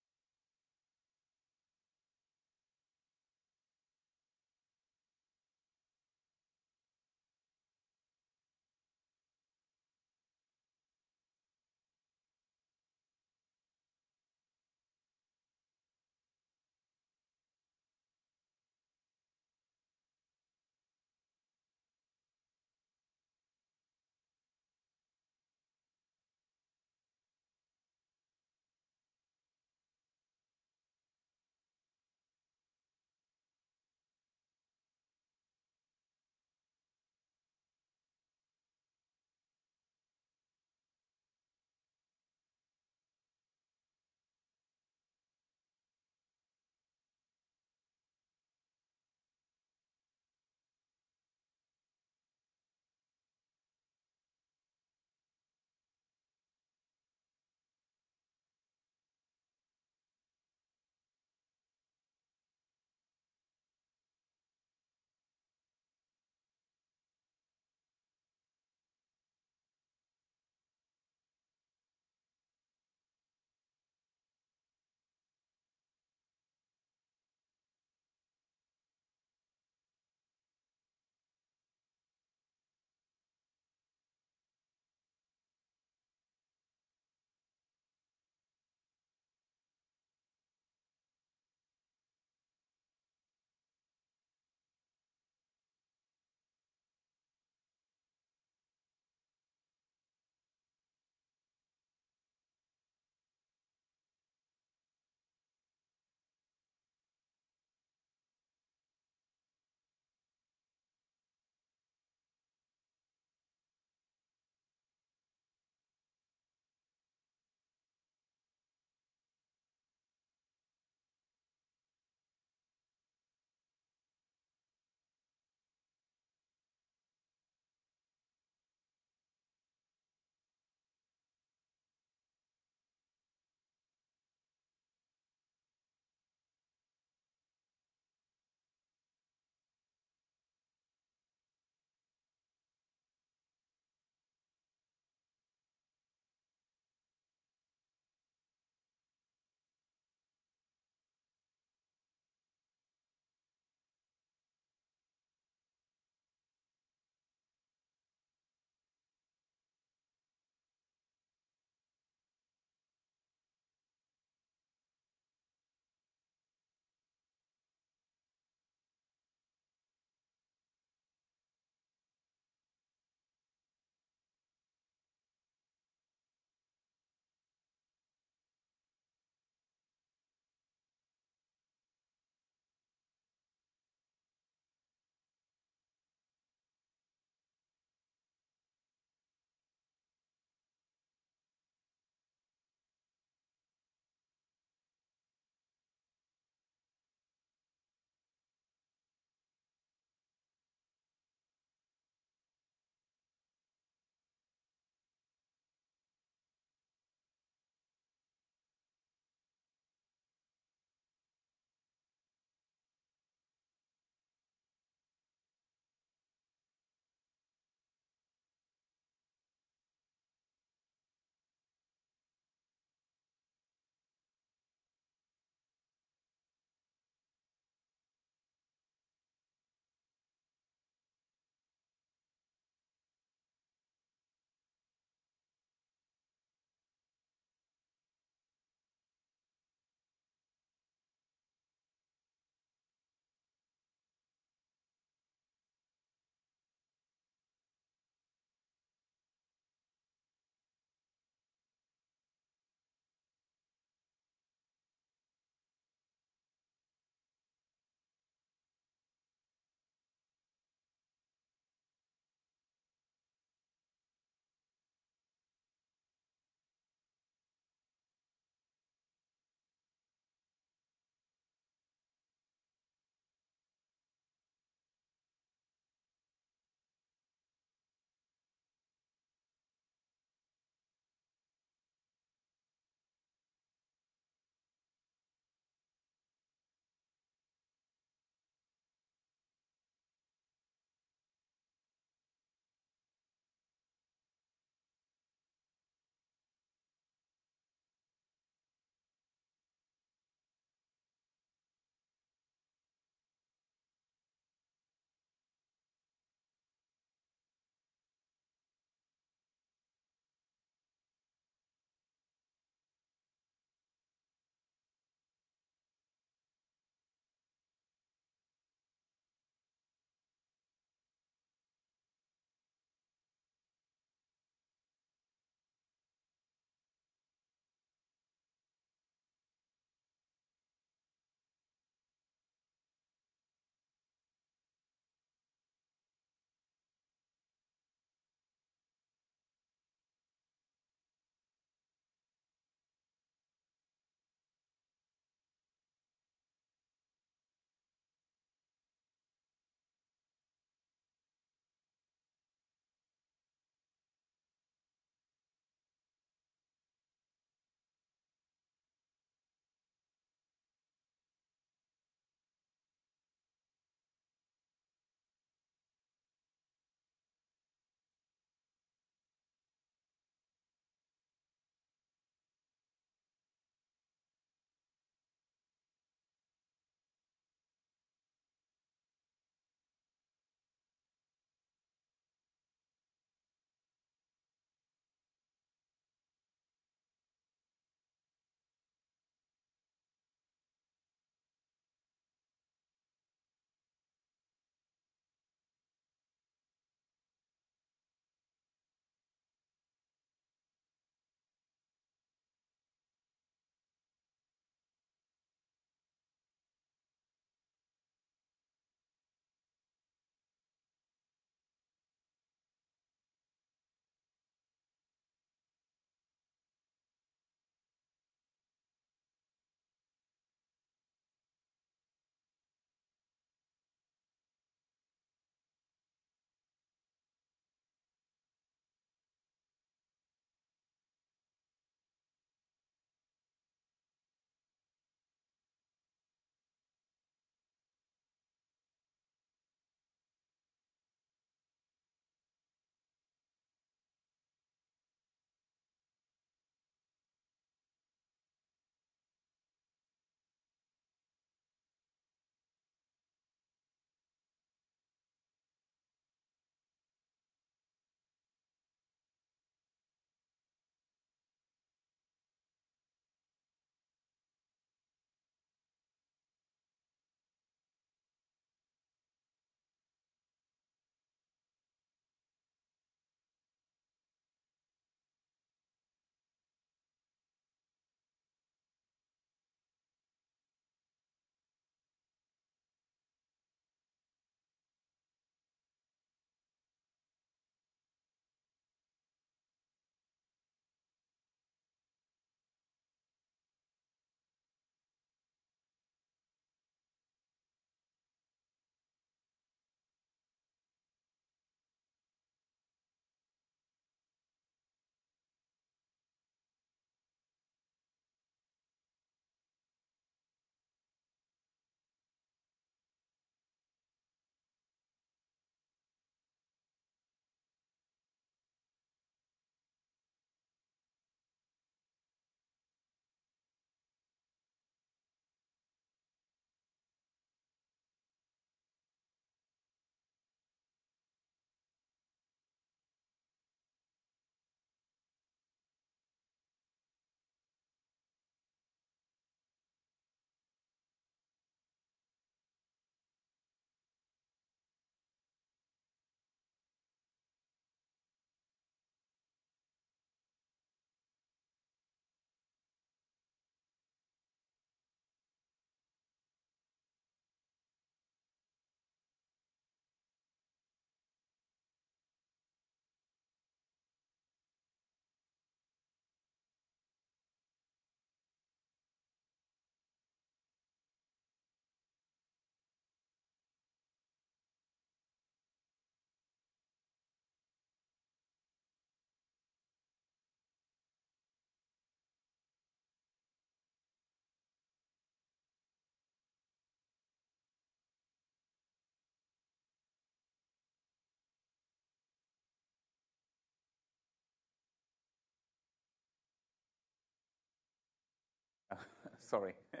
Great. So,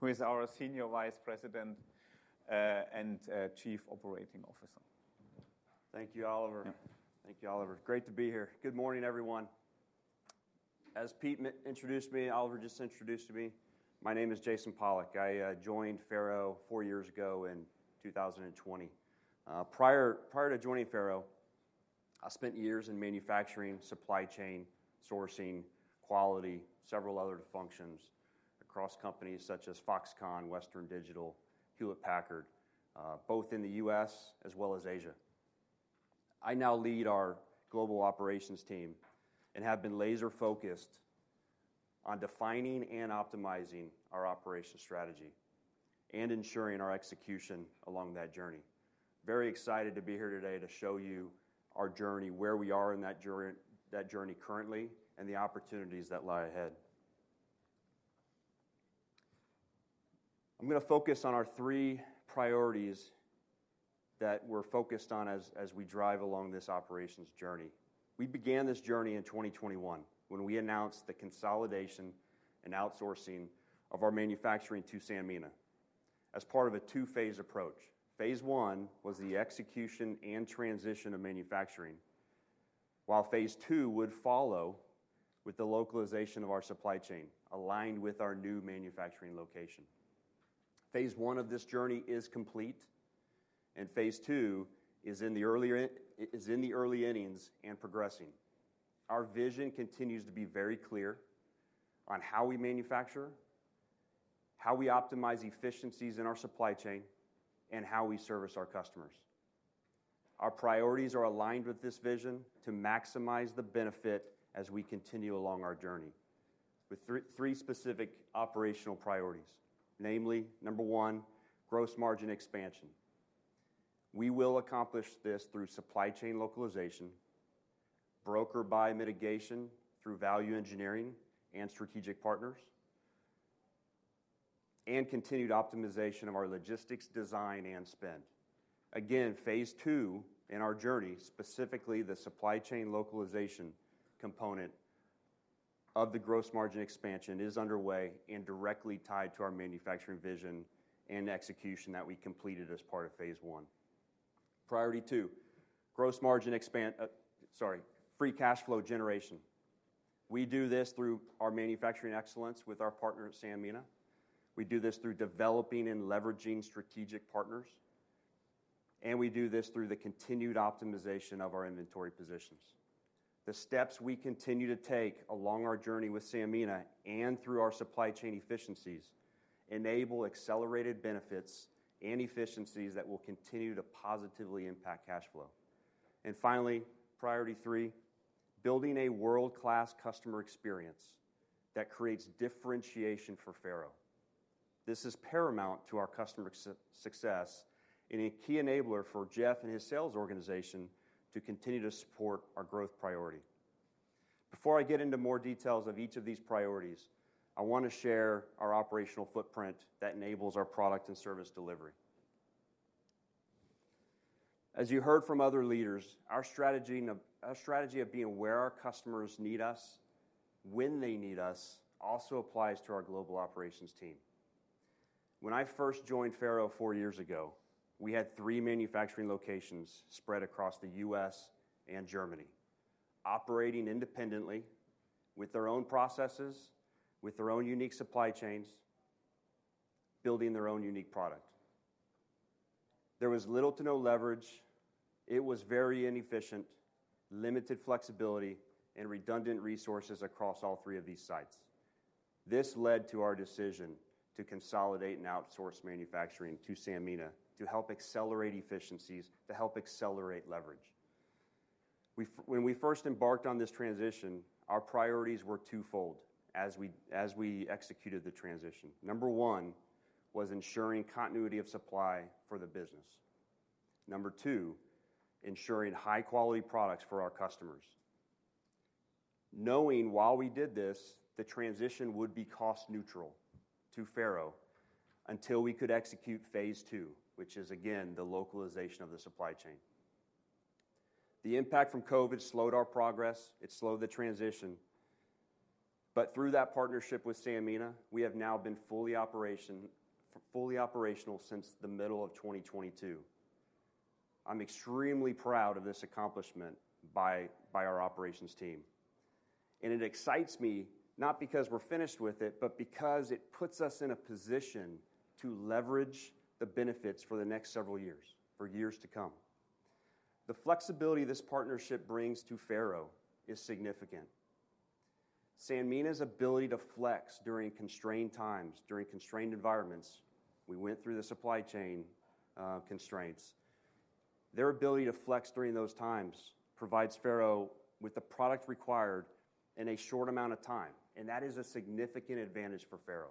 here is our Senior Vice President and Chief Operating Officer? Thank you, Oliver. Thank you, Oliver. Great to be here. Good morning, everyone. As Pete introduced me, Oliver just introduced me. My name is Jason Pollock. I joined Faro four years ago in 2020. Prior to joining Faro, I spent years in manufacturing, supply chain, sourcing, quality, several other functions across companies such as Foxconn, Western Digital, Hewlett Packard, both in the US as well as Asia. I now lead our global operations team and have been laser-focused on defining and optimizing our operations strategy and ensuring our execution along that journey. Very excited to be here today to show you our journey, where we are in that journey currently, and the opportunities that lie ahead. I'm going to focus on our three priorities that we're focused on as we drive along this operations journey. We began this journey in 2021 when we announced the consolidation and outsourcing of our manufacturing to Sanmina as part of a two-phase approach. Phase one was the execution and transition of manufacturing, while phase two would follow with the localization of our supply chain aligned with our new manufacturing location. Phase one of this journey is complete, and phase two is in the early innings and progressing. Our vision continues to be very clear on how we manufacture, how we optimize efficiencies in our supply chain, and how we service our customers. Our priorities are aligned with this vision to maximize the benefit as we continue along our journey with three specific operational priorities, namely, number one, gross margin expansion. We will accomplish this through supply chain localization, broker buy mitigation through value engineering and strategic partners, and continued optimization of our logistics design and spend. Again, phase two in our journey, specifically the supply chain localization component of the gross margin expansion, is underway and directly tied to our manufacturing vision and execution that we completed as part of phase one. Priority two, gross margin expansion, sorry, free cash flow generation. We do this through our manufacturing excellence with our partner at Sanmina. We do this through developing and leveraging strategic partners, and we do this through the continued optimization of our inventory positions. The steps we continue to take along our journey with Sanmina and through our supply chain efficiencies enable accelerated benefits and efficiencies that will continue to positively impact cash flow. And finally, priority three, building a world-class customer experience that creates differentiation for Faro. This is paramount to our customer success and a key enabler for Jeff and his sales organization to continue to support our growth priority. Before I get into more details of each of these priorities, I want to share our operational footprint that enables our product and service delivery. As you heard from other leaders, our strategy of being where our customers need us when they need us also applies to our global operations team. When I first joined Faro four years ago, we had three manufacturing locations spread across the U.S. and Germany, operating independently with their own processes, with their own unique supply chains, building their own unique product. There was little to no leverage. It was very inefficient, limited flexibility, and redundant resources across all three of these sites. This led to our decision to consolidate and outsource manufacturing to Sanmina to help accelerate efficiencies, to help accelerate leverage. When we first embarked on this transition, our priorities were twofold as we executed the transition. Number 1 was ensuring continuity of supply for the business. Number 2, ensuring high-quality products for our customers. Knowing while we did this, the transition would be cost-neutral to Faro until we could execute phase 2, which is, again, the localization of the supply chain. The impact from COVID slowed our progress. It slowed the transition. But through that partnership with Sanmina, we have now been fully operational since the middle of 2022. I'm extremely proud of this accomplishment by our operations team. And it excites me not because we're finished with it, but because it puts us in a position to leverage the benefits for the next several years, for years to come. The flexibility this partnership brings to Faro is significant. Sanmina's ability to flex during constrained times, during constrained environments, we went through the supply chain constraints, their ability to flex during those times provides Faro with the product required in a short amount of time, and that is a significant advantage for Faro.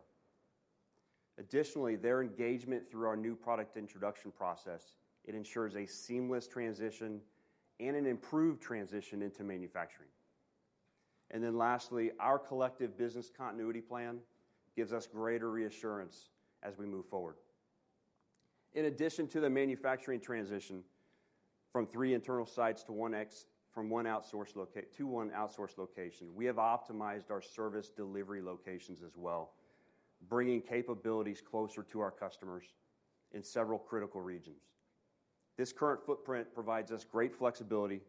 Additionally, their engagement through our new product introduction process ensures a seamless transition and an improved transition into manufacturing. And then lastly, our collective business continuity plan gives us greater reassurance as we move forward. In addition to the manufacturing transition from three internal sites to one outsource location, we have optimized our service delivery locations as well, bringing capabilities closer to our customers in several critical regions. This current footprint provides us great flexibility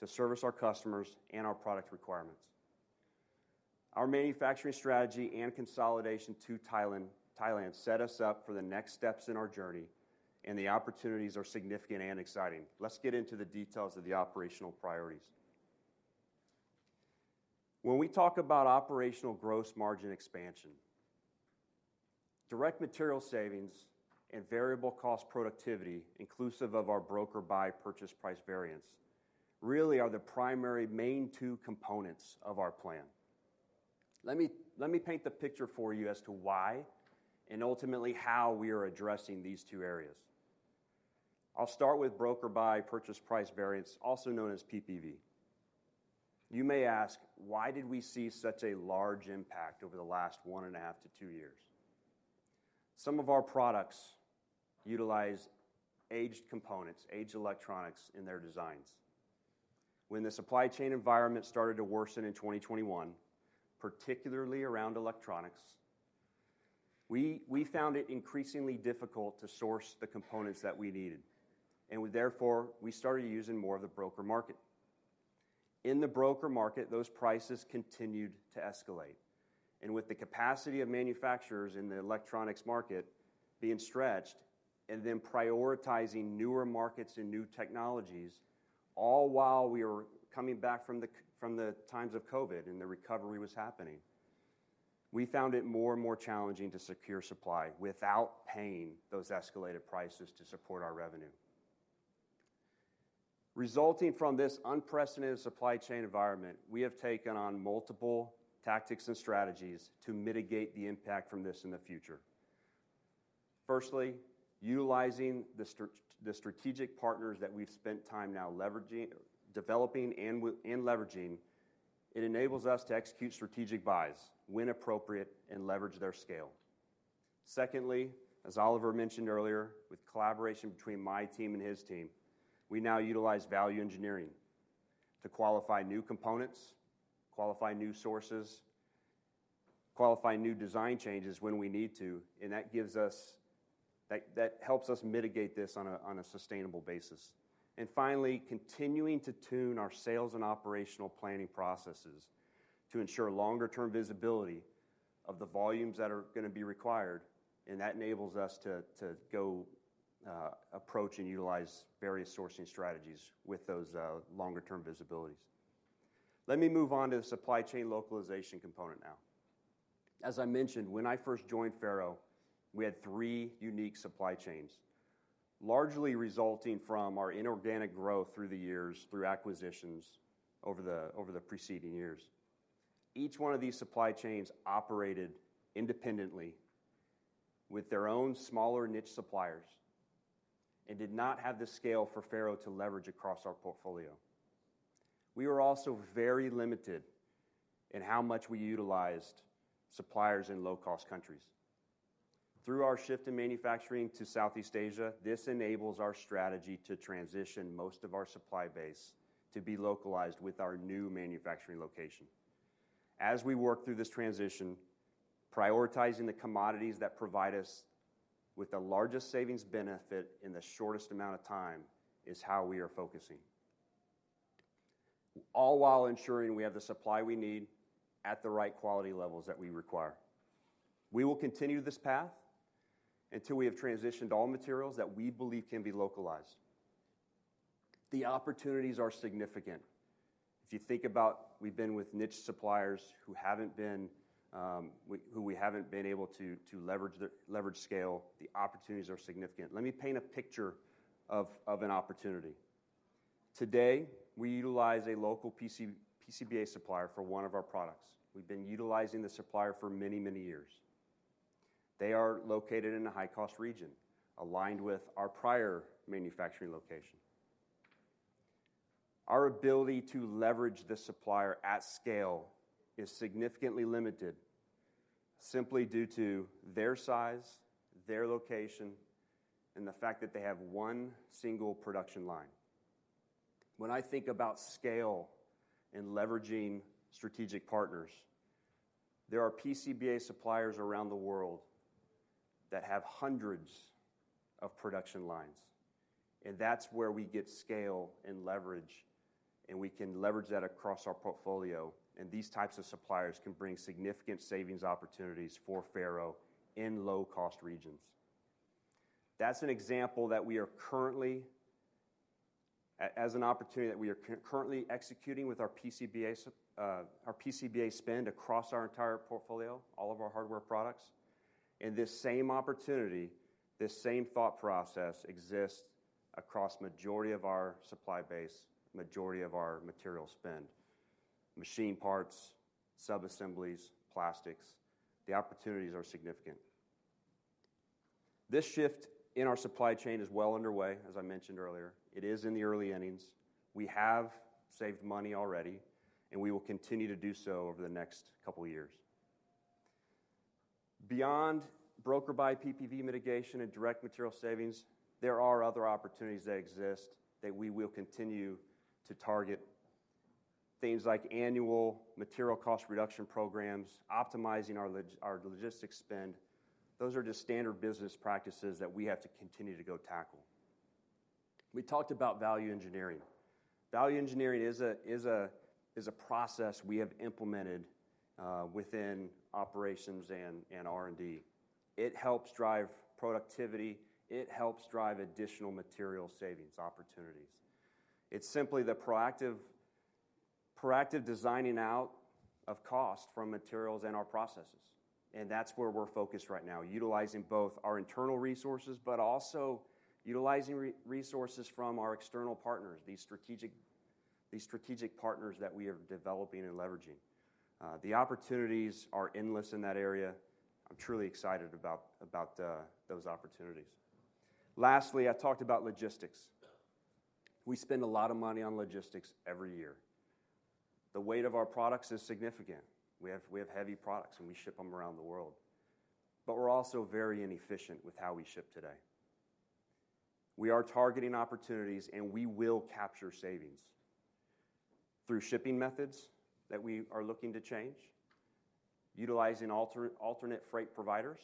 to service our customers and our product requirements. Our manufacturing strategy and consolidation to Thailand set us up for the next steps in our journey, and the opportunities are significant and exciting. Let's get into the details of the operational priorities. When we talk about operational gross margin expansion, direct material savings and variable cost productivity, inclusive of our broker buy purchase price variance, really are the primary main two components of our plan. Let me paint the picture for you as to why and ultimately how we are addressing these two areas. I'll start with broker buy purchase price variance, also known as PPV. You may ask, "Why did we see such a large impact over the last 1.5-2 years?" Some of our products utilize aged components, aged electronics in their designs. When the supply chain environment started to worsen in 2021, particularly around electronics, we found it increasingly difficult to source the components that we needed, and therefore, we started using more of the broker market. In the broker market, those prices continued to escalate, and with the capacity of manufacturers in the electronics market being stretched and then prioritizing newer markets and new technologies, all while we were coming back from the times of COVID and the recovery was happening, we found it more and more challenging to secure supply without paying those escalated prices to support our revenue. Resulting from this unprecedented supply chain environment, we have taken on multiple tactics and strategies to mitigate the impact from this in the future. Firstly, utilizing the strategic partners that we've spent time now developing and leveraging, it enables us to execute strategic buys, win appropriate, and leverage their scale. Secondly, as Oliver mentioned earlier, with collaboration between my team and his team, we now utilize value engineering to qualify new components, qualify new sources, qualify new design changes when we need to, and that helps us mitigate this on a sustainable basis. And finally, continuing to tune our sales and operational planning processes to ensure longer-term visibility of the volumes that are going to be required, and that enables us to go approach and utilize various sourcing strategies with those longer-term visibilities. Let me move on to the supply chain localization component now. As I mentioned, when I first joined Faro, we had three unique supply chains, largely resulting from our inorganic growth through the years, through acquisitions over the preceding years. Each one of these supply chains operated independently with their own smaller niche suppliers and did not have the scale for Faro to leverage across our portfolio. We were also very limited in how much we utilized suppliers in low-cost countries. Through our shift in manufacturing to Southeast Asia, this enables our strategy to transition most of our supply base to be localized with our new manufacturing location. As we work through this transition, prioritizing the commodities that provide us with the largest savings benefit in the shortest amount of time is how we are focusing, all while ensuring we have the supply we need at the right quality levels that we require. We will continue this path until we have transitioned all materials that we believe can be localized. The opportunities are significant. If you think about we've been with niche suppliers who haven't been able to leverage scale, the opportunities are significant. Let me paint a picture of an opportunity. Today, we utilize a local PCBA supplier for one of our products. We've been utilizing the supplier for many, many years. They are located in a high-cost region aligned with our prior manufacturing location. Our ability to leverage this supplier at scale is significantly limited simply due to their size, their location, and the fact that they have one single production line. When I think about scale and leveraging strategic partners, there are PCBA suppliers around the world that have hundreds of production lines, and that's where we get scale and leverage, and we can leverage that across our portfolio, and these types of suppliers can bring significant savings opportunities for Faro in low-cost regions. That's an example that we are currently as an opportunity that we are currently executing with our PCBA spend across our entire portfolio, all of our hardware products. In this same opportunity, this same thought process exists across the majority of our supply base, majority of our material spend: machine parts, subassemblies, plastics. The opportunities are significant. This shift in our supply chain is well underway, as I mentioned earlier. It is in the early innings. We have saved money already, and we will continue to do so over the next couple of years. Beyond broker buy PPV mitigation and direct material savings, there are other opportunities that exist that we will continue to target, things like annual material cost reduction programs, optimizing our logistics spend. Those are just standard business practices that we have to continue to go tackle. We talked about value engineering. Value engineering is a process we have implemented within operations and R&D. It helps drive productivity. It helps drive additional material savings opportunities. It's simply the proactive designing out of cost from materials and our processes, and that's where we're focused right now, utilizing both our internal resources but also utilizing resources from our external partners, these strategic partners that we are developing and leveraging. The opportunities are endless in that area. I'm truly excited about those opportunities. Lastly, I talked about logistics. We spend a lot of money on logistics every year. The weight of our products is significant. We have heavy products, and we ship them around the world, but we're also very inefficient with how we ship today. We are targeting opportunities, and we will capture savings through shipping methods that we are looking to change, utilizing alternate freight providers,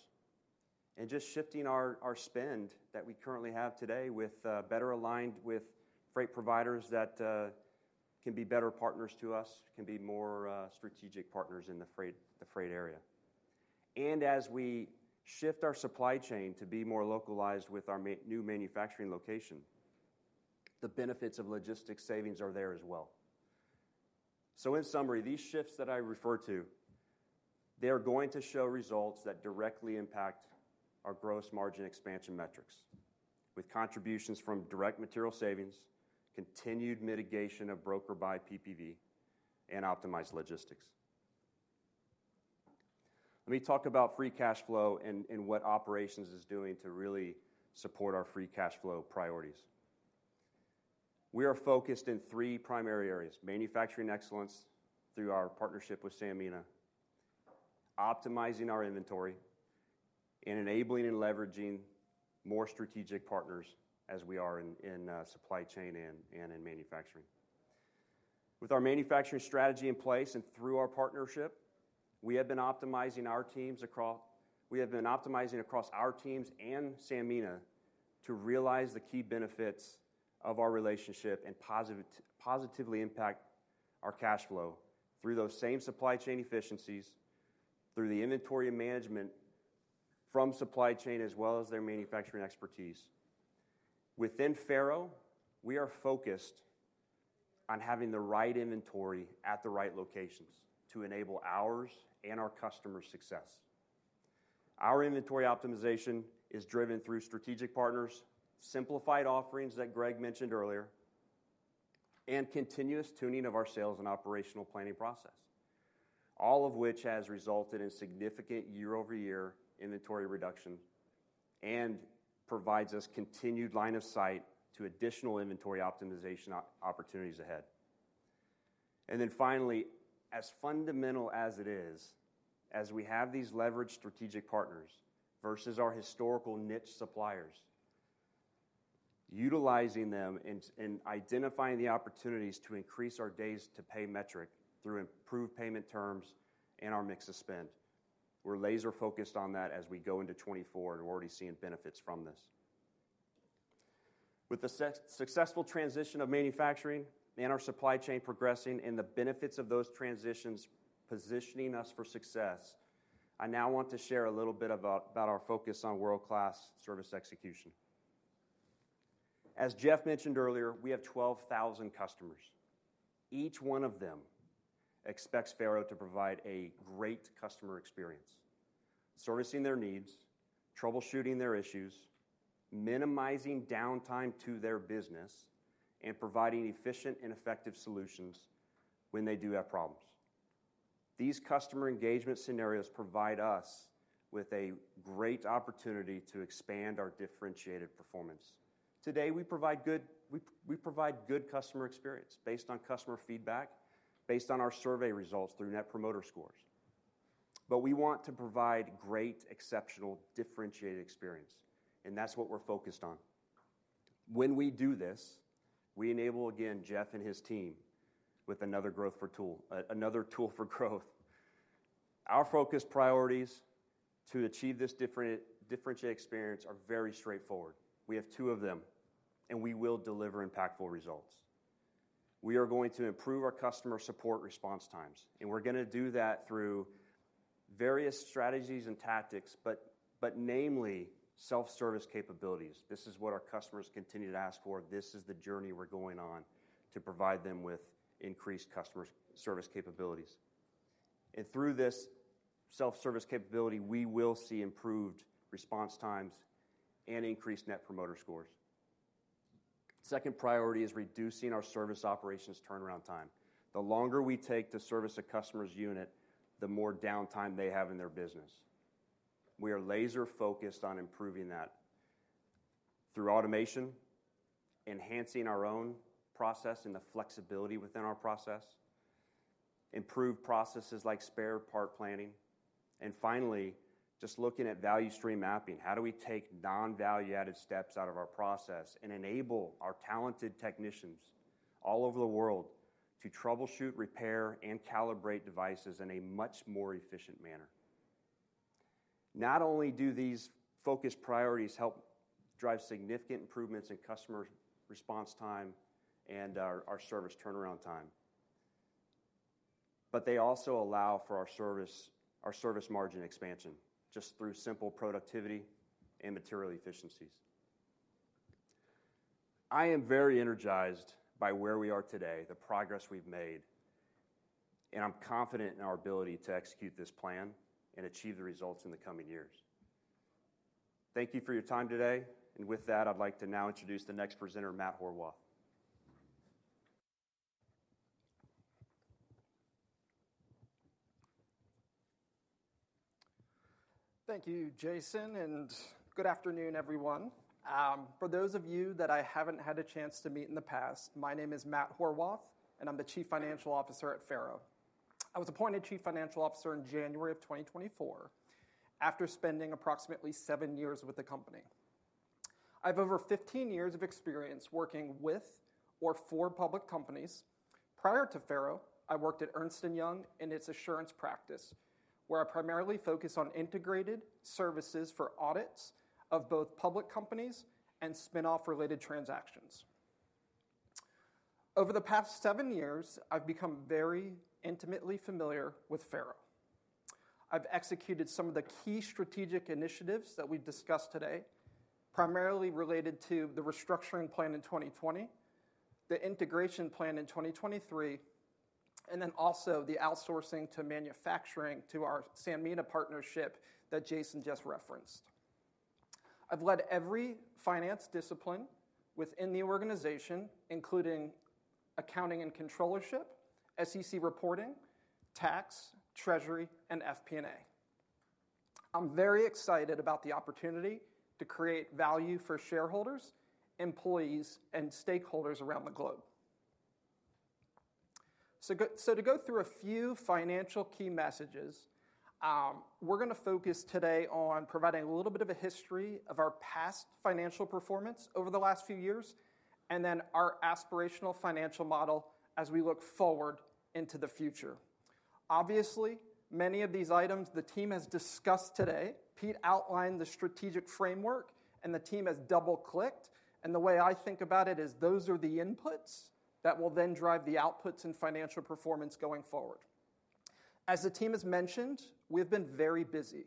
and just shifting our spend that we currently have today better aligned with freight providers that can be better partners to us, can be more strategic partners in the freight area. And as we shift our supply chain to be more localized with our new manufacturing location, the benefits of logistics savings are there as well. So in summary, these shifts that I refer to, they are going to show results that directly impact our gross margin expansion metrics with contributions from direct material savings, continued mitigation of broker buy PPV, and optimized logistics. Let me talk about free cash flow and what operations is doing to really support our free cash flow priorities. We are focused in three primary areas: manufacturing excellence through our partnership with Sanmina, optimizing our inventory, and enabling and leveraging more strategic partners as we are in supply chain and in manufacturing. With our manufacturing strategy in place and through our partnership, we have been optimizing across our teams and Sanmina to realize the key benefits of our relationship and positively impact our cash flow through those same supply chain efficiencies, through the inventory management from supply chain as well as their manufacturing expertise. Within Faro, we are focused on having the right inventory at the right locations to enable ours and our customers' success. Our inventory optimization is driven through strategic partners, simplified offerings that Greg mentioned earlier, and continuous tuning of our sales and operational planning process, all of which has resulted in significant year-over-year inventory reduction and provides us continued line of sight to additional inventory optimization opportunities ahead. Then finally, as fundamental as it is as we have these leveraged strategic partners versus our historical niche suppliers, utilizing them and identifying the opportunities to increase our days-to-pay metric through improved payment terms and our mix of spend, we're laser-focused on that as we go into 2024, and we're already seeing benefits from this. With the successful transition of manufacturing and our supply chain progressing and the benefits of those transitions positioning us for success, I now want to share a little bit about our focus on world-class service execution. As Jeff mentioned earlier, we have 12,000 customers. Each one of them expects Faro to provide a great customer experience, servicing their needs, troubleshooting their issues, minimizing downtime to their business, and providing efficient and effective solutions when they do have problems. These customer engagement scenarios provide us with a great opportunity to expand our differentiated performance. Today, we provide good customer experience based on customer feedback, based on our survey results through Net Promoter Scores, but we want to provide great, exceptional, differentiated experience, and that's what we're focused on. When we do this, we enable, again, Jeff and his team with another growth tool, another tool for growth. Our focus priorities to achieve this differentiated experience are very straightforward. We have two of them, and we will deliver impactful results. We are going to improve our customer support response times, and we're going to do that through various strategies and tactics, but namely self-service capabilities. This is what our customers continue to ask for. This is the journey we're going on to provide them with increased customer service capabilities. Through this self-service capability, we will see improved response times and increased net promoter scores. Second priority is reducing our service operations turnaround time. The longer we take to service a customer's unit, the more downtime they have in their business. We are laser-focused on improving that through automation, enhancing our own process and the flexibility within our process, improved processes like spare part planning, and finally, just looking at value stream mapping. How do we take non-value-added steps out of our process and enable our talented technicians all over the world to troubleshoot, repair, and calibrate devices in a much more efficient manner? Not only do these focused priorities help drive significant improvements in customer response time and our service turnaround time, but they also allow for our service margin expansion just through simple productivity and material efficiencies. I am very energized by where we are today, the progress we've made, and I'm confident in our ability to execute this plan and achieve the results in the coming years. Thank you for your time today, and with that, I'd like to now introduce the next presenter, Matt Horwath. Thank you, Jason, and good afternoon, everyone. For those of you that I haven't had a chance to meet in the past, my name is Matt Horwath, and I'm the Chief Financial Officer at Faro. I was appointed Chief Financial Officer in January of 2024 after spending approximately seven years with the company. I have over 15 years of experience working with or for public companies. Prior to Faro, I worked at Ernst & Young in its assurance practice, where I primarily focus on integrated services for audits of both public companies and spinoff-related transactions. Over the past seven years, I've become very intimately familiar with Faro. I've executed some of the key strategic initiatives that we've discussed today, primarily related to the restructuring plan in 2020, the integration plan in 2023, and then also the outsourcing to manufacturing to our Sanmina partnership that Jason just referenced. I've led every finance discipline within the organization, including accounting and controllership, SEC reporting, tax, treasury, and FP&A. I'm very excited about the opportunity to create value for shareholders, employees, and stakeholders around the globe. So to go through a few financial key messages, we're going to focus today on providing a little bit of a history of our past financial performance over the last few years and then our aspirational financial model as we look forward into the future. Obviously, many of these items the team has discussed today, Pete outlined the strategic framework, and the team has double-clicked, and the way I think about it is those are the inputs that will then drive the outputs and financial performance going forward. As the team has mentioned, we've been very busy.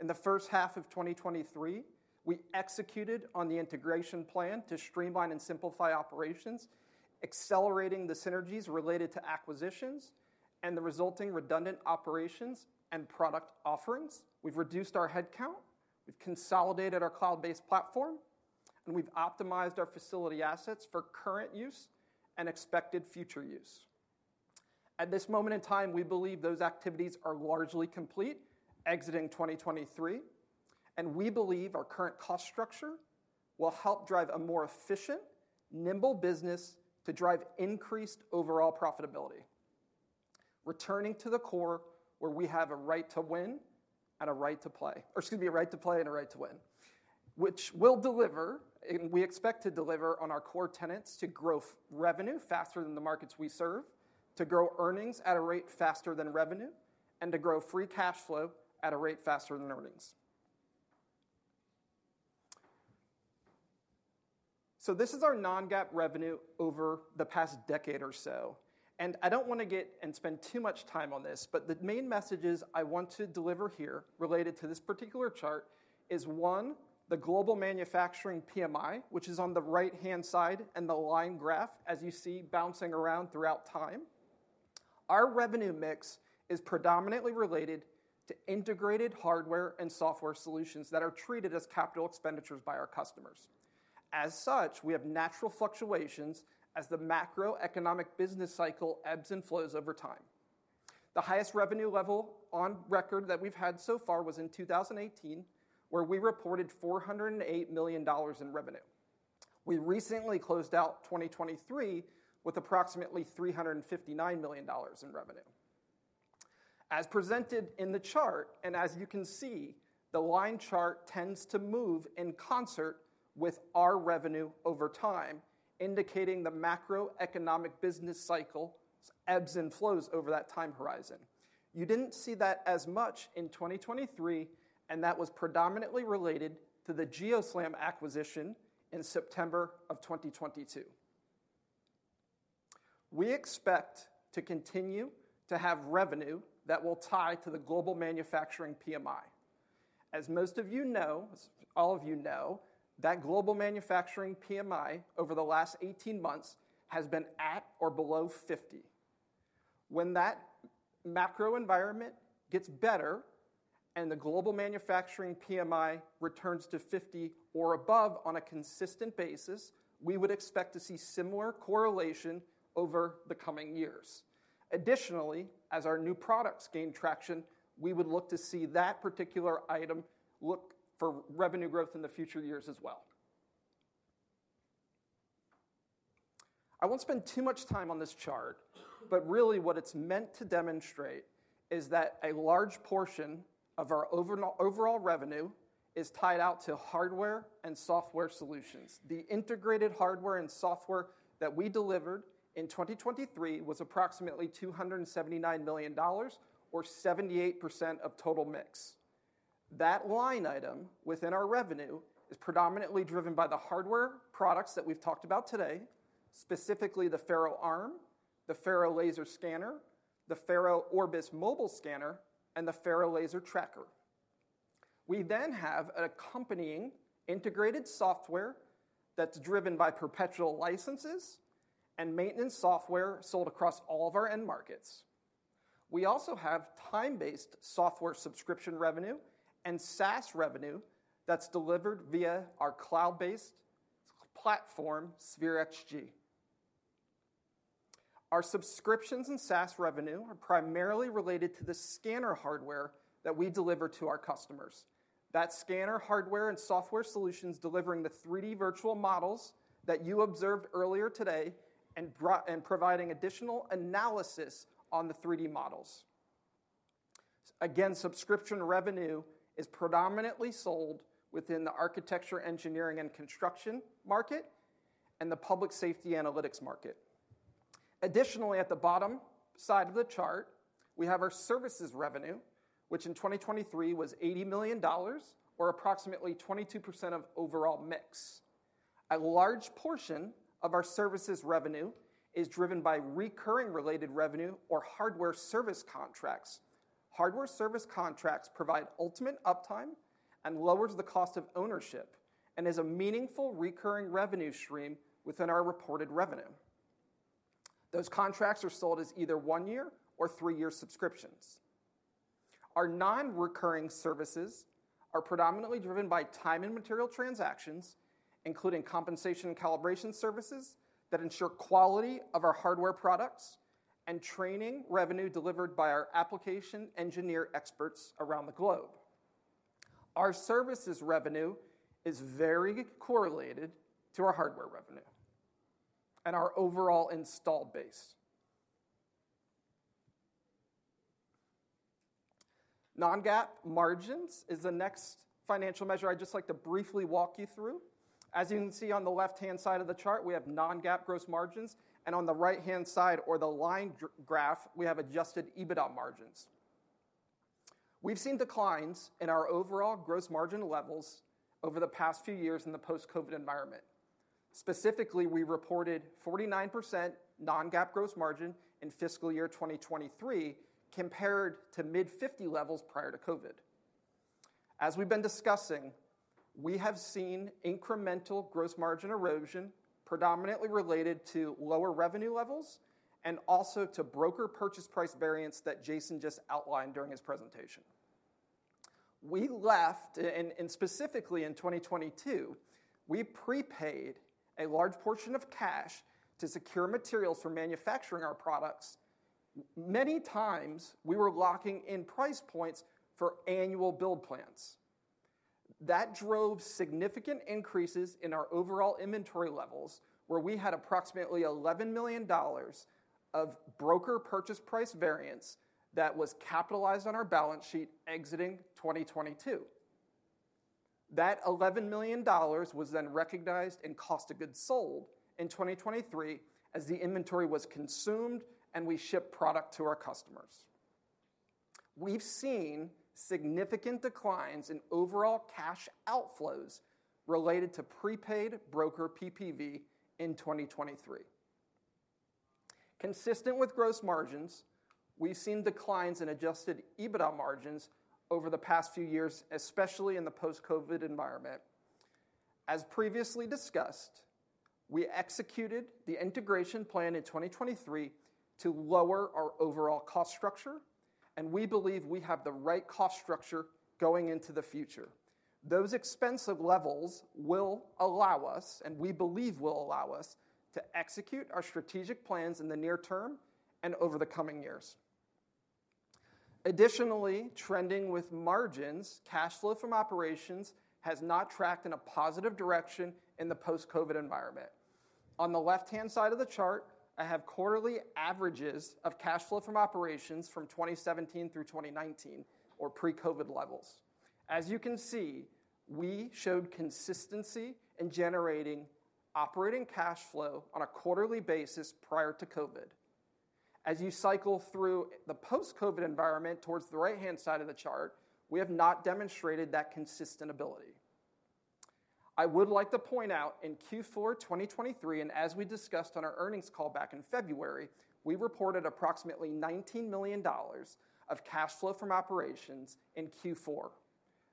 In the first half of 2023, we executed on the integration plan to streamline and simplify operations, accelerating the synergies related to acquisitions and the resulting redundant operations and product offerings. We've reduced our headcount. We've consolidated our cloud-based platform, and we've optimized our facility assets for current use and expected future use. At this moment in time, we believe those activities are largely complete exiting 2023, and we believe our current cost structure will help drive a more efficient, nimble business to drive increased overall profitability. Returning to the core, where we have a right to win and a right to play or excuse me, a right to play and a right to win, which will deliver, and we expect to deliver, on our core tenets to grow revenue faster than the markets we serve, to grow earnings at a rate faster than revenue, and to grow free cash flow at a rate faster than earnings. So this is our non-GAAP revenue over the past decade or so, and I don't want to get and spend too much time on this, but the main messages I want to deliver here related to this particular chart is, one, the global manufacturing PMI, which is on the right-hand side and the line graph, as you see, bouncing around throughout time. Our revenue mix is predominantly related to integrated hardware and software solutions that are treated as capital expenditures by our customers. As such, we have natural fluctuations as the macroeconomic business cycle ebbs and flows over time. The highest revenue level on record that we've had so far was in 2018, where we reported $408 million in revenue. We recently closed out 2023 with approximately $359 million in revenue. As presented in the chart, and as you can see, the line chart tends to move in concert with our revenue over time, indicating the macroeconomic business cycle's ebbs and flows over that time horizon. You didn't see that as much in 2023, and that was predominantly related to the GeoSLAM acquisition in September of 2022. We expect to continue to have revenue that will tie to the global manufacturing PMI. As most of you know, as all of you know, that global manufacturing PMI over the last 18 months has been at or below 50. When that macroenvironment gets better and the global manufacturing PMI returns to 50 or above on a consistent basis, we would expect to see similar correlation over the coming years. Additionally, as our new products gain traction, we would look to see that particular item look for revenue growth in the future years as well. I won't spend too much time on this chart, but really what it's meant to demonstrate is that a large portion of our overall revenue is tied out to hardware and software solutions. The integrated hardware and software that we delivered in 2023 was approximately $279 million or 78% of total mix. That line item within our revenue is predominantly driven by the hardware products that we've talked about today, specifically the FaroArm, the Faro Laser Scanner, the Faro Orbis Mobile Scanner, and the Faro Laser Tracker. We then have an accompanying integrated software that's driven by perpetual licenses and maintenance software sold across all of our end markets. We also have time-based software subscription revenue and SaaS revenue that's delivered via our cloud-based platform, Sphere XG. Our subscriptions and SaaS revenue are primarily related to the scanner hardware that we deliver to our customers. That scanner hardware and software solutions delivering the 3D virtual models that you observed earlier today and providing additional analysis on the 3D models. Again, subscription revenue is predominantly sold within the Architecture, Engineering, and Construction market and the public safety analytics market. Additionally, at the bottom side of the chart, we have our services revenue, which in 2023 was $80 million or approximately 22% of overall mix. A large portion of our services revenue is driven by recurring related revenue or hardware service contracts. Hardware service contracts provide ultimate uptime and lower the cost of ownership and is a meaningful recurring revenue stream within our reported revenue. Those contracts are sold as either one-year or three-year subscriptions. Our non-recurring services are predominantly driven by time and material transactions, including compensation and calibration services that ensure quality of our hardware products and training revenue delivered by our application engineer experts around the globe. Our services revenue is very correlated to our hardware revenue and our overall installed base. Non-GAAP margins is the next financial measure I'd just like to briefly walk you through. As you can see on the left-hand side of the chart, we have non-GAAP gross margins, and on the right-hand side or the line graph, we have adjusted EBITDA margins. We've seen declines in our overall gross margin levels over the past few years in the post-COVID environment. Specifically, we reported 49% non-GAAP gross margin in fiscal year 2023 compared to mid-50 levels prior to COVID. As we've been discussing, we have seen incremental gross margin erosion predominantly related to lower revenue levels and also to broker purchase price variance that Jason just outlined during his presentation. And specifically in 2022, we prepaid a large portion of cash to secure materials for manufacturing our products. Many times, we were locking in price points for annual build plans. That drove significant increases in our overall inventory levels, where we had approximately $11 million of broker purchase price variance that was capitalized on our balance sheet exiting 2022. That $11 million was then recognized in cost of goods sold in 2023 as the inventory was consumed and we shipped product to our customers. We've seen significant declines in overall cash outflows related to prepaid broker PPV in 2023. Consistent with gross margins, we've seen declines in Adjusted EBITDA margins over the past few years, especially in the post-COVID environment. As previously discussed, we executed the integration plan in 2023 to lower our overall cost structure, and we believe we have the right cost structure going into the future. Those expense levels will allow us, and we believe will allow us, to execute our strategic plans in the near term and over the coming years. Additionally, trending with margins, cash flow from operations has not tracked in a positive direction in the post-COVID environment. On the left-hand side of the chart, I have quarterly averages of cash flow from operations from 2017 through 2019, or pre-COVID levels. As you can see, we showed consistency in generating operating cash flow on a quarterly basis prior to COVID. As you cycle through the post-COVID environment towards the right-hand side of the chart, we have not demonstrated that consistent ability. I would like to point out, in Q4 2023, and as we discussed on our earnings call back in February, we reported approximately $19 million of cash flow from operations in Q4.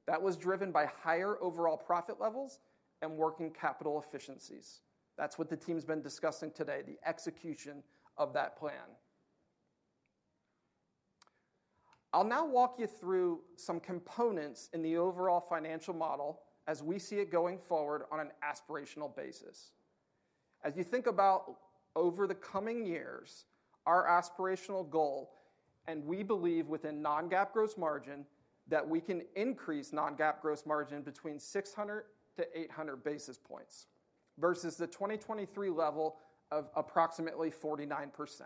That was driven by higher overall profit levels and working capital efficiencies. That's what the team's been discussing today, the execution of that plan. I'll now walk you through some components in the overall financial model as we see it going forward on an aspirational basis. As you think about over the coming years, our aspirational goal, and we believe within non-GAAP gross margin, that we can increase non-GAAP gross margin between 600-800 basis points versus the 2023 level of approximately 49%.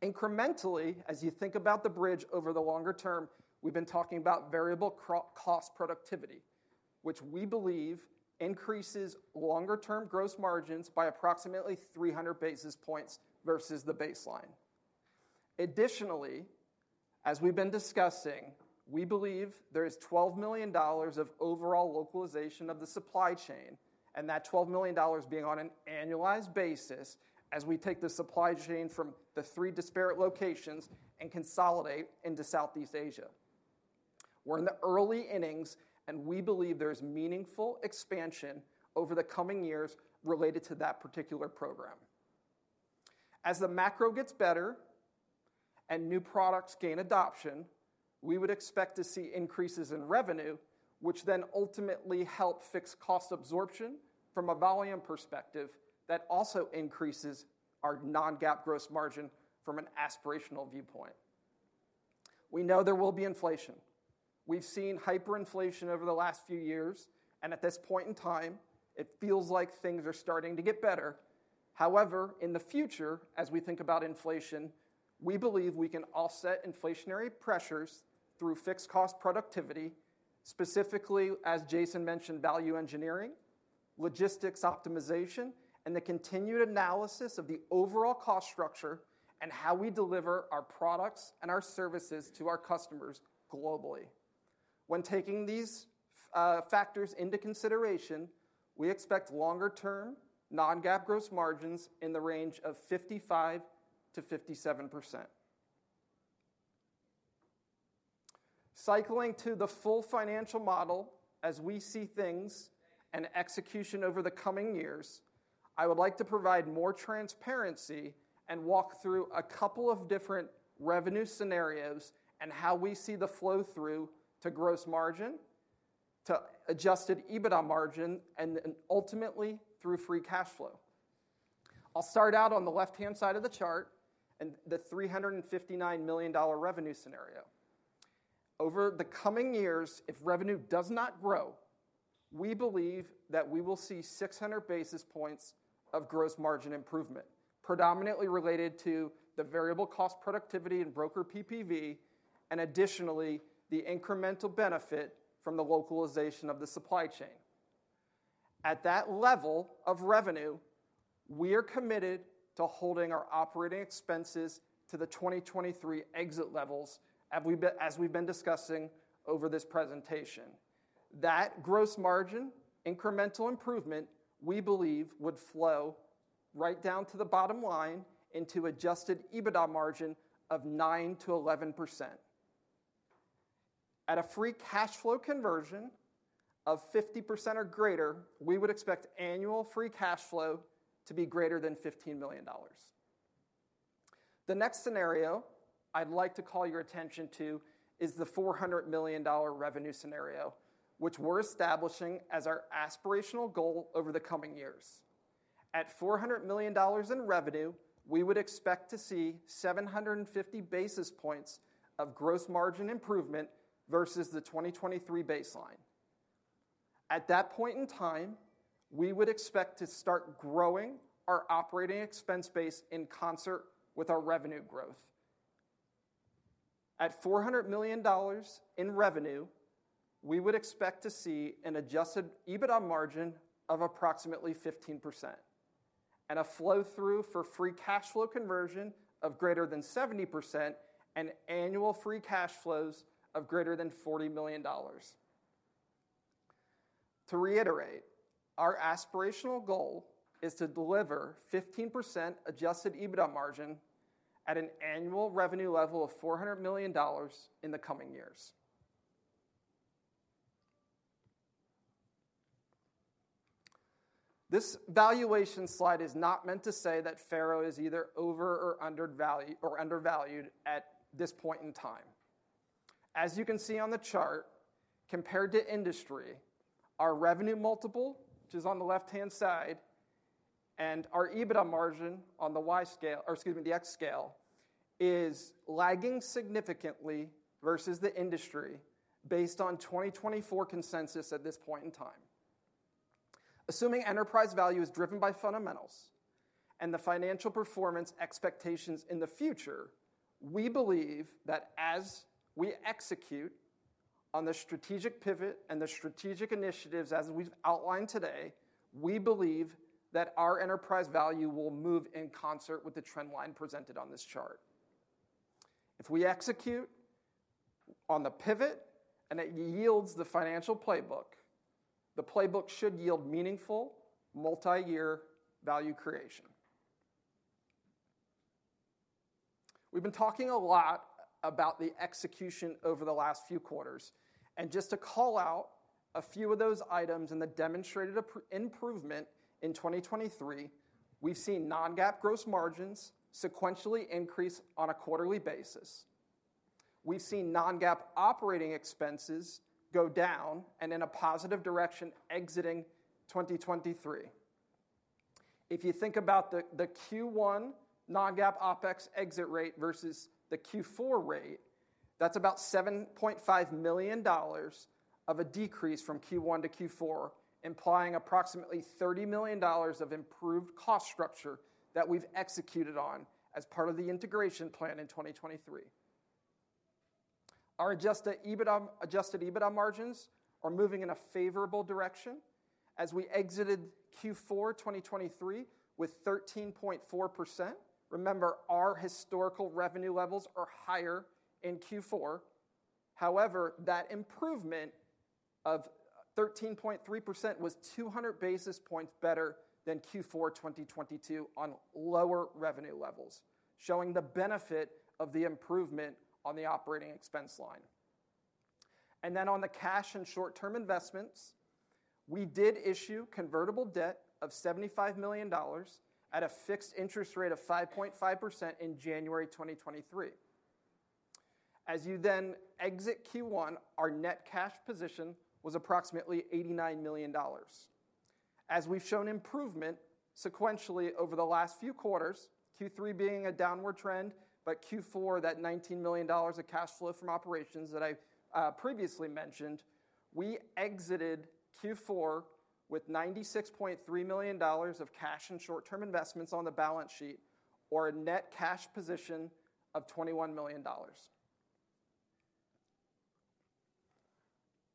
Incrementally, as you think about the bridge over the longer term, we've been talking about variable cost productivity, which we believe increases longer-term gross margins by approximately 300 basis points versus the baseline. Additionally, as we've been discussing, we believe there is $12 million of overall localization of the supply chain, and that $12 million being on an annualized basis as we take the supply chain from the three disparate locations and consolidate into Southeast Asia. We're in the early innings, and we believe there's meaningful expansion over the coming years related to that particular program. As the macro gets better and new products gain adoption, we would expect to see increases in revenue, which then ultimately help fix cost absorption from a volume perspective that also increases our non-GAAP gross margin from an aspirational viewpoint. We know there will be inflation. We've seen hyperinflation over the last few years, and at this point in time, it feels like things are starting to get better. However, in the future, as we think about inflation, we believe we can offset inflationary pressures through fixed cost productivity, specifically, as Jason mentioned, value engineering, logistics optimization, and the continued analysis of the overall cost structure and how we deliver our products and our services to our customers globally. When taking these factors into consideration, we expect longer-term non-GAAP gross margins in the range of 55%-57%. Cycling to the full financial model as we see things and execution over the coming years, I would like to provide more transparency and walk through a couple of different revenue scenarios and how we see the flow through to gross margin, to adjusted EBITDA margin, and ultimately through free cash flow. I'll start out on the left-hand side of the chart and the $359 million revenue scenario. Over the coming years, if revenue does not grow, we believe that we will see 600 basis points of gross margin improvement, predominantly related to the variable cost productivity and broker PPV, and additionally the incremental benefit from the localization of the supply chain. At that level of revenue, we are committed to holding our operating expenses to the 2023 exit levels as we've been discussing over this presentation. That gross margin incremental improvement, we believe, would flow right down to the bottom line into Adjusted EBITDA margin of 9%-11%. At a free cash flow conversion of 50% or greater, we would expect annual free cash flow to be greater than $15 million. The next scenario I'd like to call your attention to is the $400 million revenue scenario, which we're establishing as our aspirational goal over the coming years. At $400 million in revenue, we would expect to see 750 basis points of gross margin improvement versus the 2023 baseline. At that point in time, we would expect to start growing our operating expense base in concert with our revenue growth. At $400 million in revenue, we would expect to see an Adjusted EBITDA margin of approximately 15% and a flow through for Free Cash Flow conversion of greater than 70% and annual Free Cash Flows of greater than $40 million. To reiterate, our aspirational goal is to deliver 15% Adjusted EBITDA margin at an annual revenue level of $400 million in the coming years. This valuation slide is not meant to say that Faro is either over or undervalued at this point in time. As you can see on the chart, compared to industry, our revenue multiple, which is on the left-hand side, and our EBITDA margin on the Y scale or excuse me, the X scale, is lagging significantly versus the industry based on 2024 consensus at this point in time. Assuming enterprise value is driven by fundamentals and the financial performance expectations in the future, we believe that as we execute on the strategic pivot and the strategic initiatives as we've outlined today, we believe that our enterprise value will move in concert with the trend line presented on this chart. If we execute on the pivot and it yields the financial playbook, the playbook should yield meaningful multi-year value creation. We've been talking a lot about the execution over the last few quarters, and just to call out a few of those items and the demonstrated improvement in 2023, we've seen Non-GAAP gross margins sequentially increase on a quarterly basis. We've seen Non-GAAP operating expenses go down and in a positive direction exiting 2023. If you think about the Q1 non-GAAP OPEX exit rate versus the Q4 rate, that's about $7.5 million of a decrease from Q1 to Q4, implying approximately $30 million of improved cost structure that we've executed on as part of the integration plan in 2023. Our adjusted EBITDA margins are moving in a favorable direction as we exited Q4 2023 with 13.4%. Remember, our historical revenue levels are higher in Q4. However, that improvement of 13.3% was 200 basis points better than Q4 2022 on lower revenue levels, showing the benefit of the improvement on the operating expense line. And then on the cash and short-term investments, we did issue convertible debt of $75 million at a fixed interest rate of 5.5% in January 2023. As you then exit Q1, our net cash position was approximately $89 million. As we've shown improvement sequentially over the last few quarters, Q3 being a downward trend, but Q4, that $19 million of cash flow from operations that I previously mentioned, we exited Q4 with $96.3 million of cash and short-term investments on the balance sheet or a net cash position of $21 million.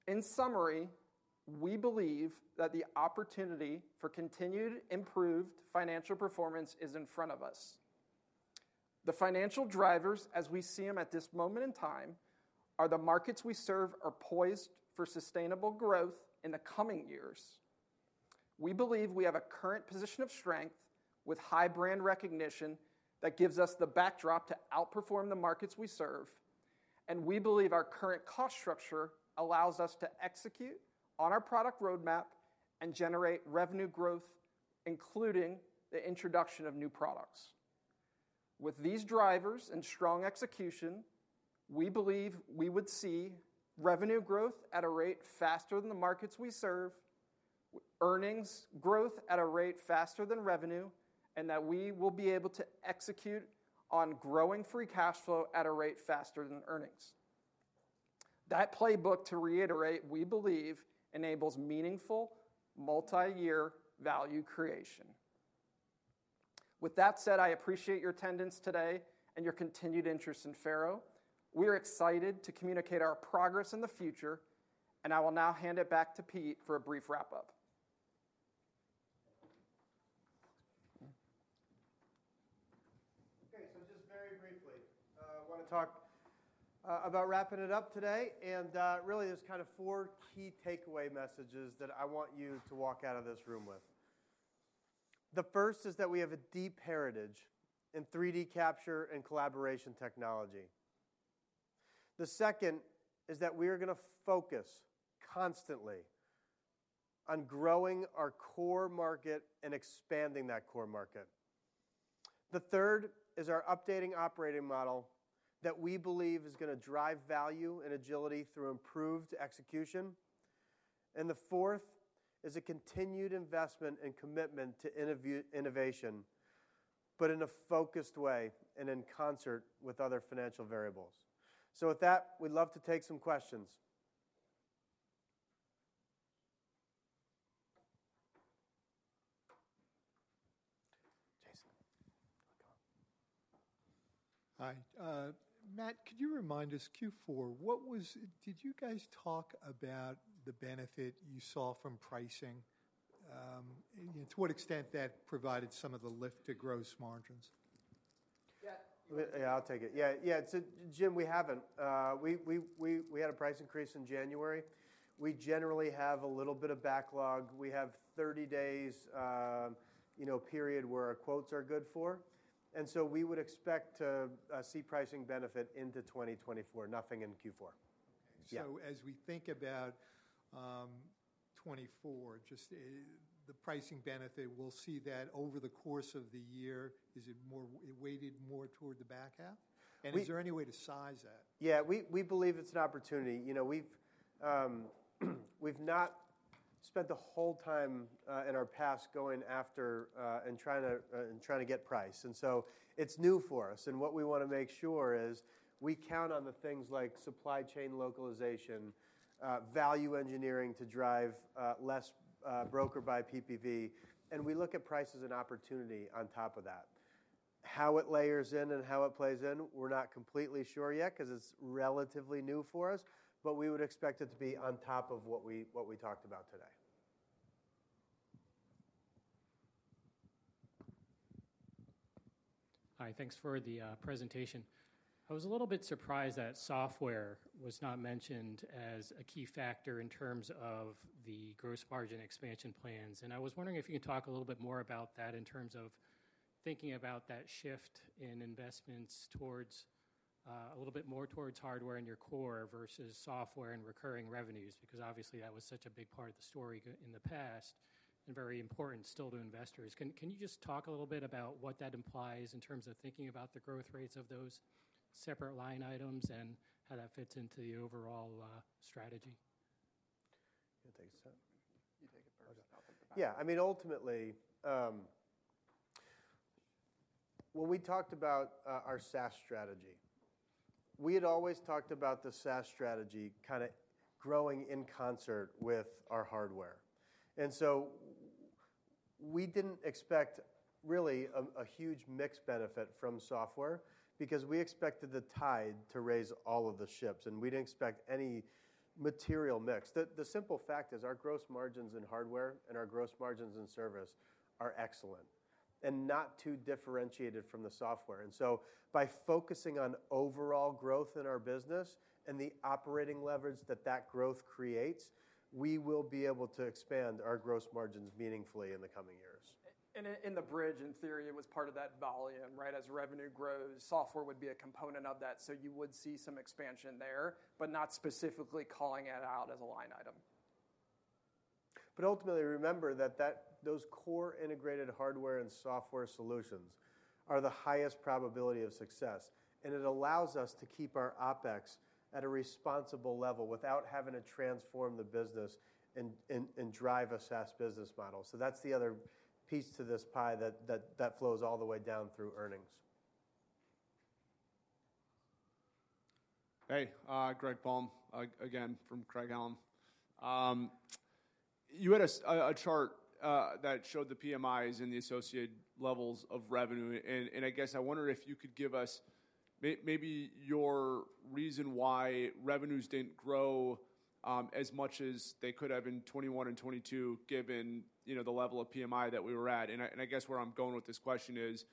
In summary, we believe that the opportunity for continued improved financial performance is in front of us. The financial drivers, as we see them at this moment in time, are the markets we serve are poised for sustainable growth in the coming years. We believe we have a current position of strength with high brand recognition that gives us the backdrop to outperform the markets we serve, and we believe our current cost structure allows us to execute on our product roadmap and generate revenue growth, including the introduction of new products. With these drivers and strong execution, we believe we would see revenue growth at a rate faster than the markets we serve, earnings growth at a rate faster than revenue, and that we will be able to execute on growing free cash flow at a rate faster than earnings. That playbook, to reiterate, we believe, enables meaningful multi-year value creation. With that said, I appreciate your attendance today and your continued interest in Faro. We are excited to communicate our progress in the future, and I will now hand it back to Pete for a brief wrap-up. Okay, so just very briefly, I want to talk about wrapping it up today and really there's kind of four key takeaway messages that I want you to walk out of this room with. The first is that we have a deep heritage in 3D capture and collaboration technology. The second is that we are going to focus constantly on growing our core market and expanding that core market. The third is our updating operating model that we believe is going to drive value and agility through improved execution. The fourth is a continued investment and commitment to innovation, but in a focused way and in concert with other financial variables. With that, we'd love to take some questions. Jason. Hi. Matt, could you remind us, Q4, what did you guys talk about the benefit you saw from pricing? To what extent that provided some of the lift to gross margins? Yeah, I'll take it. Yeah, yeah, so Jim, we haven't. We had a price increase in January. We generally have a little bit of backlog. We have 30 days period where our quotes are good for. And so we would expect to see pricing benefit into 2024, nothing in Q4. Okay, so as we think about 2024, just the pricing benefit, we'll see that over the course of the year, is it more weighted more toward the back half? And is there any way to size that? Yeah, we believe it's an opportunity. We've not spent the whole time in our past going after and trying to get price. So it's new for us. What we want to make sure is we count on the things like supply chain localization, value engineering to drive less broker-buy PPV, and we look at price as an opportunity on top of that. How it layers in and how it plays in, we're not completely sure yet because it's relatively new for us, but we would expect it to be on top of what we talked about today. Hi, thanks for the presentation. I was a little bit surprised that software was not mentioned as a key factor in terms of the gross margin expansion plans. I was wondering if you could talk a little bit more about that in terms of thinking about that shift in investments towards a little bit more towards hardware in your core versus software and recurring revenues because obviously that was such a big part of the story in the past and very important still to investors. Can you just talk a little bit about what that implies in terms of thinking about the growth rates of those separate line items and how that fits into the overall strategy? You can take a sip. You take it first. Yeah, I mean, ultimately, when we talked about our SaaS strategy, we had always talked about the SaaS strategy kind of growing in concert with our hardware. And so we didn't expect really a huge mixed benefit from software because we expected the tide to raise all of the ships and we didn't expect any material mix. The simple fact is our gross margins in hardware and our gross margins in service are excellent and not too differentiated from the software. And so by focusing on overall growth in our business and the operating leverage that that growth creates, we will be able to expand our gross margins meaningfully in the coming years. In the bridge, in theory, it was part of that volume, right? As revenue grows, software would be a component of that, so you would see some expansion there, but not specifically calling it out as a line item. But ultimately, remember that those core integrated hardware and software solutions are the highest probability of success, and it allows us to keep our OpEx at a responsible level without having to transform the business and drive a SaaS business model. So that's the other piece to this pie that flows all the way down through earnings. Hey, Greg Palm, again from Craig-Hallum. You had a chart that showed the PMIs and the associated levels of revenue, and I guess I wondered if you could give us maybe your reason why revenues didn't grow as much as they could have in 2021 and 2022 given the level of PMI that we were at. And I guess where I'm going with this question is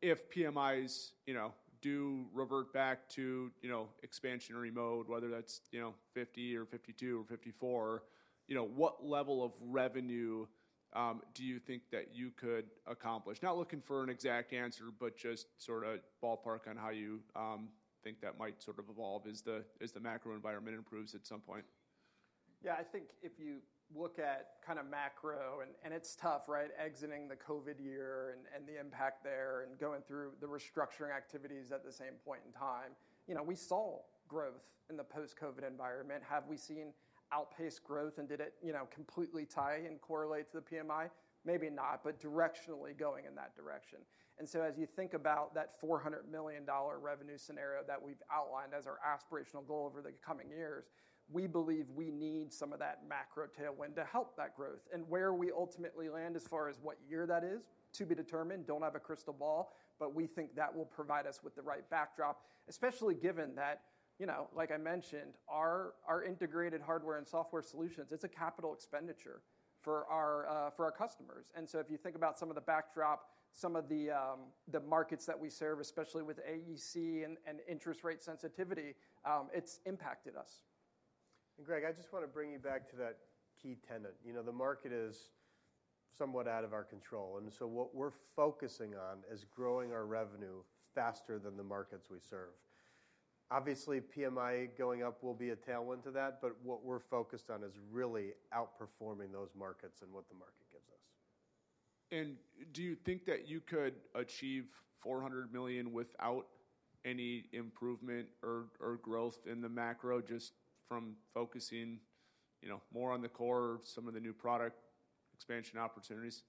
if PMIs do revert back to expansionary mode, whether that's 50 or 52 or 54, what level of revenue do you think that you could accomplish? Not looking for an exact answer, but just sort of ballpark on how you think that might sort of evolve as the macro environment improves at some point. Yeah, I think if you look at kind of macro, and it's tough, right? Exiting the COVID year and the impact there and going through the restructuring activities at the same point in time. We saw growth in the post-COVID environment. Have we seen outpaced growth, and did it completely tie in, correlate to the PMI? Maybe not, but directionally going in that direction. And so as you think about that $400 million revenue scenario that we've outlined as our aspirational goal over the coming years, we believe we need some of that macro tailwind to help that growth. And where we ultimately land as far as what year that is to be determined, don't have a crystal ball, but we think that will provide us with the right backdrop, especially given that, like I mentioned, our integrated hardware and software solutions, it's a capital expenditure for our customers. And so if you think about some of the backdrop, some of the markets that we serve, especially with AEC and interest rate sensitivity, it's impacted us. Greg, I just want to bring you back to that key tenet. The market is somewhat out of our control, and so what we're focusing on is growing our revenue faster than the markets we serve. Obviously, PMI going up will be a tailwind to that, but what we're focused on is really outperforming those markets and what the market gives us. Do you think that you could achieve $400 million without any improvement or growth in the macro just from focusing more on the core, some of the new product expansion opportunities?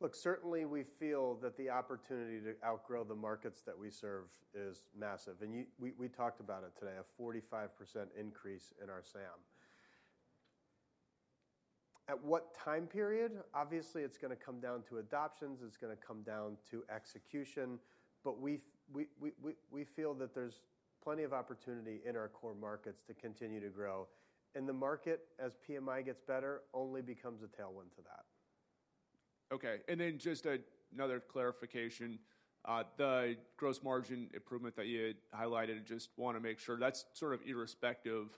Look, certainly we feel that the opportunity to outgrow the markets that we serve is massive. We talked about it today, a 45% increase in our SAM. At what time period? Obviously, it's going to come down to adoptions. It's going to come down to execution, but we feel that there's plenty of opportunity in our core markets to continue to grow. The market, as PMI gets better, only becomes a tailwind to that. Okay, and then just another clarification. The gross margin improvement that you had highlighted, I just want to make sure that's sort of irrespective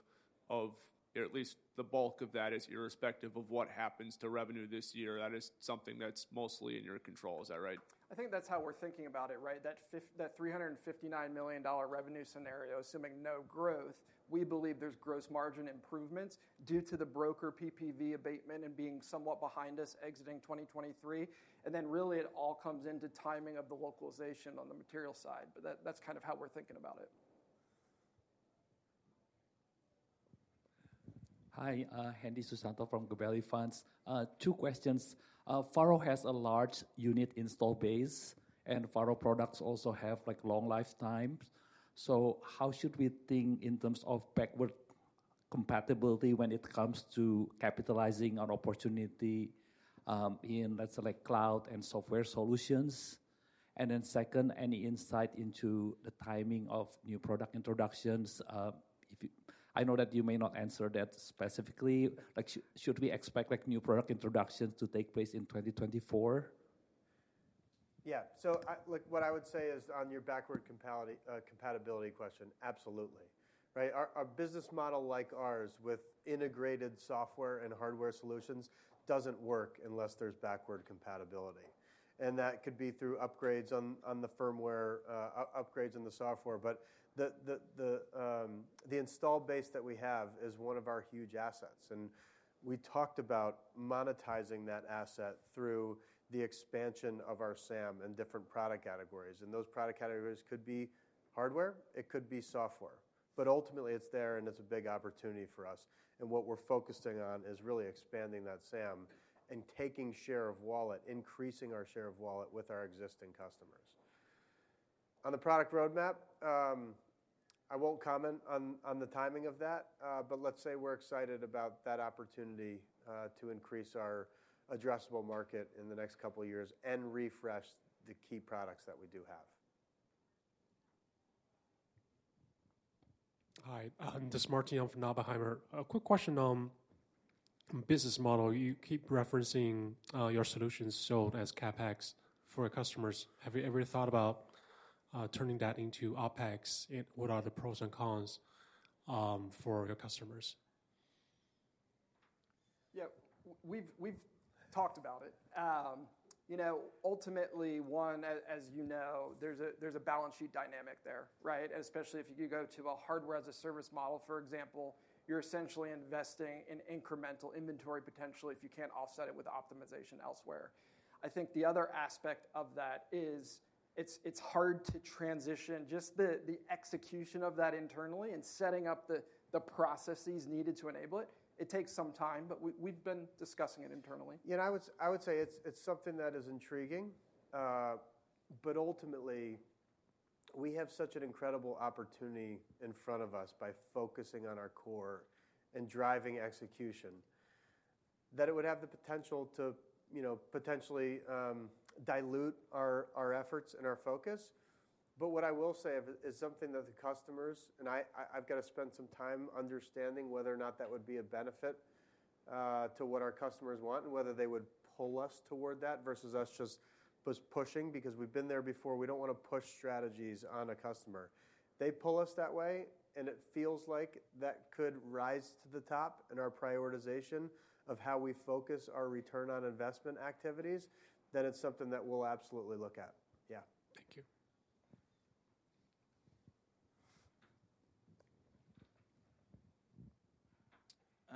of at least the bulk of that is irrespective of what happens to revenue this year. That is something that's mostly in your control. Is that right? I think that's how we're thinking about it, right? That $359 million revenue scenario, assuming no growth, we believe there's gross margin improvements due to the broker PPV abatement and being somewhat behind us exiting 2023. And then really it all comes into timing of the localization on the material side. But that's kind of how we're thinking about it. Hi, Hendi Susanto from Gabelli Funds. Two questions. Faro has a large unit installed base, and Faro products also have long lifetimes. So how should we think in terms of backward compatibility when it comes to capitalizing on opportunity in, let's say, cloud and software solutions? And then second, any insight into the timing of new product introductions? I know that you may not answer that specifically. Should we expect new product introductions to take place in 2024? Yeah, so what I would say is on your backward compatibility question, absolutely. A business model like ours with integrated software and hardware solutions doesn't work unless there's backward compatibility. That could be through upgrades on the firmware, upgrades in the software, but the install base that we have is one of our huge assets. We talked about monetizing that asset through the expansion of our SAM and different product categories. Those product categories could be hardware, it could be software. Ultimately, it's there and it's a big opportunity for us. What we're focusing on is really expanding that SAM and taking share of wallet, increasing our share of wallet with our existing customers. On the product roadmap, I won't comment on the timing of that, but let's say we're excited about that opportunity to increase our addressable market in the next couple of years and refresh the key products that we do have. Hi, this is Martin from Oppenheimer. A quick question on business model. You keep referencing your solutions sold as CapEx for your customers. Have you ever thought about turning that into OpEx? What are the pros and cons for your customers? Yeah, we've talked about it. Ultimately, one, as you know, there's a balance sheet dynamic there, right? And especially if you go to a hardware as a service model, for example, you're essentially investing in incremental inventory potentially if you can't offset it with optimization elsewhere. I think the other aspect of that is it's hard to transition, just the execution of that internally and setting up the processes needed to enable it. It takes some time, but we've been discussing it internally. Yeah, and I would say it's something that is intriguing, but ultimately we have such an incredible opportunity in front of us by focusing on our core and driving execution that it would have the potential to potentially dilute our efforts and our focus. But what I will say is something that the customers, and I've got to spend some time understanding whether or not that would be a benefit to what our customers want and whether they would pull us toward that versus us just pushing because we've been there before. We don't want to push strategies on a customer. They pull us that way, and it feels like that could rise to the top in our prioritization of how we focus our return on investment activities. Then it's something that we'll absolutely look at.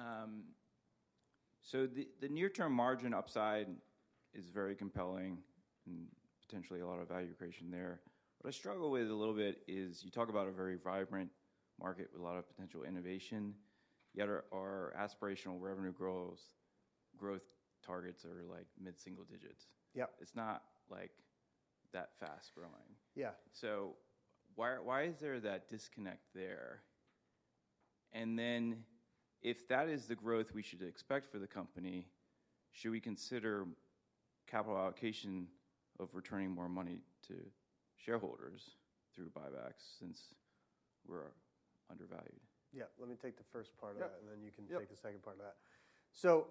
Yeah. Thank you. The near-term margin upside is very compelling and potentially a lot of value creation there. What I struggle with a little bit is you talk about a very vibrant market with a lot of potential innovation, yet our aspirational revenue growth targets are mid-single digits. It's not that fast growing. Why is there that disconnect there? And then if that is the growth we should expect for the company, should we consider capital allocation of returning more money to shareholders through buy backs since we're undervalued? Yeah, let me take the first part of that, and then you can take the second part of that. So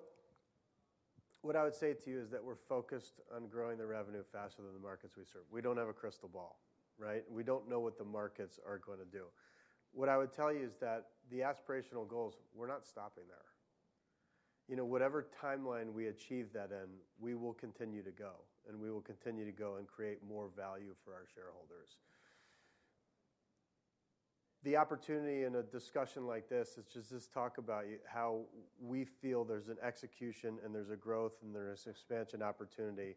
what I would say to you is that we're focused on growing the revenue faster than the markets we serve. We don't have a crystal ball, right? We don't know what the markets are going to do. What I would tell you is that the aspirational goals, we're not stopping there. Whatever timeline we achieve that in, we will continue to go, and we will continue to go and create more value for our shareholders. The opportunity in a discussion like this is just to talk about how we feel there's an execution and there's a growth and there's expansion opportunity.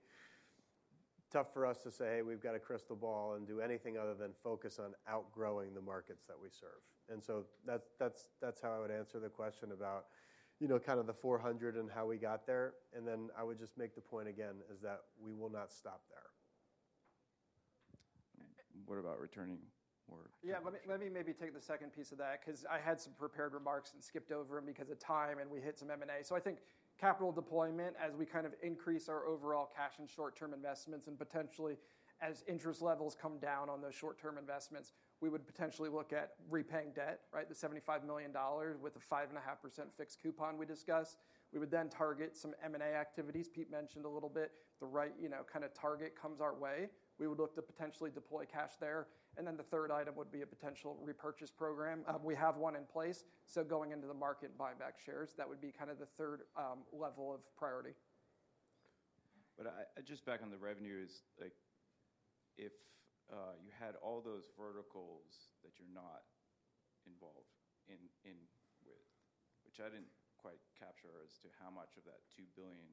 Tough for us to say, "Hey, we've got a crystal ball," and do anything other than focus on outgrowing the markets that we serve. And so that's how I would answer the question about kind of the 400 and how we got there. And then I would just make the point again is that we will not stop there. What about returning more? Yeah, let me maybe take the second piece of that because I had some prepared remarks and skipped over them because of time and we hit some M&A. So I think capital deployment, as we kind of increase our overall cash and short-term investments and potentially as interest levels come down on those short-term investments, we would potentially look at repaying debt, right? The $75 million with a 5.5% fixed coupon we discussed. We would then target some M&A activities. Pete mentioned a little bit, the right kind of target comes our way. We would look to potentially deploy cash there. And then the third item would be a potential repurchase program. We have one in place. So going into the market and buy back shares, that would be kind of the third level of priority. But just back on the revenues, if you had all those verticals that you're not involved in with, which I didn't quite capture as to how much of that $2 billion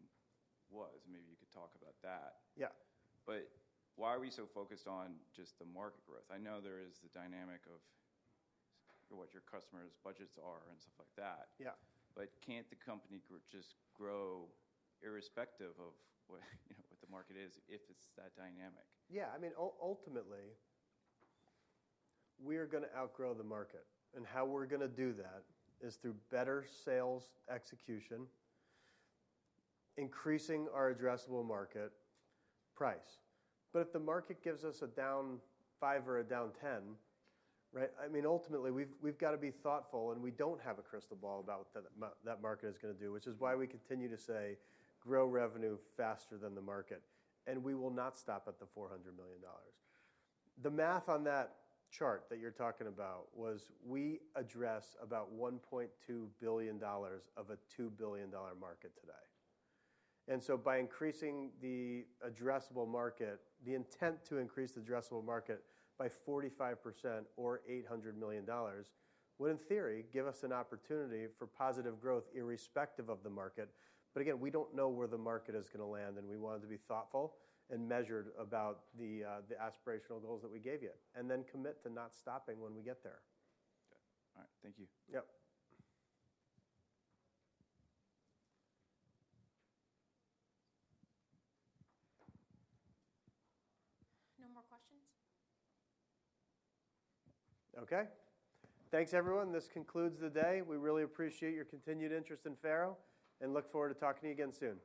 was, maybe you could talk about that. But why are we so focused on just the market growth? I know there is the dynamic of what your customers' budgets are and stuff like that. But can't the company just grow irrespective of what the market is if it's that dynamic? Yeah, I mean, ultimately, we are going to outgrow the market. And how we're going to do that is through better sales execution, increasing our addressable market price. But if the market gives us a down 5% or a down 10%, I mean, ultimately, we've got to be thoughtful and we don't have a crystal ball about what that market is going to do, which is why we continue to say grow revenue faster than the market. And we will not stop at the $400 million. The math on that chart that you're talking about was we address about $1.2 billion of a $2 billion market today. And so by increasing the addressable market, the intent to increase the addressable market by 45% or $800 million would, in theory, give us an opportunity for positive growth irrespective of the market. But again, we don't know where the market is going to land, and we want it to be thoughtful and measured about the aspirational goals that we gave you and then commit to not stopping when we get there. All right, thank you. Yep. No more questions? Okay. Thanks, everyone. This concludes the day. We really appreciate your continued interest in Faro and look forward to talking to you again soon.